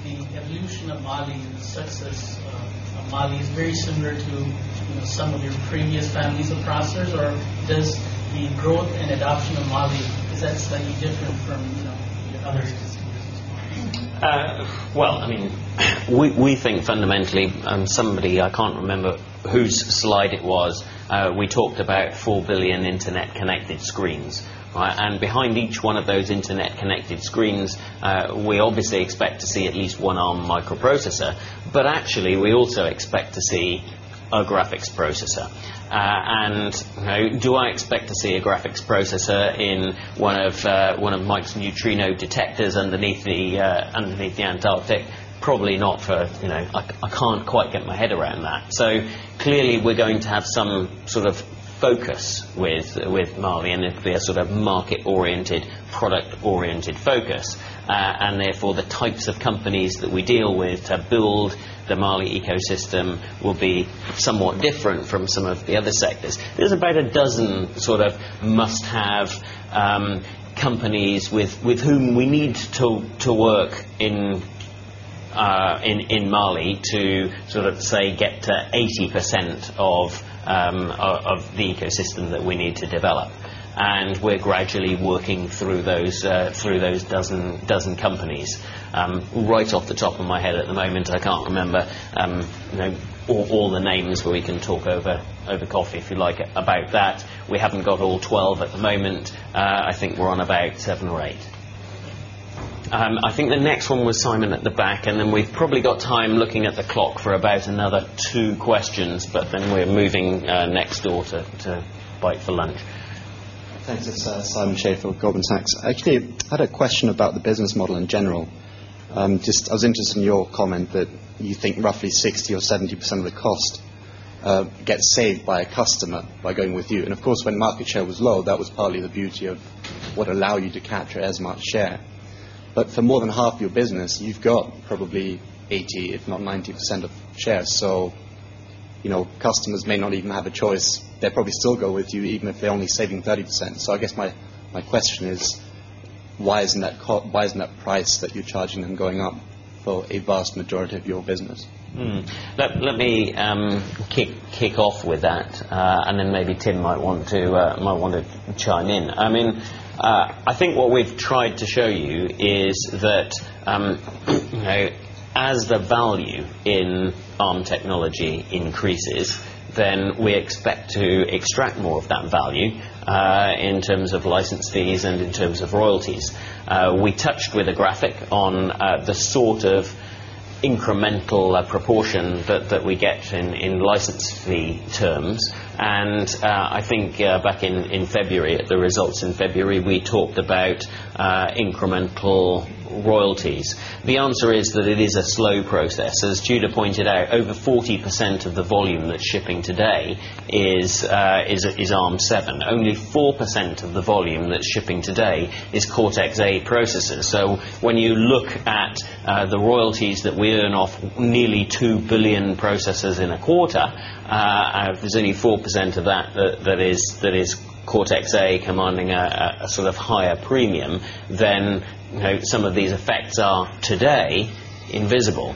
the evolution of Mali's success, Mali is very similar to some of your previous families of processors, or does the growth and adoption of Mali possess any difference from other? I mean, we think fundamentally, and somebody, I can't remember whose slide it was, we talked about 4 billion internet-connected screens. Behind each one of those internet-connected screens, we obviously expect to see at least one Arm microprocessor. Actually, we also expect to see a graphics processor. Do I expect to see a graphics processor in one of Mike Müller's neutrino detectors underneath the Antarctic? Probably not, I can't quite get my head around that. Clearly, we're going to have some sort of focus with Mali, and it'll be a sort of market-oriented, product-oriented focus. Therefore, the types of companies that we deal with to build the Mali ecosystem will be somewhat different from some of the other sectors. There's about a dozen sort of must-have companies with whom we need to work in Mali to get to 80% of the ecosystem that we need to develop. We're gradually working through those dozen companies. Right off the top of my head at the moment, I can't remember all the names. We can talk over coffee, if you like, about that. We haven't got all 12 at the moment. I think we're on about seven or eight. I think the next one was Simon at the back. We've probably got time, looking at the clock, for about another two questions. Then we're moving next door to bite for lunch. Thanks, it's Simon Segars from Goldman Sachs. Actually, I had a question about the business model in general. I was interested in your comment that you think roughly 60% or 70% of the cost gets saved by a customer by going with you. Of course, when market share was low, that was partly the beauty of what allowed you to capture as much share. For more than half your business, you've got probably 80%, if not 90%, of share. Customers may not even have a choice. They'll probably still go with you, even if they're only saving 30%. I guess my question is, why isn't that price that you're charging going up for a vast majority of your business? Let me kick off with that. Maybe Tim might want to chime in. I think what we've tried to show you is that as the value in Arm Holdings technology increases, we expect to extract more of that value in terms of license fees and in terms of royalties. We touched with a graphic on the sort of incremental proportion that we get in license fee terms. I think back in February, at the results in February, we talked about incremental royalties. The answer is that it is a slow process. As Judah pointed out, over 40% of the volume that's shipping today is ARM7. Only 4% of the volume that's shipping today is Cortex-A processors. When you look at the royalties that we earn off nearly 2 billion processors in a quarter, there's only 4% of that that is Cortex-A commanding a sort of higher premium than some of these effects are today invisible.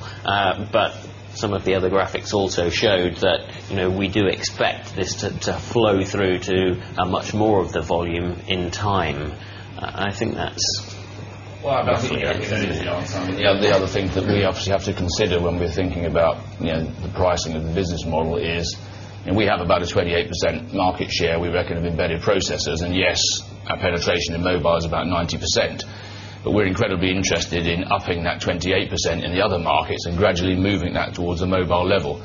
Some of the other graphics also showed that we do expect this to flow through to much more of the volume in time. I think that's clear. That's clear. The other thing that we obviously have to consider when we're thinking about the pricing of the business model is we have about a 28% market share, we reckon, of embedded processors. Yes, our penetration in mobile is about 90%. We're incredibly interested in upping that 28% in the other markets and gradually moving that towards the mobile level.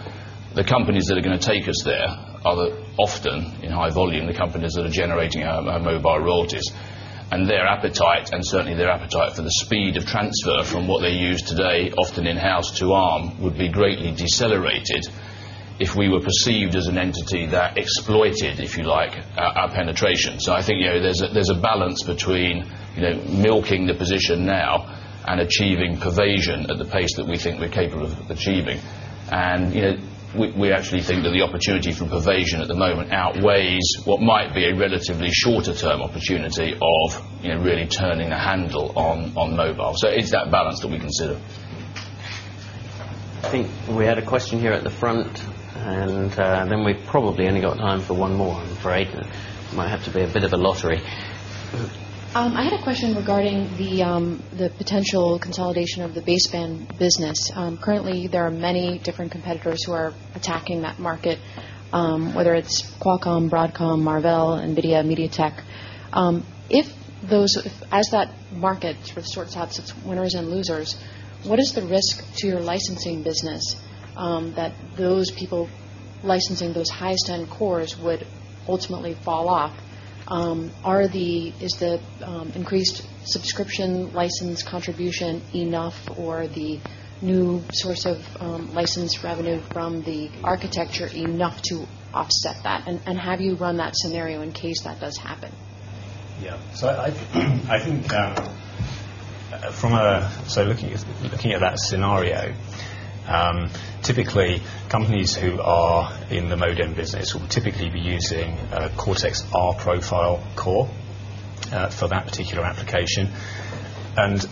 The companies that are going to take us there are often in high volume, the companies that are generating our mobile royalties. Their appetite, and certainly their appetite for the speed of transfer from what they use today, often in-house, to Arm, would be greatly decelerated if we were perceived as an entity that exploited, if you like, our penetration. I think there's a balance between milking the position now and achieving pervasion at the pace that we think we're capable of achieving. We actually think that the opportunity for pervasion at the moment outweighs what might be a relatively shorter-term opportunity of really turning the handle on mobile. It's that balance that we consider. I think we had a question here at the front. We probably only got time for one more. I'm afraid it might have to be a bit of a lottery. I had a question regarding the potential consolidation of the baseband business. Currently, there are many different competitors who are attacking that market, whether it's Qualcomm, Broadcom, Marvell, NVIDIA, MediaTek. If those, as that market sort of sorts out its winners and losers, what is the risk to your licensing business that those people licensing those highest-end cores would ultimately fall off? Is the increased subscription license contribution enough, or the new source of license revenue from the architecture enough to offset that? Have you run that scenario in case that does happen? Yeah. I think from a, so looking at that scenario, typically, companies who are in the modem business will typically be using a Cortex-R profile core for that particular application.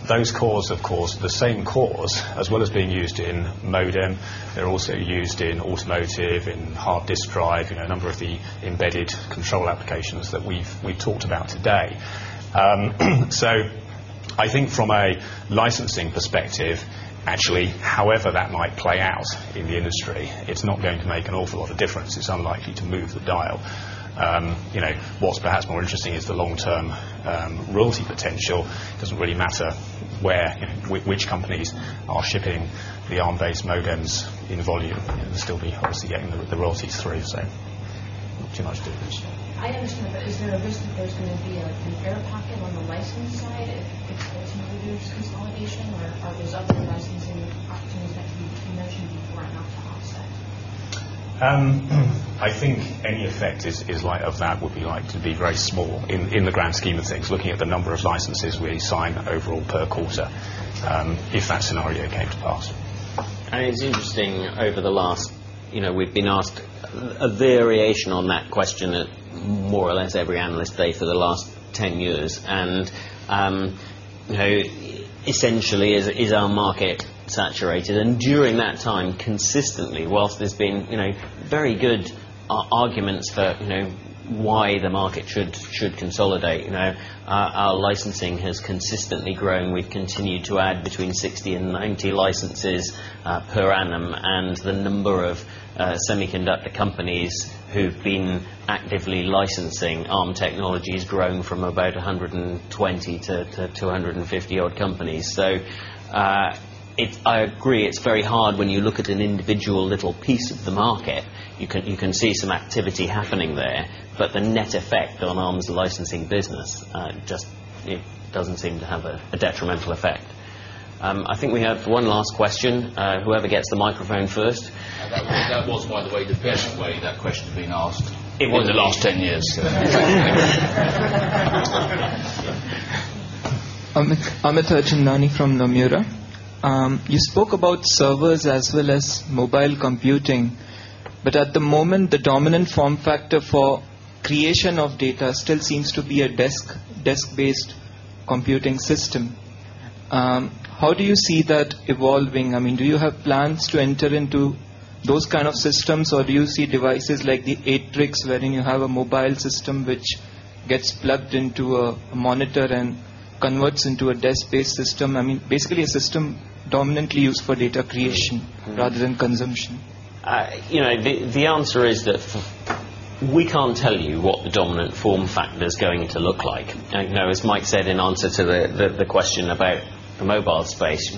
Those cores, of course, the same cores, as well as being used in modem, they're also used in automotive, in hard disk drive, a number of the embedded control applications that we've talked about today. I think from a licensing perspective, actually, however that might play out in the industry, it's not going to make an awful lot of difference. It's unlikely to move the dial. What's perhaps more interesting is the long-term royalty potential. It doesn't really matter which companies are shipping the Arm-based modems in volume. They'll still be obviously getting the royalties through. I'm sure I should finish. I understand. Is there a risk that there's going to be a competitive tactic on the license side if there's a consolidation or it gives up the licensing? What's the best thing that you can do for it not to offset? I think any effect, like a VAT, would be very small in the grand scheme of things, looking at the number of licenses we assign overall per quarter if that scenario came to pass. It's interesting, over the last, you know, we've been asked a variation on that question at more or less every analyst day for the last 10 years. Essentially, is our market saturated? During that time, consistently, whilst there's been very good arguments for why the market should consolidate, our licensing has consistently grown. We've continued to add between 60 and 90 licenses per annum, and the number of semiconductor companies who've been actively licensing Arm Holdings technology has grown from about 120-250-odd companies. I agree, it's very hard when you look at an individual little piece of the market. You can see some activity happening there, but the net effect on Arm Holdings' licensing business just doesn't seem to have a detrimental effect. I think we have one last question. Whoever gets the microphone first. That was, by the way, the best way that question's been asked in the last 10 years. I'm Dr. Arjun Nani from Nomura. You spoke about servers as well as mobile computing. At the moment, the dominant form factor for creation of data still seems to be a desk-based computing system. How do you see that evolving? Do you have plans to enter into those kinds of systems? Do you see devices like the ATRIX, where you have a mobile system which gets plugged into a monitor and converts into a desk-based system? Basically, a system dominantly used for data creation rather than consumption. The answer is that we can't tell you what the dominant form factor is going to look like. As Mike said in answer to the question about the mobile space,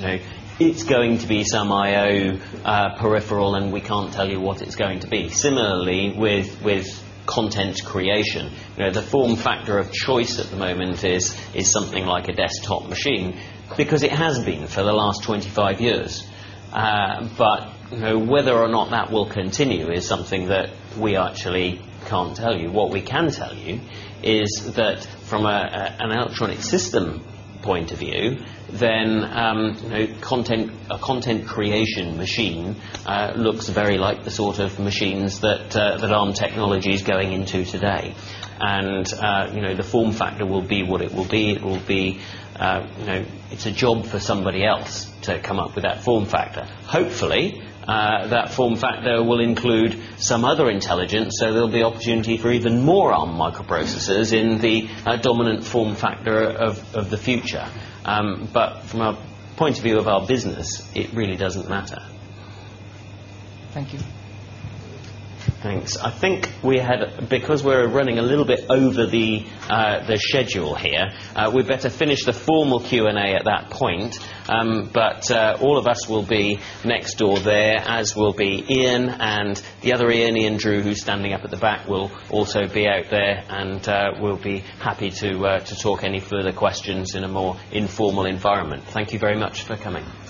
it's going to be some I/O peripheral, and we can't tell you what it's going to be. Similarly, with content creation, the form factor of choice at the moment is something like a desktop machine because it has been for the last 25 years. Whether or not that will continue is something that we actually can't tell you. What we can tell you is that from an electronic system point of view, a content creation machine looks very like the sort of machines that Arm Holdings technology is going into today, and the form factor will be what it will be. It's a job for somebody else to come up with that form factor. Hopefully, that form factor will include some other intelligence, so there'll be opportunity for even more Arm microprocessors in the dominant form factor of the future. From a point of view of our business, it really doesn't matter. Thank you. Thanks. I think we had, because we're running a little bit over the schedule here, we better finish the formal Q&A at that point. All of us will be next door there, as will be Ian. The other Ian and Drew, who's standing up at the back, will also be out there. We'll be happy to talk any further questions in a more informal environment. Thank you very much for coming.